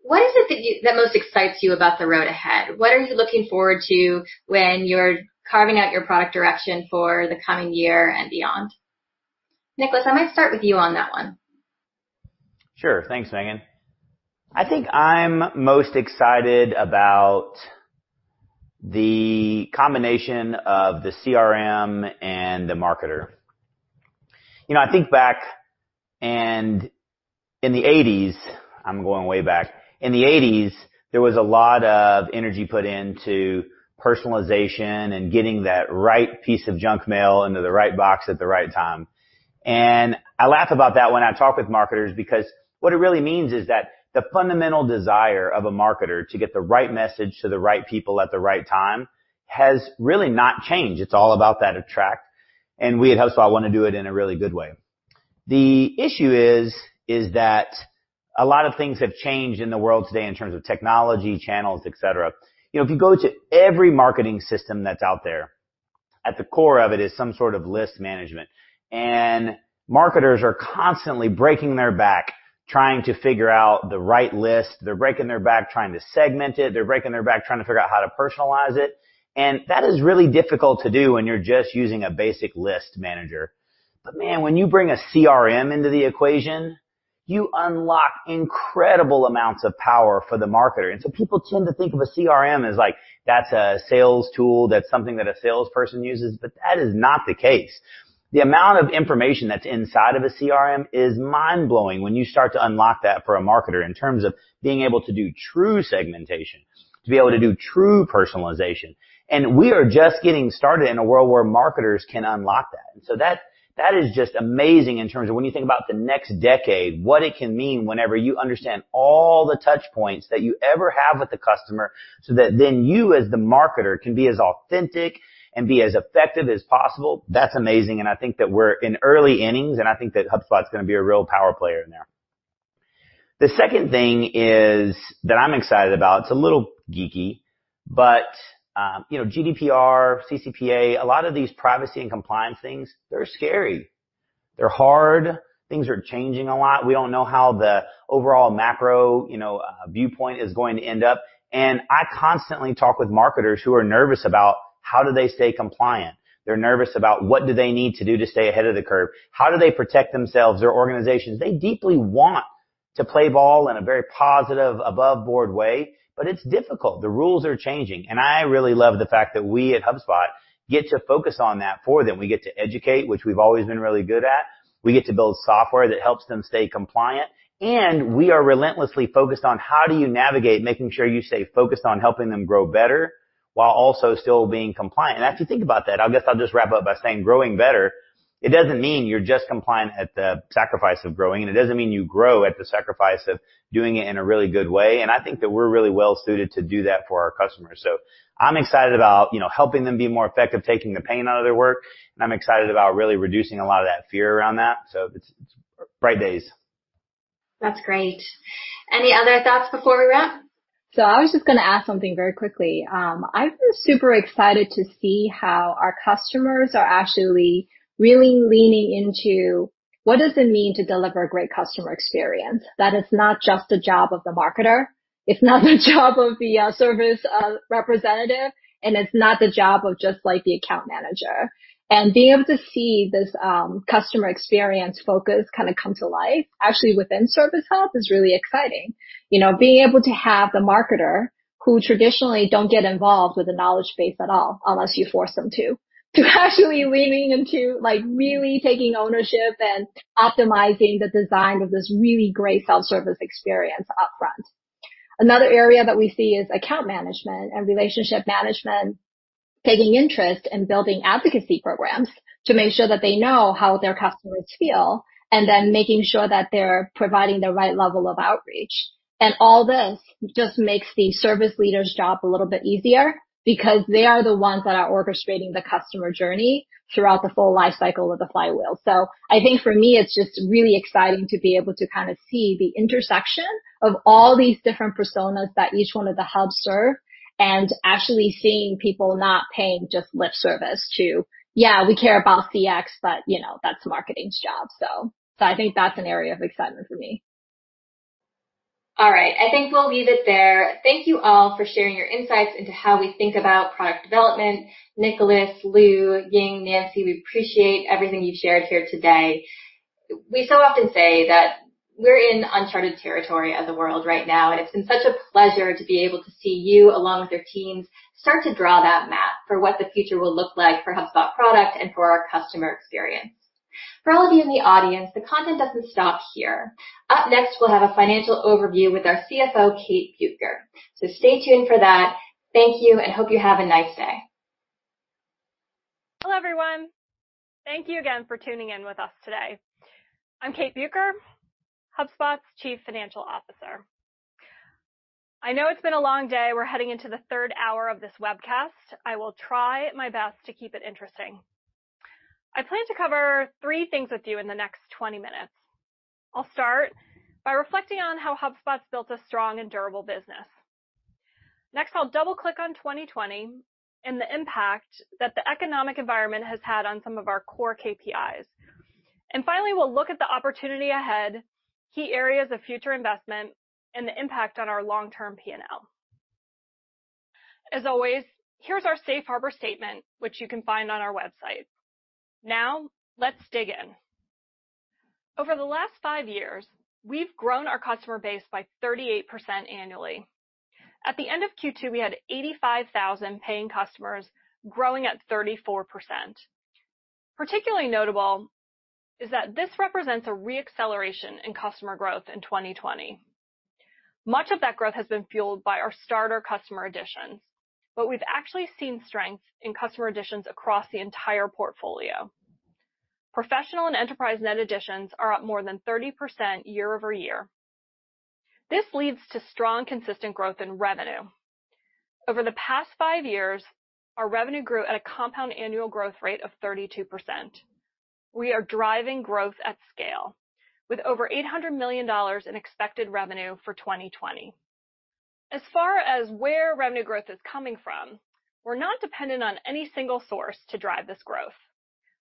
what is it that most excites you about the road ahead? What are you looking forward to when you're carving out your product direction for the coming year and beyond? Nicholas, I might start with you on that one. Sure. Thanks, Megan. I think I'm most excited about the combination of the CRM and the marketer. I think back, in the 1980s, I'm going way back, in the 1980s, there was a lot of energy put into personalization and getting that right piece of junk mail into the right box at the right time. I laugh about that when I talk with marketers because what it really means is that the fundamental desire of a marketer to get the right message to the right people at the right time has really not changed. It's all about that attract, we at HubSpot want to do it in a really good way. The issue is that a lot of things have changed in the world today in terms of technology, channels, et cetera. If you go to every marketing system that's out there, at the core of it is some sort of list management, and marketers are constantly breaking their back trying to figure out the right list. They're breaking their back trying to segment it. They're breaking their back trying to figure out how to personalize it. That is really difficult to do when you're just using a basic list manager. Man, when you bring a CRM into the equation, you unlock incredible amounts of power for the marketer. People tend to think of a CRM as like that's a sales tool, that's something that a salesperson uses, but that is not the case. The amount of information that's inside of a CRM is mind-blowing when you start to unlock that for a marketer in terms of being able to do true segmentation, to be able to do true personalization. We are just getting started in a world where marketers can unlock that. That is just amazing in terms of when you think about the next decade, what it can mean whenever you understand all the touch points that you ever have with the customer, so that then you as the marketer can be as authentic and be as effective as possible. That's amazing, and I think that we're in early innings, and I think that HubSpot's going to be a real power player in there. The second thing is that I'm excited about, it's a little geeky, but GDPR, CCPA, a lot of these privacy and compliance things, they're scary. They're hard. Things are changing a lot. We don't know how the overall macro viewpoint is going to end up. I constantly talk with marketers who are nervous about how do they stay compliant. They're nervous about what do they need to do to stay ahead of the curve. How do they protect themselves, their organizations? They deeply want to play ball in a very positive, aboveboard way, but it's difficult. The rules are changing. I really love the fact that we at HubSpot get to focus on that for them. We get to educate, which we've always been really good at. We get to build software that helps them stay compliant, and we are relentlessly focused on how do you navigate making sure you stay focused on helping them grow better while also still being compliant. As you think about that, I guess I'll just wrap up by saying growing better, it doesn't mean you're just compliant at the sacrifice of growing, and it doesn't mean you grow at the sacrifice of doing it in a really good way. I think that we're really well-suited to do that for our customers. I'm excited about helping them be more effective, taking the pain out of their work, and I'm excited about really reducing a lot of that fear around that. It's bright days. That's great. Any other thoughts before we wrap? I was just gonna add something very quickly. I've been super excited to see how our customers are actually really leaning into what does it mean to deliver a great customer experience. That it's not just a job of the marketer, it's not the job of the service representative, and it's not the job of just like the account manager. Being able to see this customer experience focus kind of come to life, actually within Service Hub is really exciting. Being able to have the marketer who traditionally don't get involved with the knowledge base at all, unless you force them to actually leaning into like really taking ownership and optimizing the design of this really great self-service experience upfront. Another area that we see is account management and relationship management paving interest and advocacy programs to make sure that they know how their customers fell and then making sure that they are providing the right level of outreach. All this just makes the service leader's job a little bit easier because they are the ones that are orchestrating the customer journey throughout the full life cycle of the flywheel. I think for me, it's just really exciting to be able to kind of see the intersection of all these different personas that each one of the hubs serve and actually seeing people not paying just lip service to, yeah, we care about CX, but that's marketing's job. I think that's an area of excitement for me. All right. I think we'll leave it there. Thank you all for sharing your insights into how we think about product development. Nicholas, Lou, Ying, Nancy, we appreciate everything you've shared here today. We so often say that we're in uncharted territory as a world right now, and it's been such a pleasure to be able to see you, along with your teams, start to draw that map for what the future will look like for HubSpot product and for our customer experience. For all of you in the audience, the content doesn't stop here. Up next, we'll have a financial overview with our CFO, Kate Bueker. Stay tuned for that. Thank you, and hope you have a nice day. Hello, everyone. Thank you again for tuning in with us today. I'm Kate Bueker, HubSpot's Chief Financial Officer. I know it's been a long day. We're heading into the third hour of this webcast. I will try my best to keep it interesting. I plan to cover three things with you in the next 20 minutes. I'll start by reflecting on how HubSpot's built a strong and durable business. Next, I'll double-click on 2020 and the impact that the economic environment has had on some of our core KPIs. Finally, we'll look at the opportunity ahead, key areas of future investment, and the impact on our long-term P&L. As always, here's our safe harbor statement, which you can find on our website. Now, let's dig in. Over the last five years, we've grown our customer base by 38% annually. At the end of Q2, we had 85,000 paying customers growing at 34%. Particularly notable is that this represents a re-acceleration in customer growth in 2020. Much of that growth has been fueled by our Starter customer additions. We've actually seen strength in customer additions across the entire portfolio. Professional and enterprise net additions are up more than 30% year-over-year. This leads to strong, consistent growth in revenue. Over the past five years, our revenue grew at a compound annual growth rate of 32%. We are driving growth at scale with over $800 million in expected revenue for 2020. As far as where revenue growth is coming from, we're not dependent on any single source to drive this growth.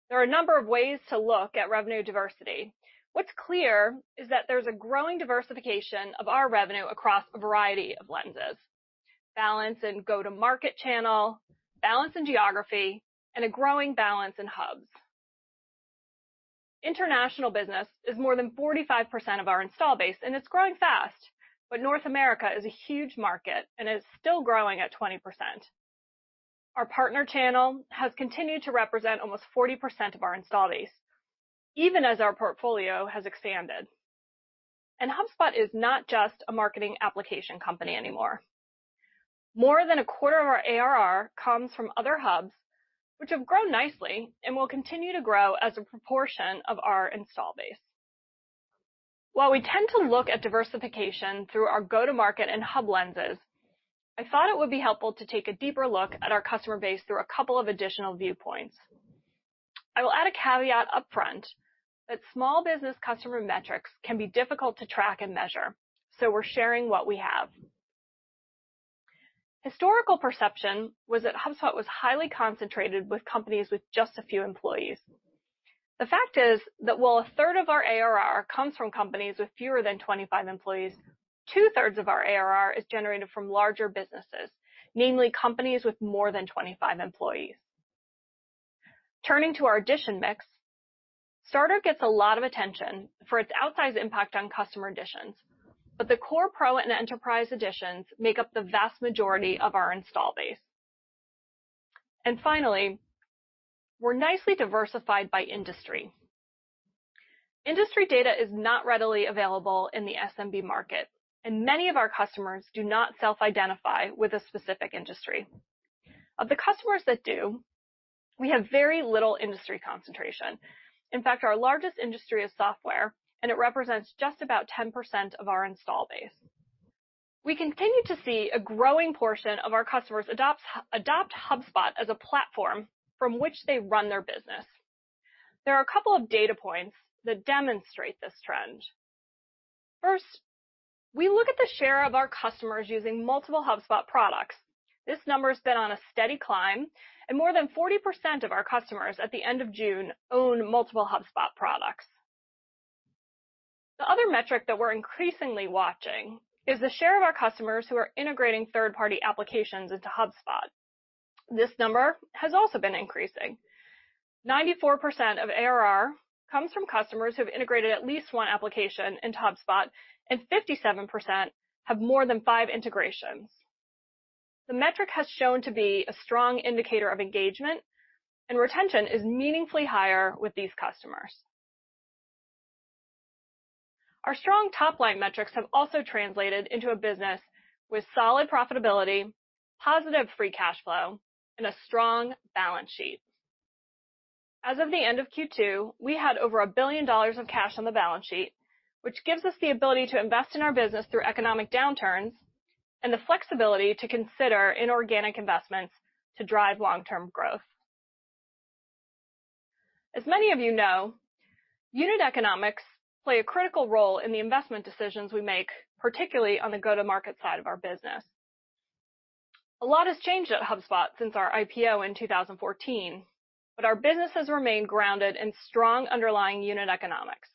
There are a number of ways to look at revenue diversity. What's clear is that there's a growing diversification of our revenue across a variety of lenses, balance in go-to-market channel, balance in geography, and a growing balance in hubs. International business is more than 45% of our install base, and it's growing fast. North America is a huge market and is still growing at 20%. Our partner channel has continued to represent almost 40% of our install base, even as our portfolio has expanded. HubSpot is not just a marketing application company anymore. More than a quarter of our ARR comes from other hubs, which have grown nicely and will continue to grow as a proportion of our install base. While we tend to look at diversification through our go-to-market and hub lenses, I thought it would be helpful to take a deeper look at our customer base through a couple of additional viewpoints. I will add a caveat up front that small business customer metrics can be difficult to track and measure, so we're sharing what we have. Historical perception was that HubSpot was highly concentrated with companies with just a few employees. The fact is that while 1/3 of our ARR comes from companies with fewer than 25 employees, 2/3 of our ARR is generated from larger businesses, namely companies with more than 25 employees. Turning to our addition mix, Starter gets a lot of attention for its outsized impact on customer additions, but the core Pro and Enterprise additions make up the vast majority of our install base. Finally, we're nicely diversified by industry. Industry data is not readily available in the SMB market, and many of our customers do not self-identify with a specific industry. Of the customers that do, we have very little industry concentration. In fact, our largest industry is software, and it represents just about 10% of our install base. We continue to see a growing portion of our customers adopt HubSpot as a platform from which they run their business. There are a couple of data points that demonstrate this trend. First, we look at the share of our customers using multiple HubSpot products. This number has been on a steady climb, and more than 40% of our customers at the end of June own multiple HubSpot products. The other metric that we're increasingly watching is the share of our customers who are integrating third-party applications into HubSpot. This number has also been increasing. 94% of ARR comes from customers who've integrated at least one application into HubSpot, and 57% have more than five integrations. The metric has shown to be a strong indicator of engagement, and retention is meaningfully higher with these customers. Our strong top-line metrics have also translated into a business with solid profitability, positive free cash flow, and a strong balance sheet. As of the end of Q2, we had over $1 billion of cash on the balance sheet, which gives us the ability to invest in our business through economic downturns and the flexibility to consider inorganic investments to drive long-term growth. As many of you know, unit economics play a critical role in the investment decisions we make, particularly on the go-to-market side of our business. A lot has changed at HubSpot since our IPO in 2014, but our business has remained grounded in strong underlying unit economics.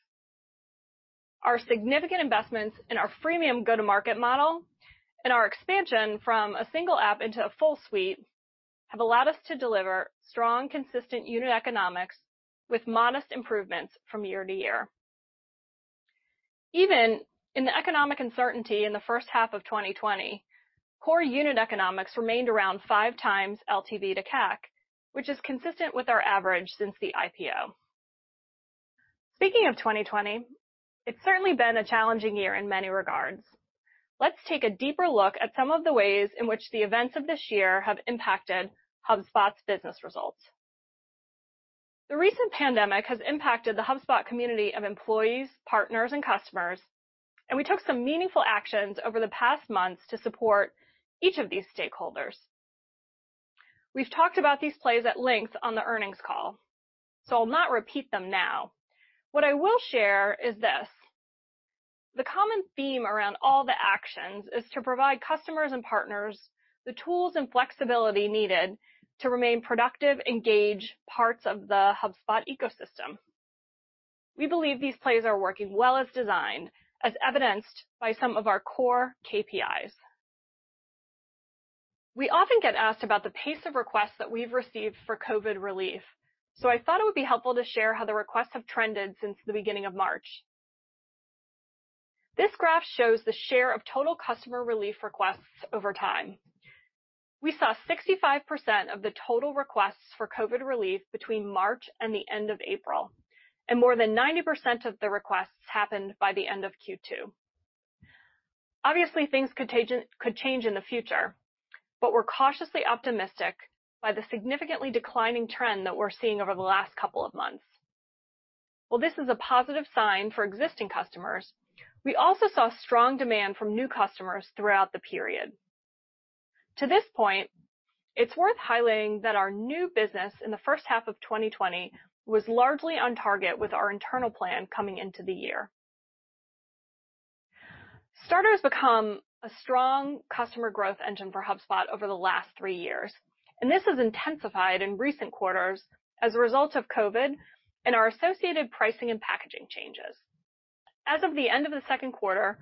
Our significant investments in our freemium go-to-market model and our expansion from a single app into a full suite have allowed us to deliver strong, consistent unit economics with modest improvements from year-to-year. Even in the economic uncertainty in the first half of 2020, core unit economics remained around 5x LTV to CAC, which is consistent with our average since the IPO. Speaking of 2020, it's certainly been a challenging year in many regards. Let's take a deeper look at some of the ways in which the events of this year have impacted HubSpot's business results. The recent pandemic has impacted the HubSpot community of employees, partners, and customers, and we took some meaningful actions over the past months to support each of these stakeholders. We've talked about these plays at length on the earnings call, so I'll not repeat them now. What I will share is this. The common theme around all the actions is to provide customers and partners the tools and flexibility needed to remain productive, engaged parts of the HubSpot ecosystem. We believe these plays are working well as designed, as evidenced by some of our core KPIs. We often get asked about the pace of requests that we've received for COVID relief, so I thought it would be helpful to share how the requests have trended since the beginning of March. This graph shows the share of total customer relief requests over time. We saw 65% of the total requests for COVID relief between March and the end of April, and more than 90% of the requests happened by the end of Q2. Obviously, things could change in the future, but we're cautiously optimistic by the significantly declining trend that we're seeing over the last couple of months. While this is a positive sign for existing customers, we also saw strong demand from new customers throughout the period. To this point, it's worth highlighting that our new business in the first half of 2020 was largely on target with our internal plan coming into the year. Starter has become a strong customer growth engine for HubSpot over the last three years, and this has intensified in recent quarters as a result of COVID and our associated pricing and packaging changes. As of the end of the second quarter,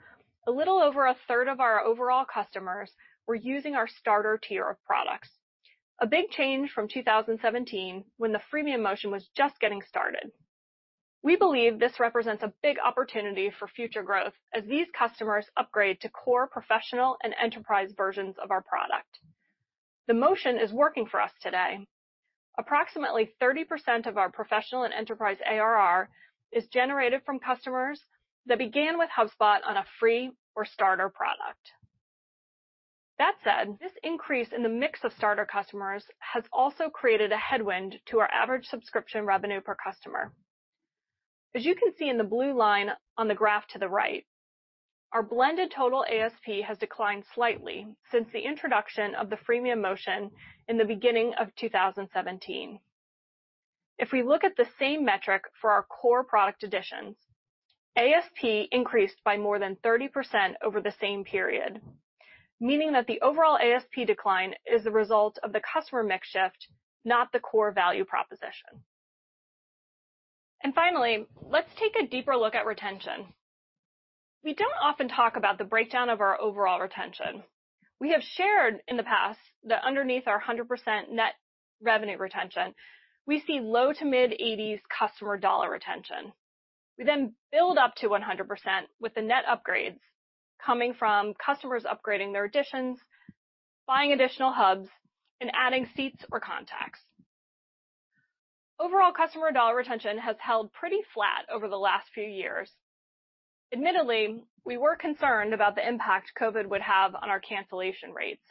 a little over a third of our overall customers were using our Starter tier of products, a big change from 2017 when the freemium motion was just getting started. We believe this represents a big opportunity for future growth as these customers upgrade to core, professional, and enterprise versions of our product. The motion is working for us today. Approximately 30% of our professional and enterprise ARR is generated from customers that began with HubSpot on a free or Starter product. That said, this increase in the mix of Starter customers has also created a headwind to our average subscription revenue per customer. As you can see in the blue line on the graph to the right, our blended total ASP has declined slightly since the introduction of the freemium motion in the beginning of 2017. If we look at the same metric for our core product editions, ASP increased by more than 30% over the same period, meaning that the overall ASP decline is the result of the customer mix shift, not the core value proposition. Finally, let's take a deeper look at retention. We don't often talk about the breakdown of our overall retention. We have shared in the past that underneath our 100% net revenue retention, we see low to mid-80s customer dollar retention. We then build up to 100% with the net upgrades coming from customers upgrading their editions, buying additional hubs, and adding seats or contacts. Overall customer dollar retention has held pretty flat over the last few years. Admittedly, we were concerned about the impact COVID would have on our cancellation rates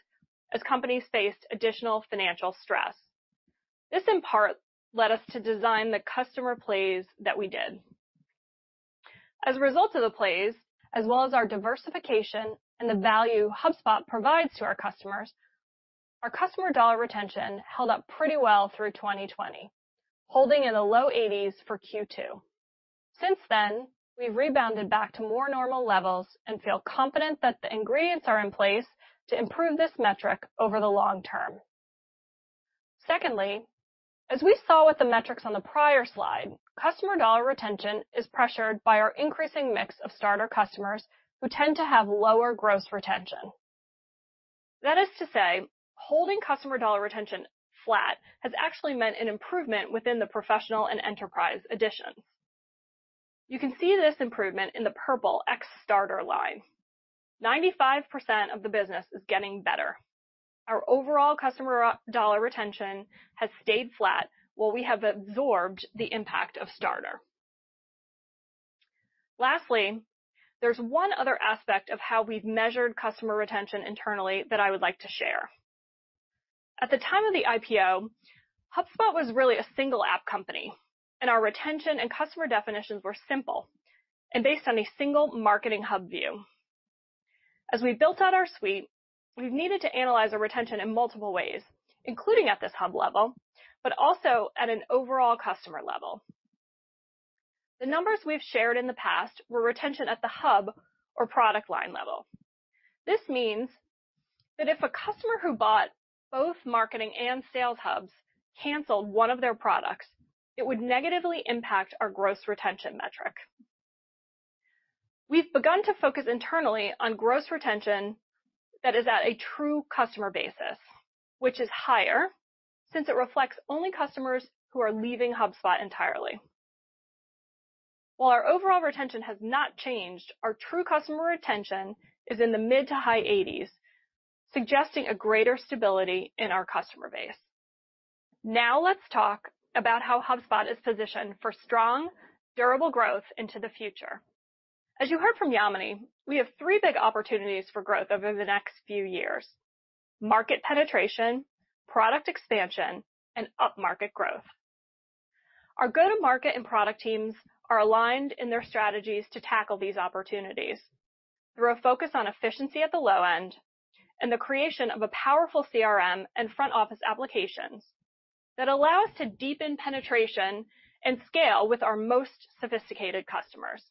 as companies faced additional financial stress. This, in part, led us to design the customer plays that we did. As a result of the plays, as well as our diversification and the value HubSpot provides to our customers, our customer dollar retention held up pretty well through 2020, holding in the low 80s for Q2. Since then, we've rebounded back to more normal levels and feel confident that the ingredients are in place to improve this metric over the long term. Secondly, as we saw with the metrics on the prior slide, customer dollar retention is pressured by our increasing mix of Starter customers who tend to have lower gross retention. That is to say, holding customer dollar retention flat has actually meant an improvement within the Professional and Enterprise editions. You can see this improvement in the purple ex-Starter line. 95% of the business is getting better. Our overall customer dollar retention has stayed flat, while we have absorbed the impact of Starter. Lastly, there's one other aspect of how we've measured customer retention internally that I would like to share. At the time of the IPO, HubSpot was really a single app company, and our retention and customer definitions were simple and based on a single Marketing Hub view. As we built out our suite, we've needed to analyze our retention in multiple ways, including at this hub level, but also at an overall customer level. The numbers we've shared in the past were retention at the hub or product line level. This means that if a customer who bought both Marketing Hub and Sales Hubs canceled one of their products, it would negatively impact our gross retention metric. We've begun to focus internally on gross retention. That is at a true customer basis, which is higher since it reflects only customers who are leaving HubSpot entirely. While our overall retention has not changed, our true customer retention is in the mid to high 80s, suggesting a greater stability in our customer base. Now let's talk about how HubSpot is positioned for strong, durable growth into the future. As you heard from Yamini, we have three big opportunities for growth over the next few years: market penetration, product expansion, and up-market growth. Our go-to-market and product teams are aligned in their strategies to tackle these opportunities through a focus on efficiency at the low end and the creation of a powerful CRM and front-office applications that allow us to deepen penetration and scale with our most sophisticated customers.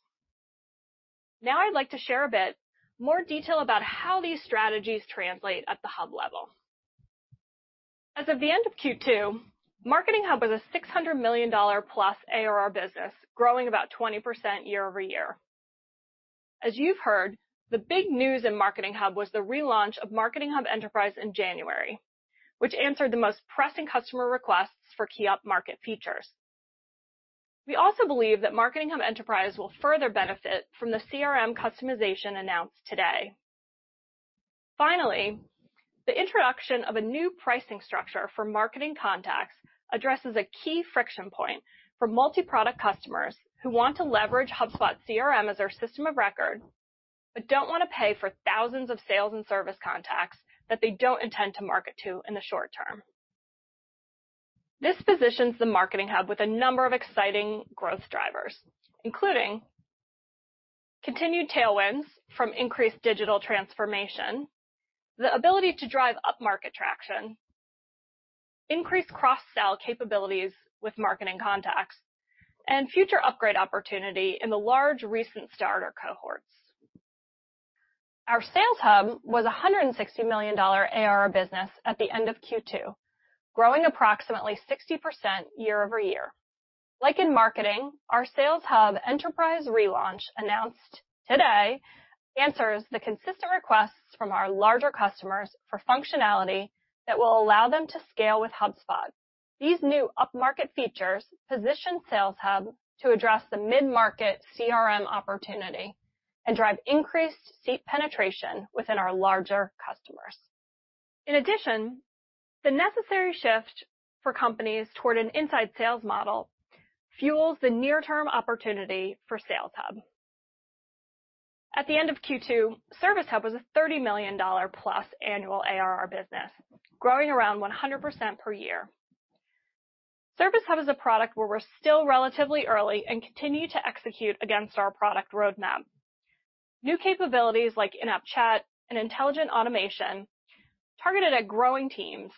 Now I'd like to share a bit more detail about how these strategies translate at the hub level. As of the end of Q2, Marketing Hub was a $600+ million ARR business, growing about 20% year-over-year. As you've heard, the big news in Marketing Hub was the relaunch of Marketing Hub Enterprise in January, which answered the most pressing customer requests for key up-market features. We also believe that Marketing Hub Enterprise will further benefit from the CRM customization announced today. Finally, the introduction of a new pricing structure for marketing contacts addresses a key friction point for multi-product customers who want to leverage HubSpot CRM as their system of record but don't want to pay for thousands of sales and service contacts that they don't intend to market to in the short term. This positions the Marketing Hub with a number of exciting growth drivers, including continued tailwinds from increased digital transformation, the ability to drive up-market traction, increased cross-sell capabilities with marketing contacts, and future upgrade opportunity in the large recent Starter cohorts. Our Sales Hub was a $160 million ARR business at the end of Q2, growing approximately 60% year-over-year. Like in marketing, our Sales Hub Enterprise relaunch, announced today, answers the consistent requests from our larger customers for functionality that will allow them to scale with HubSpot. These new up-market features position Sales Hub to address the mid-market CRM opportunity and drive increased seat penetration within our larger customers. In addition, the necessary shift for companies toward an inside sales model fuels the near-term opportunity for Sales Hub. At the end of Q2, Service Hub was a $30+ million annual ARR business, growing around 100% per year. Service Hub is a product where we're still relatively early and continue to execute against our product roadmap. New capabilities like in-app chat and intelligent automation targeted at growing teams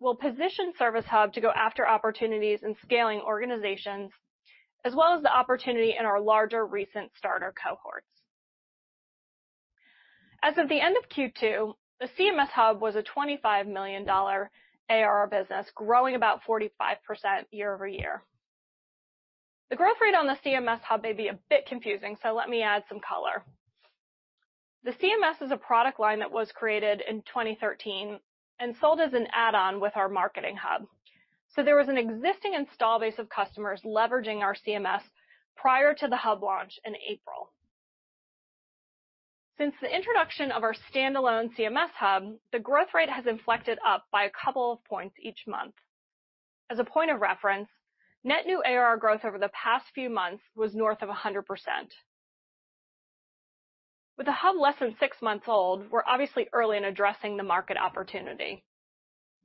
will position Service Hub to go after opportunities in scaling organizations, as well as the opportunity in our larger recent Starter cohorts. As of the end of Q2, the CMS Hub was a $25 million ARR business, growing about 45% year-over-year. The growth rate on the CMS Hub may be a bit confusing, so let me add some color. The CMS is a product line that was created in 2013 and sold as an add-on with our Marketing Hub. There was an existing install base of customers leveraging our CMS prior to the Hub launch in April. Since the introduction of our standalone CMS Hub, the growth rate has inflected up by a couple of points each month. As a point of reference, net new ARR growth over the past few months was north of 100%. With the Hub less than six months old, we're obviously early in addressing the market opportunity.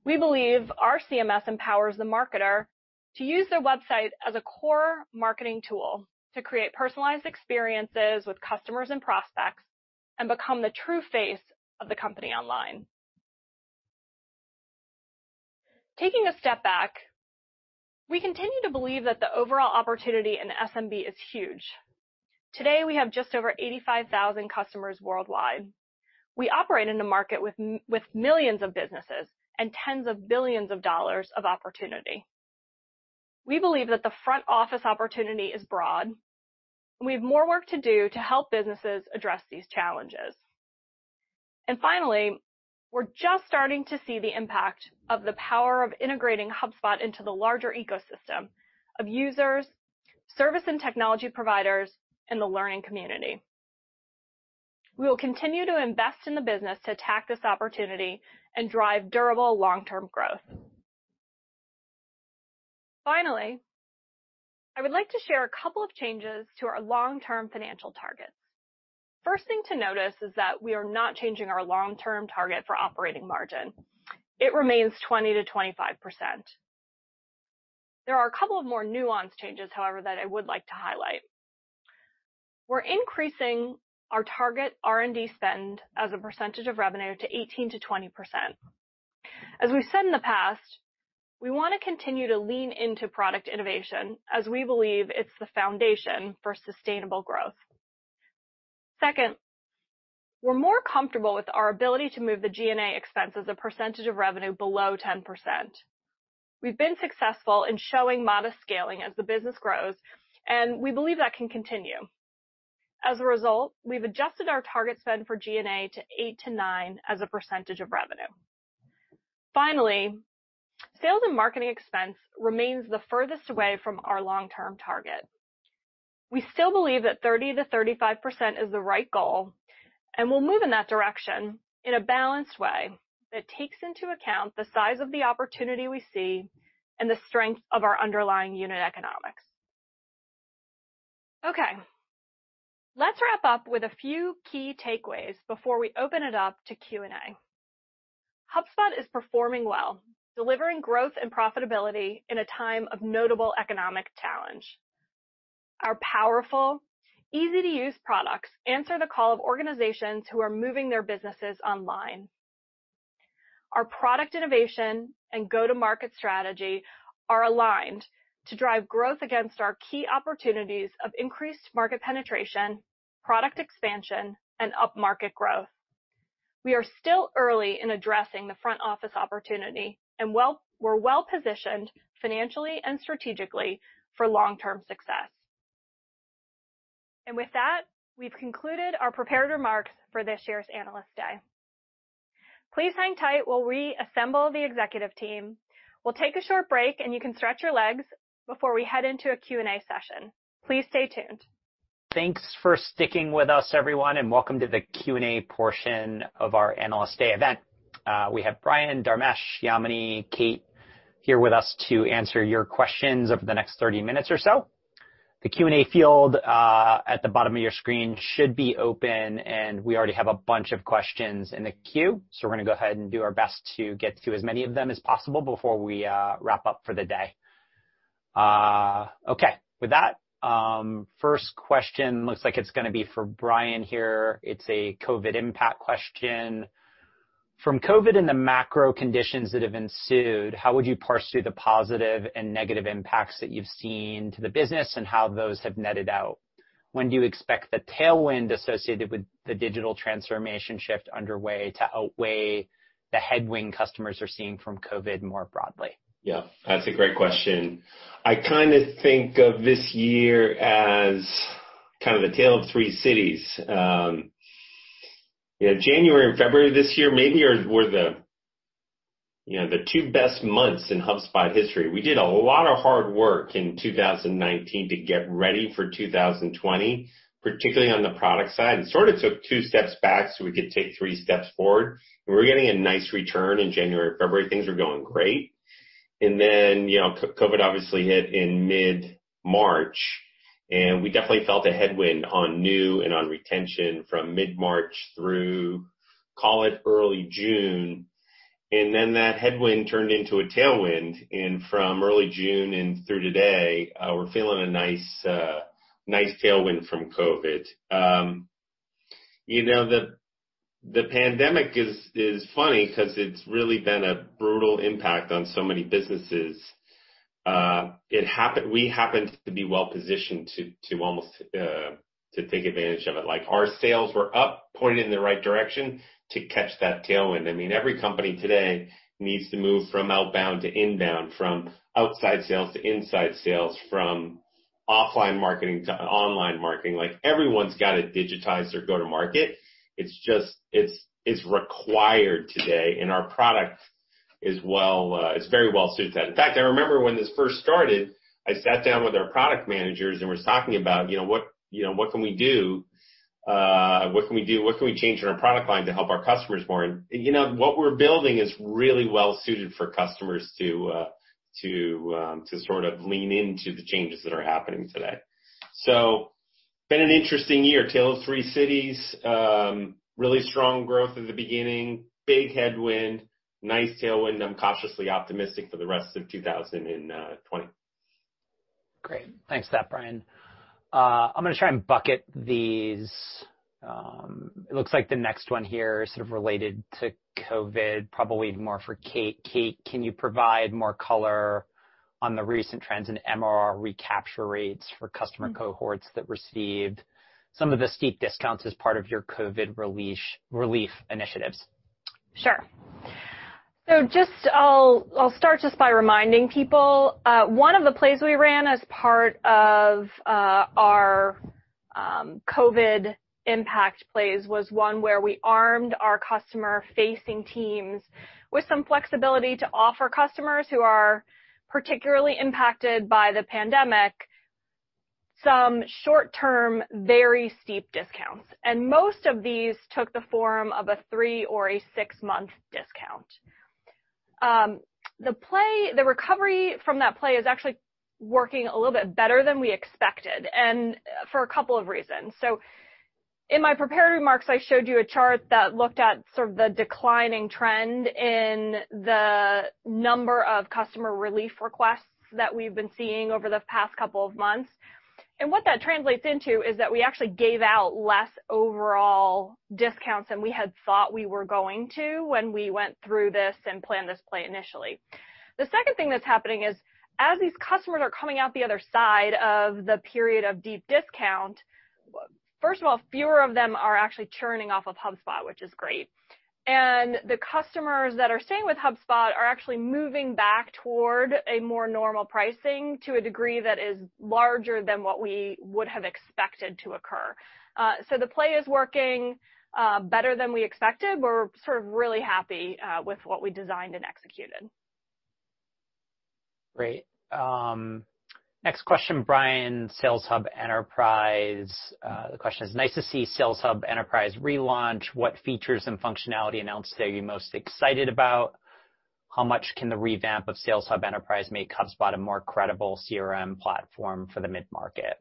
We believe our CMS empowers the marketer to use their website as a core marketing tool to create personalized experiences with customers and prospects and become the true face of the company online. Taking a step back, we continue to believe that the overall opportunity in SMB is huge. Today, we have just over 85,000 customers worldwide. We operate in a market with millions of businesses and tens of billions of dollars of opportunity. We believe that the front office opportunity is broad, and we have more work to do to help businesses address these challenges. Finally, we're just starting to see the impact of the power of integrating HubSpot into the larger ecosystem of users, service and technology providers, and the learning community. We will continue to invest in the business to attack this opportunity and drive durable long-term growth. Finally, I would like to share a couple of changes to our long-term financial targets. First thing to notice is that we are not changing our long-term target for operating margin. It remains 20%-25%. There are a couple of more nuanced changes, however, that I would like to highlight. We're increasing our target R&D spend as a percentage of revenue to 18%-20%. As we've said in the past, we want to continue to lean into product innovation as we believe it's the foundation for sustainable growth. Second, we're more comfortable with our ability to move the G&A expense as a percentage of revenue below 10%. We've been successful in showing modest scaling as the business grows, and we believe that can continue. As a result, we've adjusted our target spend for G&A to 8%-9% of revenue. Finally, sales and marketing expense remains the furthest away from our long-term target. We still believe that 30%-35% is the right goal, and we'll move in that direction in a balanced way that takes into account the size of the opportunity we see and the strength of our underlying unit economics. Okay, let's wrap up with a few key takeaways before we open it up to Q&A. HubSpot is performing well, delivering growth and profitability in a time of notable economic challenge. Our powerful, easy-to-use products answer the call of organizations who are moving their businesses online. Our product innovation and go-to-market strategy are aligned to drive growth against our key opportunities of increased market penetration, product expansion, and upmarket growth. We are still early in addressing the front-office opportunity, and we're well-positioned financially and strategically for long-term success. With that, we've concluded our prepared remarks for this year's Analyst Day. Please hang tight while we assemble the executive team. We'll take a short break, and you can stretch your legs before we head into a Q&A session. Please stay tuned. Thanks for sticking with us, everyone. Welcome to the Q&A portion of our Analyst Day event. We have Brian, Dharmesh, Yamini, Kate here with us to answer your questions over the next 30 minutes or so. The Q&A field at the bottom of your screen should be open, and we already have a bunch of questions in the queue, so we are going to go ahead and do our best to get to as many of them as possible before we wrap up for the day. Okay. With that, first question looks like it's going to be for Brian here. It's a COVID impact question. From COVID and the macro conditions that have ensued, how would you parse through the positive and negative impacts that you've seen to the business and how those have netted out? When do you expect the tailwind associated with the digital transformation shift underway to outweigh the headwind customers are seeing from COVID more broadly? Yeah, that's a great question. I kind of think of this year as kind of the tale of three cities. January and February this year maybe were the two best months in HubSpot history. We did a lot of hard work in 2019 to get ready for 2020, particularly on the product side, and sort of took two steps back so we could take three steps forward, and we were getting a nice return in January and February. Things were going great. Then, COVID obviously hit in mid-March, and we definitely felt a headwind on new and on retention from mid-March through, call it early June. Then that headwind turned into a tailwind, and from early June and through today, we're feeling a nice tailwind from COVID. The pandemic is funny because it's really been a brutal impact on so many businesses. We happened to be well-positioned to take advantage of it. Our sales were up, pointed in the right direction to catch that tailwind. Every company today needs to move from outbound to inbound, from outside sales to inside sales, from offline marketing to online marketing. Everyone's got to digitize their go-to-market. It's required today. Our product is very well suited to that. In fact, I remember when this first started, I sat down with our product managers and was talking about what can we do, what can we change in our product line to help our customers more? What we're building is really well-suited for customers to sort of lean into the changes that are happening today. Been an interesting year. Tale of three cities. Really strong growth at the beginning, big headwind, nice tailwind. I'm cautiously optimistic for the rest of 2020. Great. Thanks for that, Brian. I'm going to try and bucket these. It looks like the next one here is sort of related to COVID, probably more for Kate. Kate, can you provide more color on the recent trends in MRR recapture rates for customer cohorts that received some of the steep discounts as part of your COVID relief initiatives? Sure. I'll start just by reminding people. One of the plays we ran as part of our COVID impact plays was one where we armed our customer-facing teams with some flexibility to offer customers who are particularly impacted by the pandemic some short-term, very steep discounts. Most of these took the form of a three or a six-month discount. The recovery from that play is actually working a little bit better than we expected, and for a couple of reasons. In my prepared remarks, I showed you a chart that looked at sort of the declining trend in the number of customer relief requests that we've been seeing over the past couple of months. What that translates into is that we actually gave out less overall discounts than we had thought we were going to when we went through this and planned this play initially. The second thing that's happening is, as these customers are coming out the other side of the period of deep discount. First of all, fewer of them are actually churning off of HubSpot, which is great. The customers that are staying with HubSpot are actually moving back toward a more normal pricing to a degree that is larger than what we would have expected to occur. The play is working better than we expected. We're sort of really happy with what we designed and executed. Great. Next question, Brian, Sales Hub Enterprise. The question is, nice to see Sales Hub Enterprise relaunch. What features and functionality announced today are you most excited about? How much can the revamp of Sales Hub Enterprise make HubSpot a more credible CRM platform for the mid-market?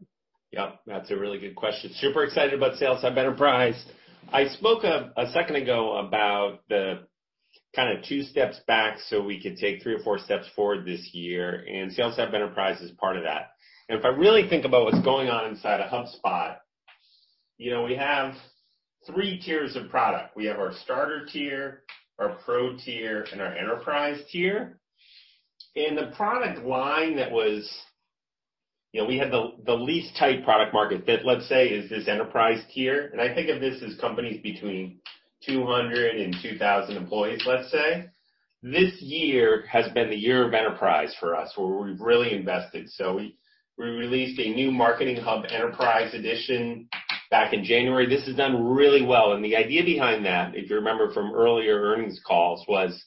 Yep, that's a really good question. Super excited about Sales Hub Enterprise. I spoke a second ago about the kind of two steps back so we could take three or four steps forward this year, and Sales Hub Enterprise is part of that. If I really think about what's going on inside of HubSpot, we have three tiers of product. We have our Starter tier, our pro tier, and our enterprise tier. The product line that had the least tight product market fit, let's say, is this enterprise tier, and I think of this as companies between 200 and 2,000 employees, let's say. This year has been the year of enterprise for us, where we've really invested. We released a new Marketing Hub Enterprise edition back in January. This has done really well, and the idea behind that, if you remember from earlier earnings calls, was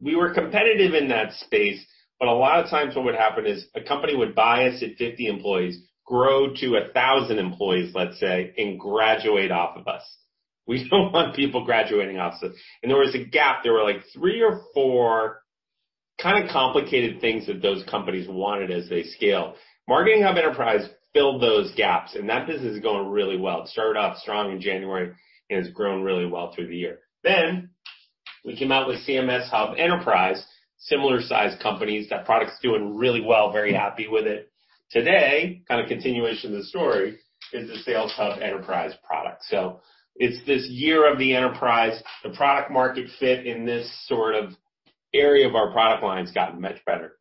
we were competitive in that space, but a lot of times what would happen is a company would buy us at 50 employees, grow to 1,000 employees, let's say, and graduate off of us. We don't want people graduating off us. There was a gap. There were like three or four kind of complicated things that those companies wanted as they scale. Marketing Hub Enterprise filled those gaps, and that business is going really well. It started off strong in January and has grown really well through the year. We came out with CMS Hub Enterprise, similar-sized companies. That product's doing really well, very happy with it. Today, kind of continuation of the story, is the Sales Hub Enterprise product. It's this year of the enterprise. The product market fit in this sort of area of our product line's gotten much better.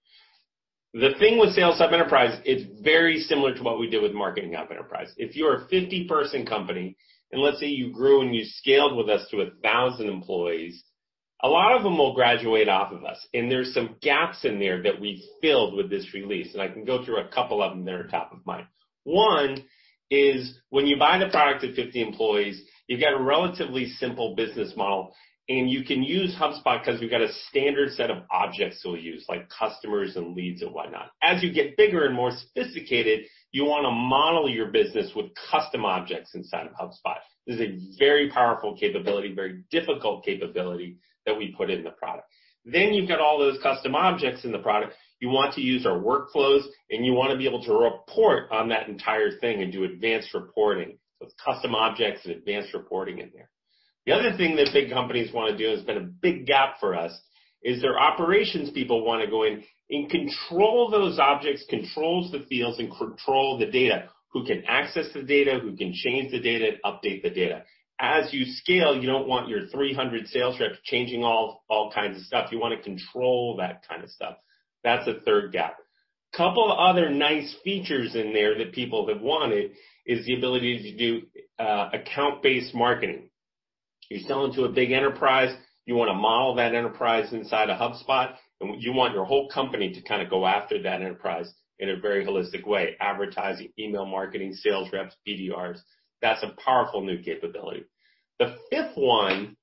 The thing with Sales Hub Enterprise, it is very similar to what we did with Marketing Hub Enterprise. If you are a 50-person company, and let us say you grew and you scaled with us to 1,000 employees, a lot of them will graduate off of us, and there is some gaps in there that we filled with this release, and I can go through a couple of them that are top of mind. One is when you buy the product at 50 employees, you have got a relatively simple business model, and you can use HubSpot because we have got a standard set of objects you will use, like customers and leads and whatnot. As you get bigger and more sophisticated, you want to model your business with custom objects inside of HubSpot. This is a very powerful capability, very difficult capability that we put in the product. You've got all those custom objects in the product. You want to use our workflows, you want to be able to report on that entire thing and do advanced reporting. It's custom objects and advanced reporting in there. The other thing that big companies want to do, and it's been a big gap for us, is their operations people want to go in and control those objects, control the fields, and control the data, who can access the data, who can change the data, and update the data. As you scale, you don't want your 300 sales reps changing all kinds of stuff. You want to control that kind of stuff. That's the third gap. Couple other nice features in there that people have wanted is the ability to do account-based marketing. You're selling to a big enterprise. You want to model that enterprise inside a HubSpot, and you want your whole company to kind of go after that enterprise in a very holistic way, advertising, email marketing, sales reps, BDRs. That's a powerful new capability. The fifth one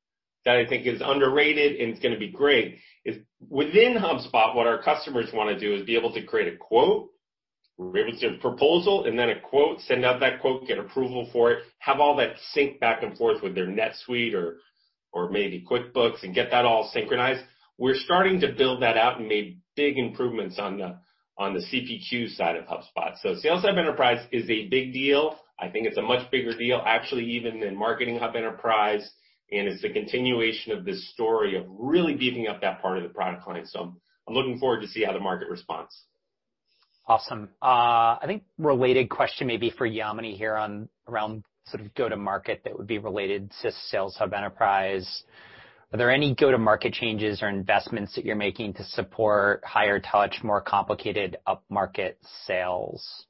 that I think is underrated and it's going to be great is within HubSpot, what our customers want to do is be able to create a quote, or maybe it's a proposal and then a quote, send out that quote, get approval for it, have all that sync back and forth with their NetSuite or maybe QuickBooks, and get that all synchronized. We're starting to build that out and made big improvements on the CPQ side of HubSpot. Sales Hub Enterprise is a big deal. I think it's a much bigger deal actually even than Marketing Hub Enterprise, and it's a continuation of this story of really beefing up that part of the product line. I'm looking forward to see how the market responds. Awesome. I think related question maybe for Yamini here around sort of go-to-market that would be related to Sales Hub Enterprise. Are there any go-to-market changes or investments that you're making to support higher touch, more complicated upmarket sales?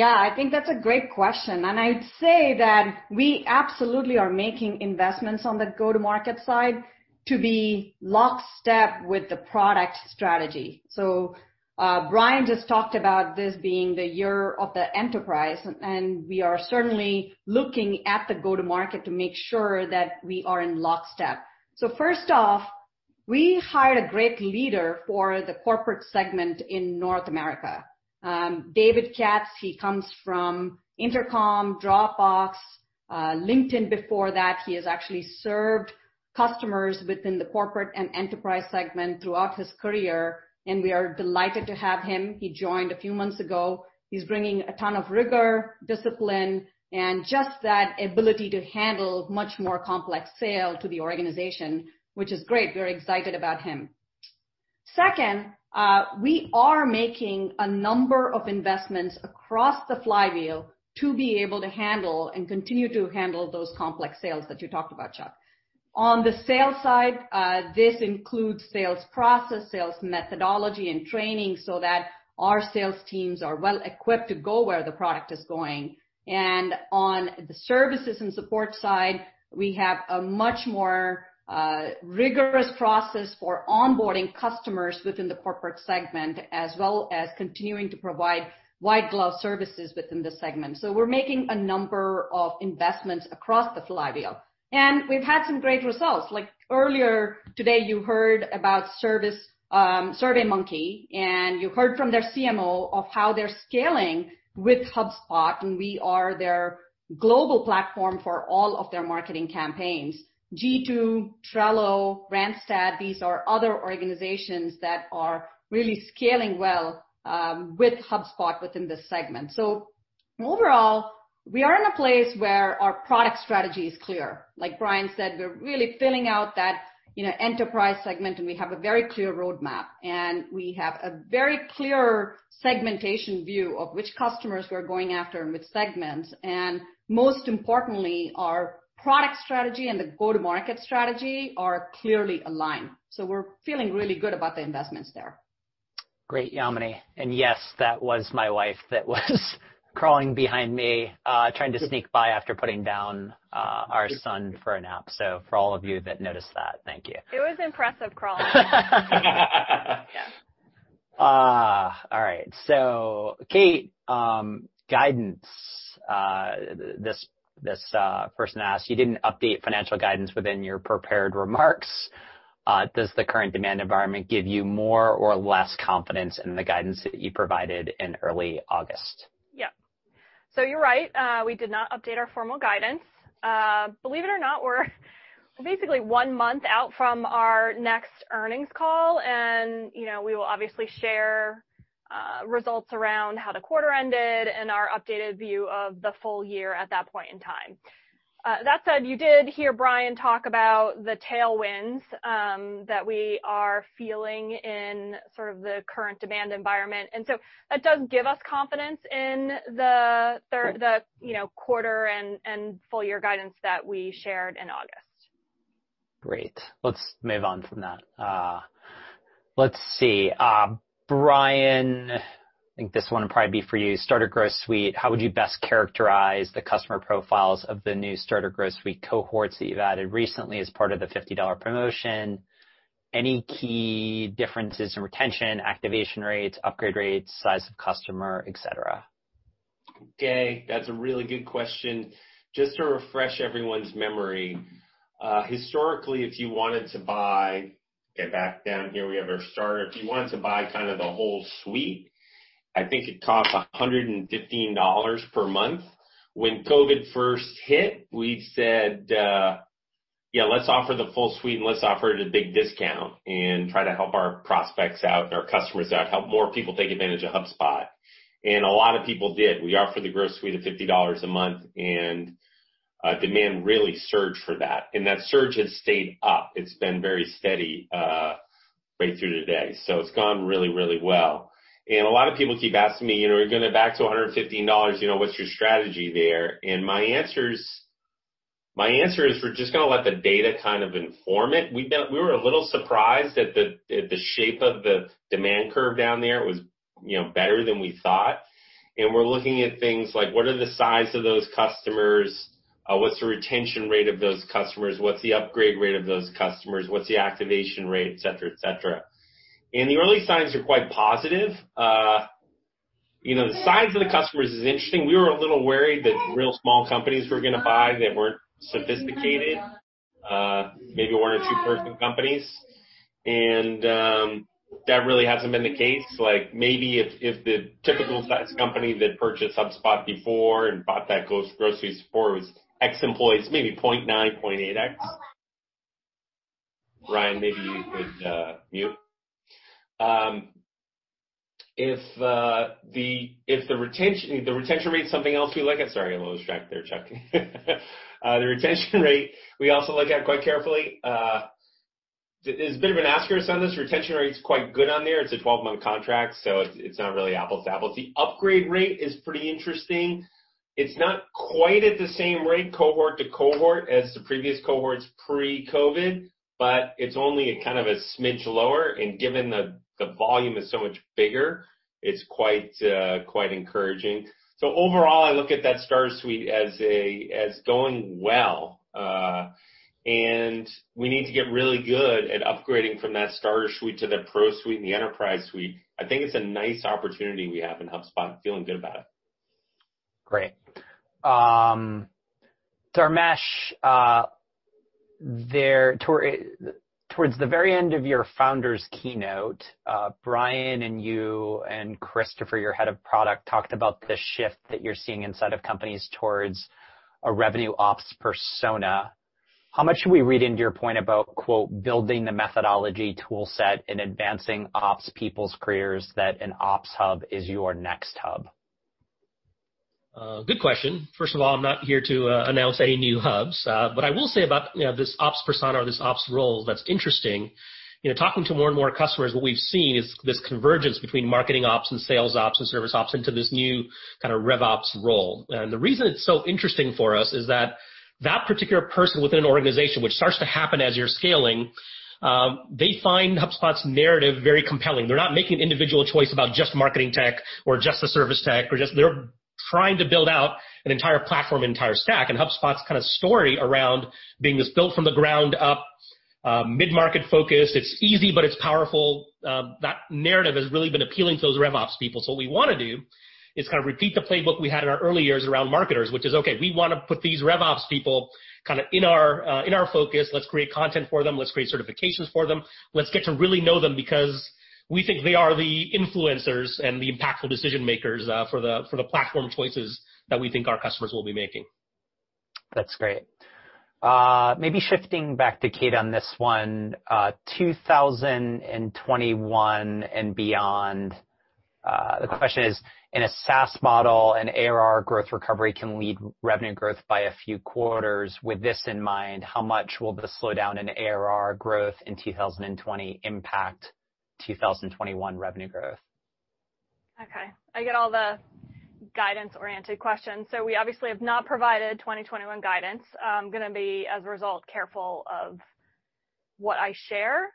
I think that's a great question, and I'd say that we absolutely are making investments on the go-to-market side to be lockstep with the product strategy. Brian just talked about this being the year of the enterprise, and we are certainly looking at the go-to-market to make sure that we are in lockstep. First off, we hired a great leader for the corporate segment in North America, David Katz. He comes from Intercom, Dropbox, LinkedIn before that. He has actually served customers within the corporate and enterprise segment throughout his career, and we are delighted to have him. He joined a few months ago. He's bringing a ton of rigor, discipline, and just that ability to handle much more complex sale to the organization, which is great. We're excited about him. Second, we are making a number of investments across the flywheel to be able to handle and continue to handle those complex sales that you talked about, Chuck. On the sales side, this includes sales process, sales methodology, and training so that our sales teams are well-equipped to go where the product is going. On the services and support side, we have a much more rigorous process for onboarding customers within the corporate segment, as well as continuing to provide white glove services within the segment. We're making a number of investments across the flywheel. We've had some great results. Like earlier today, you heard about SurveyMonkey, and you heard from their CMO of how they're scaling with HubSpot, and we are their global platform for all of their marketing campaigns. G2, Trello, Randstad, these are other organizations that are really scaling well with HubSpot within this segment. Overall, we are in a place where our product strategy is clear. Like Brian said, we're really filling out that enterprise segment, and we have a very clear roadmap. We have a very clear segmentation view of which customers we're going after and which segments. Most importantly, our product strategy and the go-to-market strategy are clearly aligned. We're feeling really good about the investments there. Great, Yamini. Yes, that was my wife that was crawling behind me, trying to sneak by after putting down our son for a nap. For all of you that noticed that, thank you. It was impressive crawling. All right. Kate, guidance. This person asked, you didn't update financial guidance within your prepared remarks. Does the current demand environment give you more or less confidence in the guidance that you provided in early August? Yep. You're right, we did not update our formal guidance. Believe it or not, we're basically one month out from our next earnings call, and we will obviously share results around how the quarter ended and our updated view of the full year at that point in time. That said, you did hear Brian talk about the tailwinds that we are feeling in sort of the current demand environment. That does give us confidence in the quarter and full-year guidance that we shared in August. Great. Let's move on from that. Let's see. Brian, I think this one would probably be for you. Starter Growth Suite, how would you best characterize the customer profiles of the new Starter Growth Suite cohorts that you've added recently as part of the $50 promotion? Any key differences in retention, activation rates, upgrade rates, size of customer, et cetera? Okay, that's a really good question. Just to refresh everyone's memory. Historically, if you wanted to buy kind of the whole suite, I think it cost $115 per month. When COVID first hit, we said, yeah, let's offer the full suite and let's offer it at a big discount and try to help our prospects out and our customers out, help more people take advantage of HubSpot. A lot of people did. We offered the Growth Suite of $50 a month, and demand really surged for that. That surge has stayed up. It's been very steady right through today. It's gone really, really well. A lot of people keep asking me, are you going back to $115? What's your strategy there? My answer is we're just going to let the data kind of inform it. We were a little surprised at the shape of the demand curve down there. It was better than we thought. We're looking at things like, what are the size of those customers? What's the retention rate of those customers? What's the upgrade rate of those customers? What's the activation rate? Et cetera. The early signs are quite positive. The size of the customers is interesting. We were a little worried that real small companies were going to buy that weren't sophisticated, maybe one or two-person companies, and that really hasn't been the case. Maybe if the typical size company that purchased HubSpot before and bought that Growth Suite before was X employees, maybe 0.9, 0.8X. Ryan, maybe you could mute. The retention rate is something else we look at. Sorry, I lost track there, Chuck. The retention rate, we also look at quite carefully. There's a bit of an asterisk on this. Retention rate is quite good on there. It's a 12-month contract, so it's not really apples to apples. The upgrade rate is pretty interesting. It's not quite at the same rate cohort to cohort as the previous cohorts pre-COVID, but it's only a smidge lower, and given the volume is so much bigger, it's quite encouraging. Overall, I look at that Starter Suite as going well. We need to get really good at upgrading from that Starter Suite to the Pro Suite and the Enterprise Suite. I think it's a nice opportunity we have in HubSpot. Feeling good about it. Great. Dharmesh, towards the very end of your founder's keynote, Brian and you and Christopher, your head of product, talked about the shift that you're seeing inside of companies towards a revenue ops persona. How much should we read into your point about quote, building the methodology tool set and advancing ops people's careers that an ops hub is your next hub? Good question. First of all, I'm not here to announce any new hubs. I will say about this ops persona or this ops role that's interesting, talking to more and more customers, what we've seen is this convergence between marketing ops and sales ops and service ops into this new kind of RevOps role. The reason it's so interesting for us is that that particular person within an organization, which starts to happen as you're scaling, they find HubSpot's narrative very compelling. They're not making an individual choice about just marketing tech or just the service tech. They're trying to build out an entire platform, entire stack, and HubSpot's story around being this built from the ground up, mid-market focus. It's easy, but it's powerful. That narrative has really been appealing to those RevOps people. What we want to do is repeat the playbook we had in our early years around marketers, which is, okay, we want to put these RevOps people in our focus. Let's create content for them. Let's create certifications for them. Let's get to really know them because we think they are the influencers and the impactful decision-makers for the platform choices that we think our customers will be making. That's great. Shifting back to Kate on this one, 2021 and beyond. The question is, in a SaaS model, an ARR growth recovery can lead revenue growth by a few quarters. With this in mind, how much will the slowdown in ARR growth in 2020 impact 2021 revenue growth? I get all the guidance-oriented questions. We obviously have not provided 2021 guidance. I'm going to be, as a result, careful of what I share.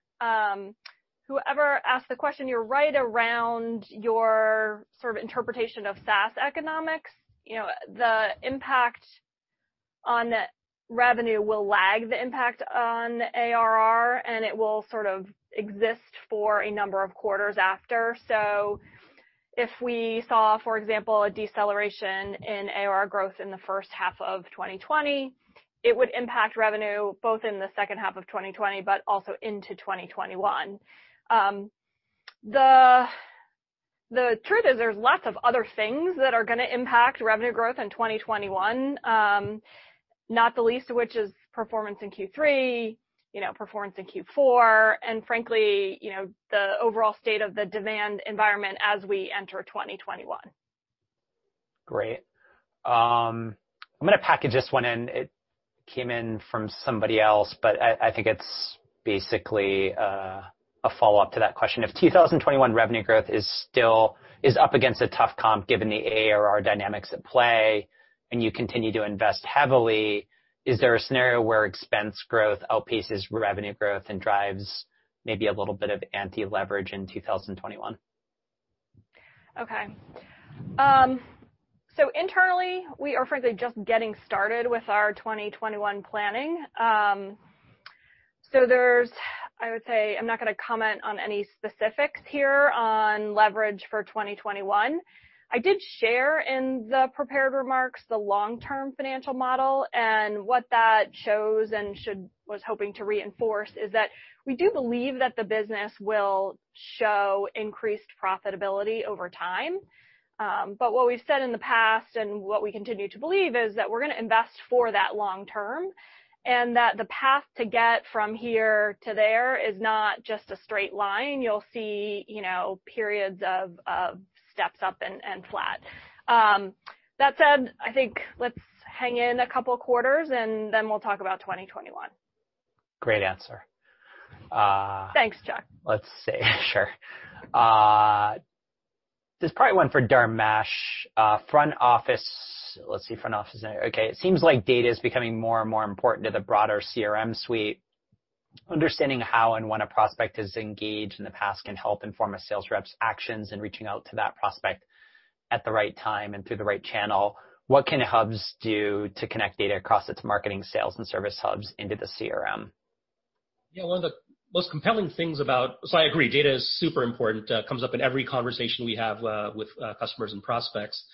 Whoever asked the question, you're right around your sort of interpretation of SaaS economics. The impact on revenue will lag the impact on ARR, and it will sort of exist for a number of quarters after. If we saw, for example, a deceleration in ARR growth in the first half of 2020, it would impact revenue both in the second half of 2020, but also into 2021. The truth is there's lots of other things that are going to impact revenue growth in 2021, not the least of which is performance in Q3, performance in Q4, and frankly, the overall state of the demand environment as we enter 2021. Great. I'm going to package this one in. It came in from somebody else, but I think it's basically a follow-up to that question. If 2021 revenue growth is up against a tough comp given the ARR dynamics at play and you continue to invest heavily, is there a scenario where expense growth outpaces revenue growth and drives maybe a little bit of anti-leverage in 2021? Internally, we are frankly just getting started with our 2021 planning. There's, I would say, I'm not going to comment on any specifics here on leverage for 2021. I did share in the prepared remarks the long-term financial model, and what that shows and was hoping to reinforce is that we do believe that the business will show increased profitability over time. What we've said in the past and what we continue to believe is that we're going to invest for that long term, and that the path to get from here to there is not just a straight line. You'll see periods of steps up and flat. That said, I think let's hang in a couple of quarters, and then we'll talk about 2021. Great answer. Thanks, Chuck. Let's see. Sure. This is probably one for Dharmesh. Front office. Let's see, front office. Okay, it seems like data is becoming more and more important to the broader CRM suite. Understanding how and when a prospect is engaged in the past can help inform a sales rep's actions in reaching out to that prospect at the right time and through the right channel. What can hubs do to connect data across its Marketing, Sales, and Service Hubs into the CRM? Yeah, one of the most compelling things about I agree, data is super important. Comes up in every conversation we have with customers and prospects.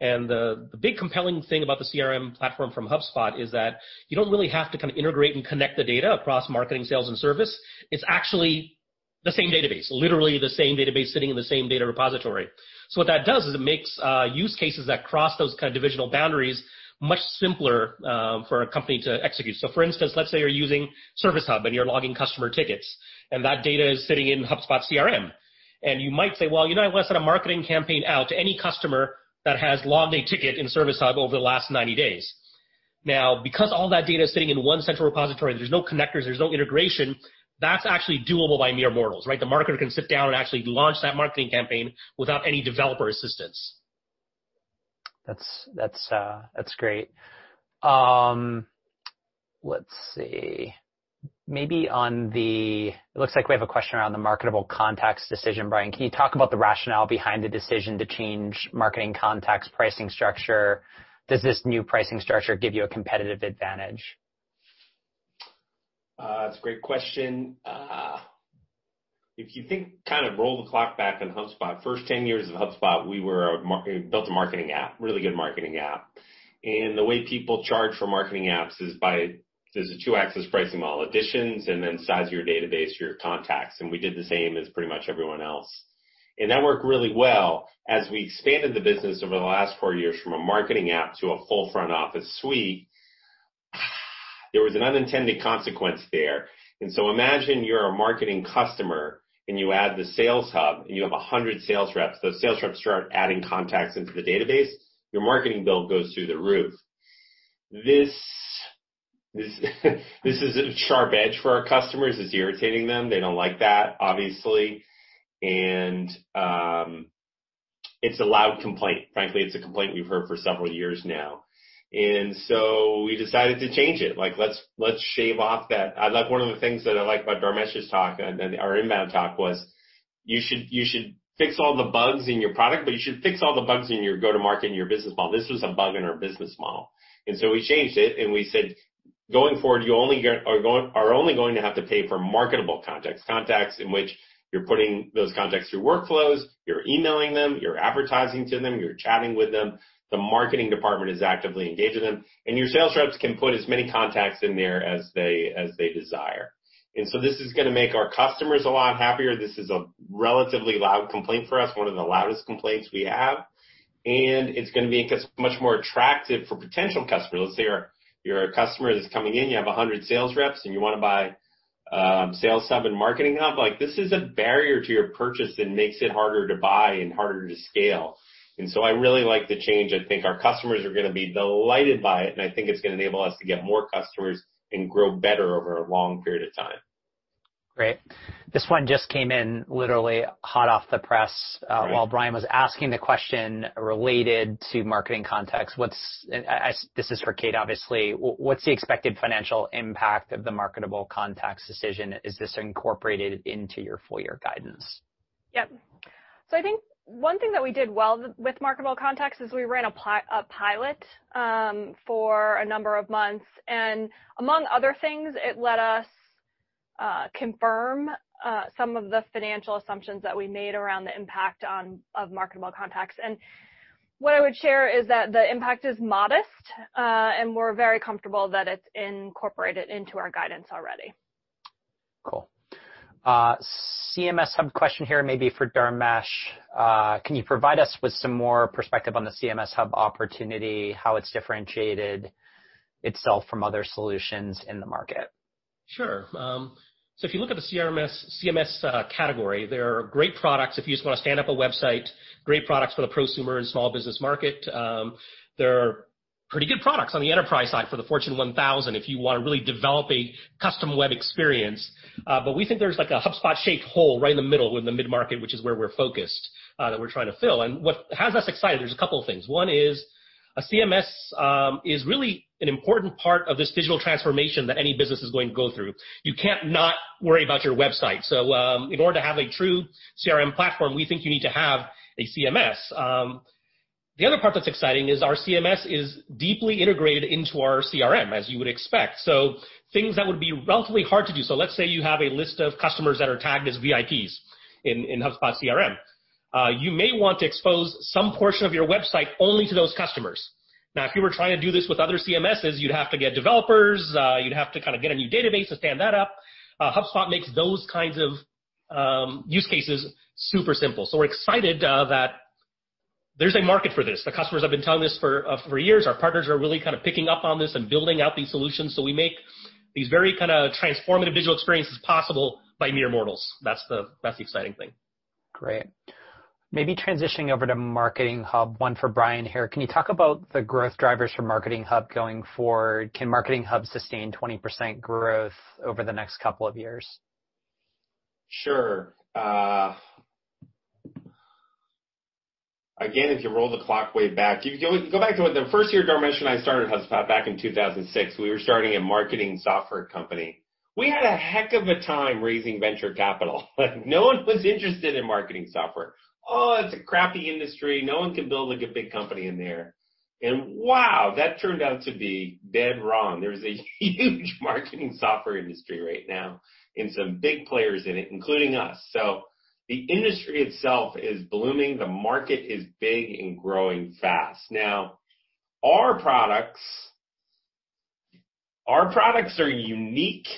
The big compelling thing about the CRM platform from HubSpot is that you don't really have to integrate and connect the data across marketing, sales, and service. It's actually the same database, literally the same database sitting in the same data repository. What that does is it makes use cases that cross those divisional boundaries much simpler for a company to execute. For instance, let's say you're using Service Hub and you're logging customer tickets, and that data is sitting in HubSpot CRM. You might say, well, I want to send a marketing campaign out to any customer that has logged a ticket in Service Hub over the last 90 days. Because all that data is sitting in one central repository, there's no connectors, there's no integration. That's actually doable by mere mortals, right? The marketer can sit down and actually launch that marketing campaign without any developer assistance. That's great. Let's see. It looks like we have a question around the marketable contacts decision. Brian, can you talk about the rationale behind the decision to change marketing contacts pricing structure? Does this new pricing structure give you a competitive advantage? That's a great question. If you think, kind of roll the clock back on HubSpot, first 10 years of HubSpot, we built a marketing app, really good marketing app. The way people charge for marketing apps is by, there's a two-axis pricing model, editions and then size of your database, your contacts. We did the same as pretty much everyone else. That worked really well. As we expanded the business over the last four years from a marketing app to a full front office suite. There was an unintended consequence there. Imagine you're a marketing customer and you add the Sales Hub, and you have 100 sales reps. Those sales reps start adding contacts into the database, your marketing bill goes through the roof. This is a sharp edge for our customers, it's irritating them. They don't like that, obviously. It's a loud complaint, frankly, it's a complaint we've heard for several years now. We decided to change it. One of the things that I like about Dharmesh's talk, our INBOUND talk was, you should fix all the bugs in your product, but you should fix all the bugs in your go-to-market and your business model. This was a bug in our business model, we changed it and we said, going forward, you are only going to have to pay for marketable contacts in which you're putting those contacts through workflows, you're emailing them, you're advertising to them, you're chatting with them. The marketing department is actively engaging them, your sales reps can put as many contacts in there as they desire. This is going to make our customers a lot happier. This is a relatively loud complaint for us, one of the loudest complaints we have. It's going to make us much more attractive for potential customers. Let's say you're a customer that's coming in, you have 100 sales reps, and you want to buy Sales Hub and Marketing Hub, this is a barrier to your purchase and makes it harder to buy and harder to scale. I really like the change. I think our customers are going to be delighted by it, and I think it's going to enable us to get more customers and grow better over a long period of time. Great. This one just came in literally hot off the press- Great.... while Brian was asking the question related to marketing contacts. This is for Kate, obviously. What's the expected financial impact of the marketable contacts decision? Is this incorporated into your full-year guidance? Yep. I think one thing that we did well with marketable contacts is we ran a pilot for a number of months, and among other things, it let us confirm some of the financial assumptions that we made around the impact of marketable contacts. What I would share is that the impact is modest, and we're very comfortable that it's incorporated into our guidance already. Cool. CMS Hub question here, maybe for Dharmesh. Can you provide us with some more perspective on the CMS Hub opportunity, how it's differentiated itself from other solutions in the market? Sure. If you look at the CMS category, there are great products if you just want to stand up a website, great products for the prosumer and small business market. There are pretty good products on the enterprise side for the Fortune 1000 if you want to really develop a custom web experience. We think there's like a HubSpot-shaped hole right in the middle, in the mid-market, which is where we're focused, that we're trying to fill. What has us excited, there's a couple things. One is a CMS is really an important part of this digital transformation that any business is going to go through. You can't not worry about your website. In order to have a true CRM platform, we think you need to have a CMS. The other part that's exciting is our CMS is deeply integrated into our CRM, as you would expect. Things that would be relatively hard to do. Let's say you have a list of customers that are tagged as VIPs in HubSpot CRM. You may want to expose some portion of your website only to those customers. Now, if you were trying to do this with other CMSs, you'd have to get developers, you'd have to kind of get a new database to stand that up. HubSpot makes those kinds of use cases super simple. We're excited that there's a market for this. The customers have been telling us for years. Our partners are really kind of picking up on this and building out these solutions, so we make these very kind of transformative digital experiences possible by mere mortals. That's the exciting thing. Great. Maybe transitioning over to Marketing Hub, one for Brian here. Can you talk about the growth drivers for Marketing Hub going forward? Can Marketing Hub sustain 20% growth over the next couple of years? Sure. Again, if you roll the clock way back, go back to the first year Dharmesh and I started HubSpot back in 2006, we were starting a marketing software company. We had a heck of a time raising venture capital. No one was interested in marketing software. Oh, it's a crappy industry. No one can build, like, a big company in there. Wow, that turned out to be dead wrong. There's a huge marketing software industry right now and some big players in it, including us. The industry itself is blooming. The market is big and growing fast. Now, our products are unique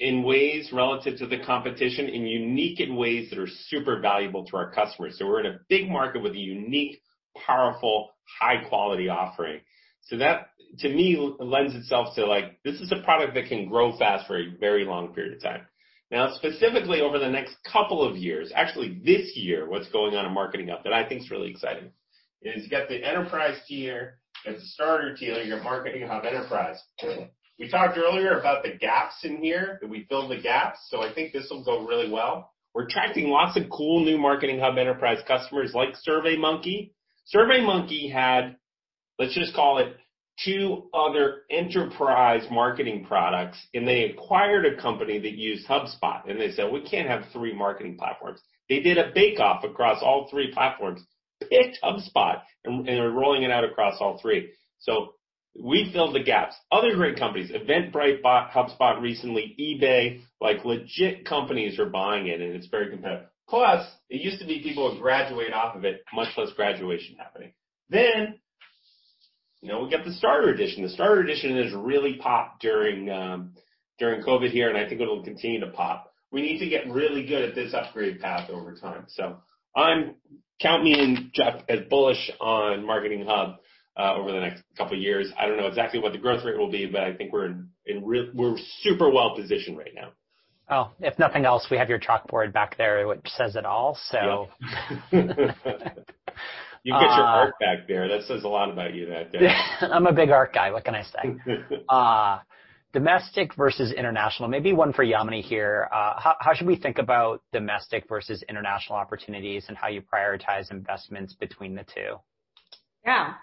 in ways relative to the competition, and unique in ways that are super valuable to our customers. We're in a big market with a unique, powerful, high-quality offering. That, to me, lends itself to, like, this is a product that can grow fast for a very long period of time. Specifically over the next couple of years, actually this year, what's going on in Marketing Hub that I think is really exciting is you got the Enterprise tier and the Starter tier, your Marketing Hub Enterprise. We talked earlier about the gaps in here, that we filled the gaps, so I think this will go really well. We're attracting lots of cool new Marketing Hub Enterprise customers like SurveyMonkey. SurveyMonkey had, let's just call it two other enterprise marketing products, and they acquired a company that used HubSpot, and they said, we can't have three marketing platforms. They did a bake-off across all three platforms, picked HubSpot, and they're rolling it out across all three. We filled the gaps. Other great companies, Eventbrite bought HubSpot recently, eBay, like, legit companies are buying it, and it's very competitive. Plus, it used to be people would graduate off of it. Much less graduation happening. Then we got the Starter edition. The Starter edition has really popped during COVID here, and I think it'll continue to pop. We need to get really good at this upgrade path over time. Count me in, Jeff, as bullish on Marketing Hub over the next couple of years. I don't know exactly what the growth rate will be, but I think we're super well-positioned right now. Well, if nothing else, we have your chalkboard back there which says it all. Yep. You've got your art back there. That says a lot about you that day. I'm a big art guy. What can I say? Domestic versus international, maybe one for Yamini here. How should we think about domestic versus international opportunities and how you prioritize investments between the two? Yeah.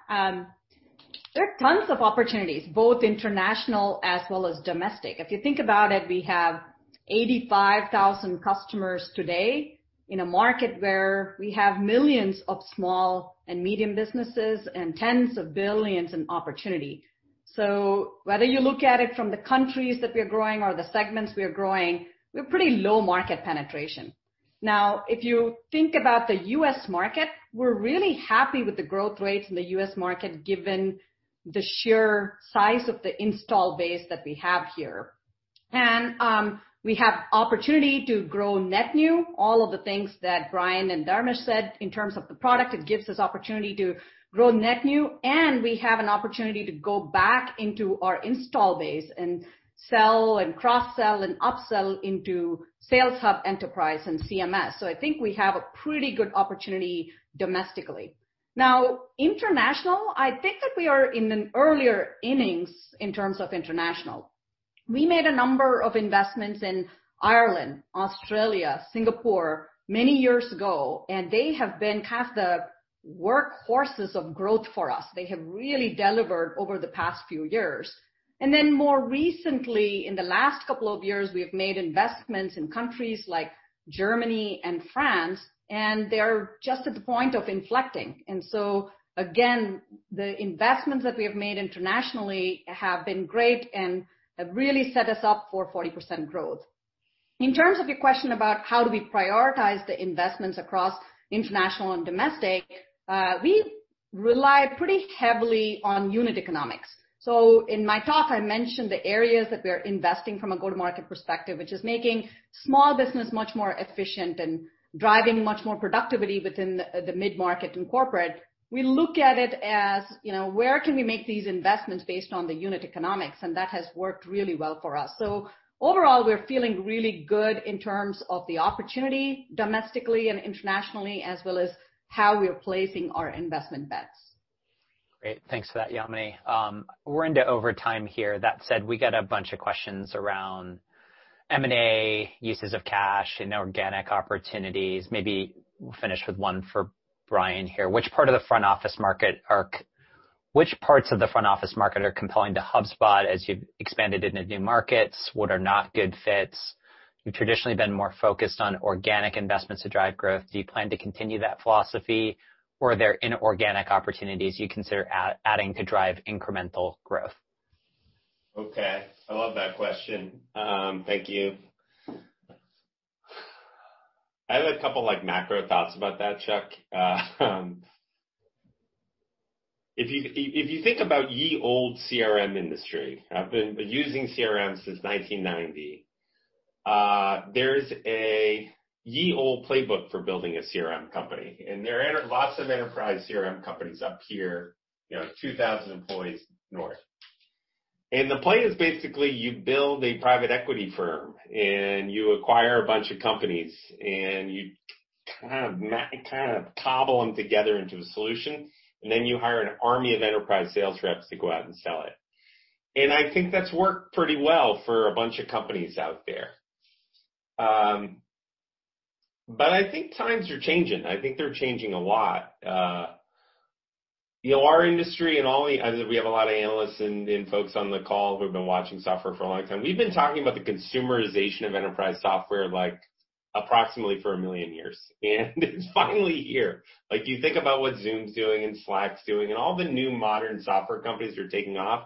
There are tons of opportunities, both international as well as domestic. If you think about it, we have 85,000 customers today in a market where we have millions of small and medium businesses and tens of billions in opportunity. Whether you look at it from the countries that we are growing or the segments we are growing, we have pretty low market penetration. Now, if you think about the U.S. market, we're really happy with the growth rates in the U.S. market given the sheer size of the install base that we have here. We have opportunity to grow net new. All of the things that Brian and Dharmesh said in terms of the product, it gives us opportunity to grow net new, and we have an opportunity to go back into our install base and sell and cross-sell and upsell into Sales Hub Enterprise and CMS. I think we have a pretty good opportunity domestically. International, I think that we are in the earlier innings in terms of international. We made a number of investments in Ireland, Australia, Singapore many years ago, and they have been kind of the workhorses of growth for us. They have really delivered over the past few years. More recently, in the last couple of years, we have made investments in countries like Germany and France, and they are just at the point of inflecting. Again, the investments that we have made internationally have been great and have really set us up for 40% growth. In terms of your question about how do we prioritize the investments across international and domestic, we rely pretty heavily on unit economics. In my talk, I mentioned the areas that we are investing from a go-to-market perspective, which is making small business much more efficient and driving much more productivity within the mid-market and corporate. We look at it as where can we make these investments based on the unit economics, and that has worked really well for us. Overall, we're feeling really good in terms of the opportunity domestically and internationally, as well as how we are placing our investment bets. Great. Thanks for that, Yamini. We're into overtime here. That said, we got a bunch of questions around M&A, uses of cash, inorganic opportunities. Maybe we'll finish with one for Brian here. Which parts of the front office market are compelling to HubSpot as you've expanded into new markets? What are not good fits? You've traditionally been more focused on organic investments to drive growth. Do you plan to continue that philosophy, or are there inorganic opportunities you consider adding to drive incremental growth? Okay. I love that question. Thank you. I have a couple macro thoughts about that, Chuck. If you think about ye olde CRM industry, I've been using CRMs since 1990. There's a ye olde playbook for building a CRM company, there are lots of enterprise CRM companies up here, 2,000 employees north. The play is basically you build a private equity firm, you acquire a bunch of companies, you kind of cobble them together into a solution, then you hire an army of enterprise sales reps to go out and sell it. I think that's worked pretty well for a bunch of companies out there. I think times are changing. I think they're changing a lot. Our industry, we have a lot of analysts and folks on the call who've been watching software for a long time. We've been talking about the consumerization of enterprise software approximately for a million years. It's finally here. You think about what Zoom's doing and Slack's doing and all the new modern software companies are taking off,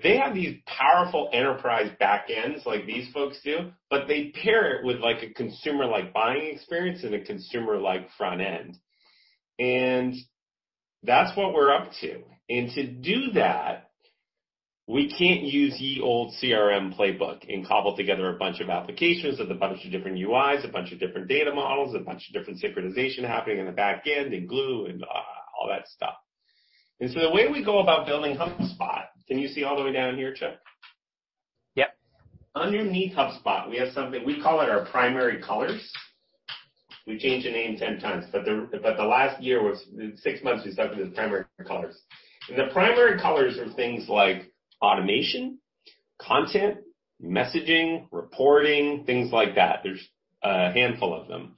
they have these powerful enterprise back ends like these folks do, but they pair it with a consumer-like buying experience and a consumer-like front end. That's what we're up to. To do that, we can't use ye olde CRM playbook and cobble together a bunch of applications with a bunch of different UIs, a bunch of different data models, a bunch of different synchronization happening in the back end and glue and all that stuff. The way we go about building HubSpot can you see all the way down here, Chuck? Yep. Underneath HubSpot, we have something, we call it our primary colors. We changed the name 10 times. The last year was, six months, we stuck with the primary colors. The primary colors are things like automation, content, messaging, reporting, things like that. There's a handful of them.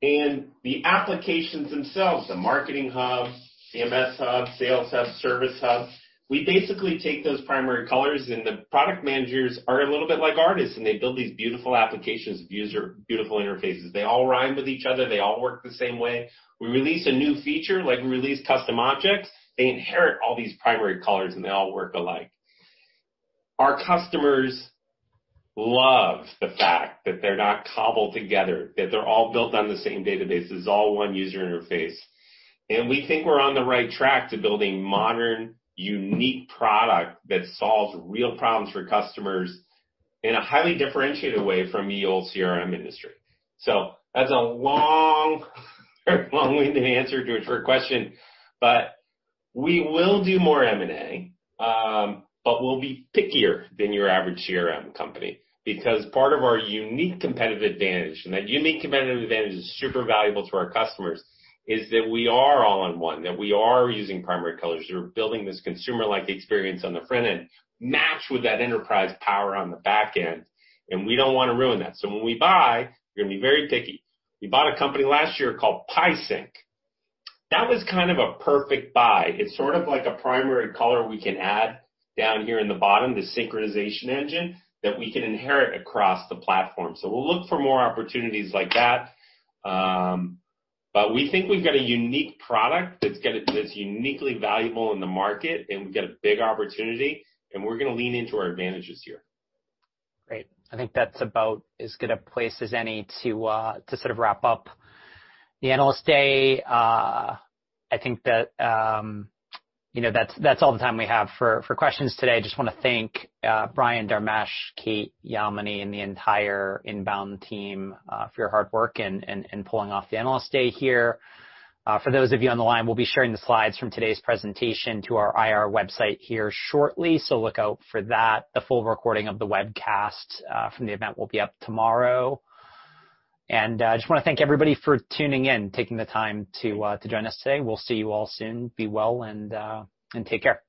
The applications themselves, the Marketing Hub, CMS Hub, Sales Hub, Service Hub, we basically take those primary colors, and the product managers are a little bit like artists, and they build these beautiful applications with beautiful interfaces. They all rhyme with each other. They all work the same way. We release a new feature, like we release custom objects, they inherit all these primary colors, and they all work alike. Our customers love the fact that they're not cobbled together, that they're all built on the same database. This is all one user interface. We think we're on the right track to building modern, unique product that solves real problems for customers in a highly differentiated way from the old CRM industry. That's a long very long-winded answer to a short question. We will do more M&A, but we'll be pickier than your average CRM company because part of our unique competitive advantage, and that unique competitive advantage is super valuable to our customers, is that we are all-in-one, that we are using primary colors. We're building this consumer-like experience on the front end matched with that enterprise power on the back end, and we don't want to ruin that. When we buy, we're going to be very picky. We bought a company last year called PieSync. That was kind of a perfect buy. It's sort of like a primary color we can add down here in the bottom, the synchronization engine, that we can inherit across the platform. We'll look for more opportunities like that. We think we've got a unique product that's uniquely valuable in the market, and we've got a big opportunity, and we're going to lean into our advantages here. Great. I think that's about as good a place as any to sort of wrap up the Analyst Day. I think that's all the time we have for questions today. Just want to thank Brian, Dharmesh, Kate, Yamini, and the entire INBOUND team, for your hard work in pulling off the Analyst Day here. For those of you on the line, we'll be sharing the slides from today's presentation to our IR website here shortly, so look out for that. The full recording of the webcast from the event will be up tomorrow. Just want to thank everybody for tuning in, taking the time to join us today. We'll see you all soon. Be well and take care.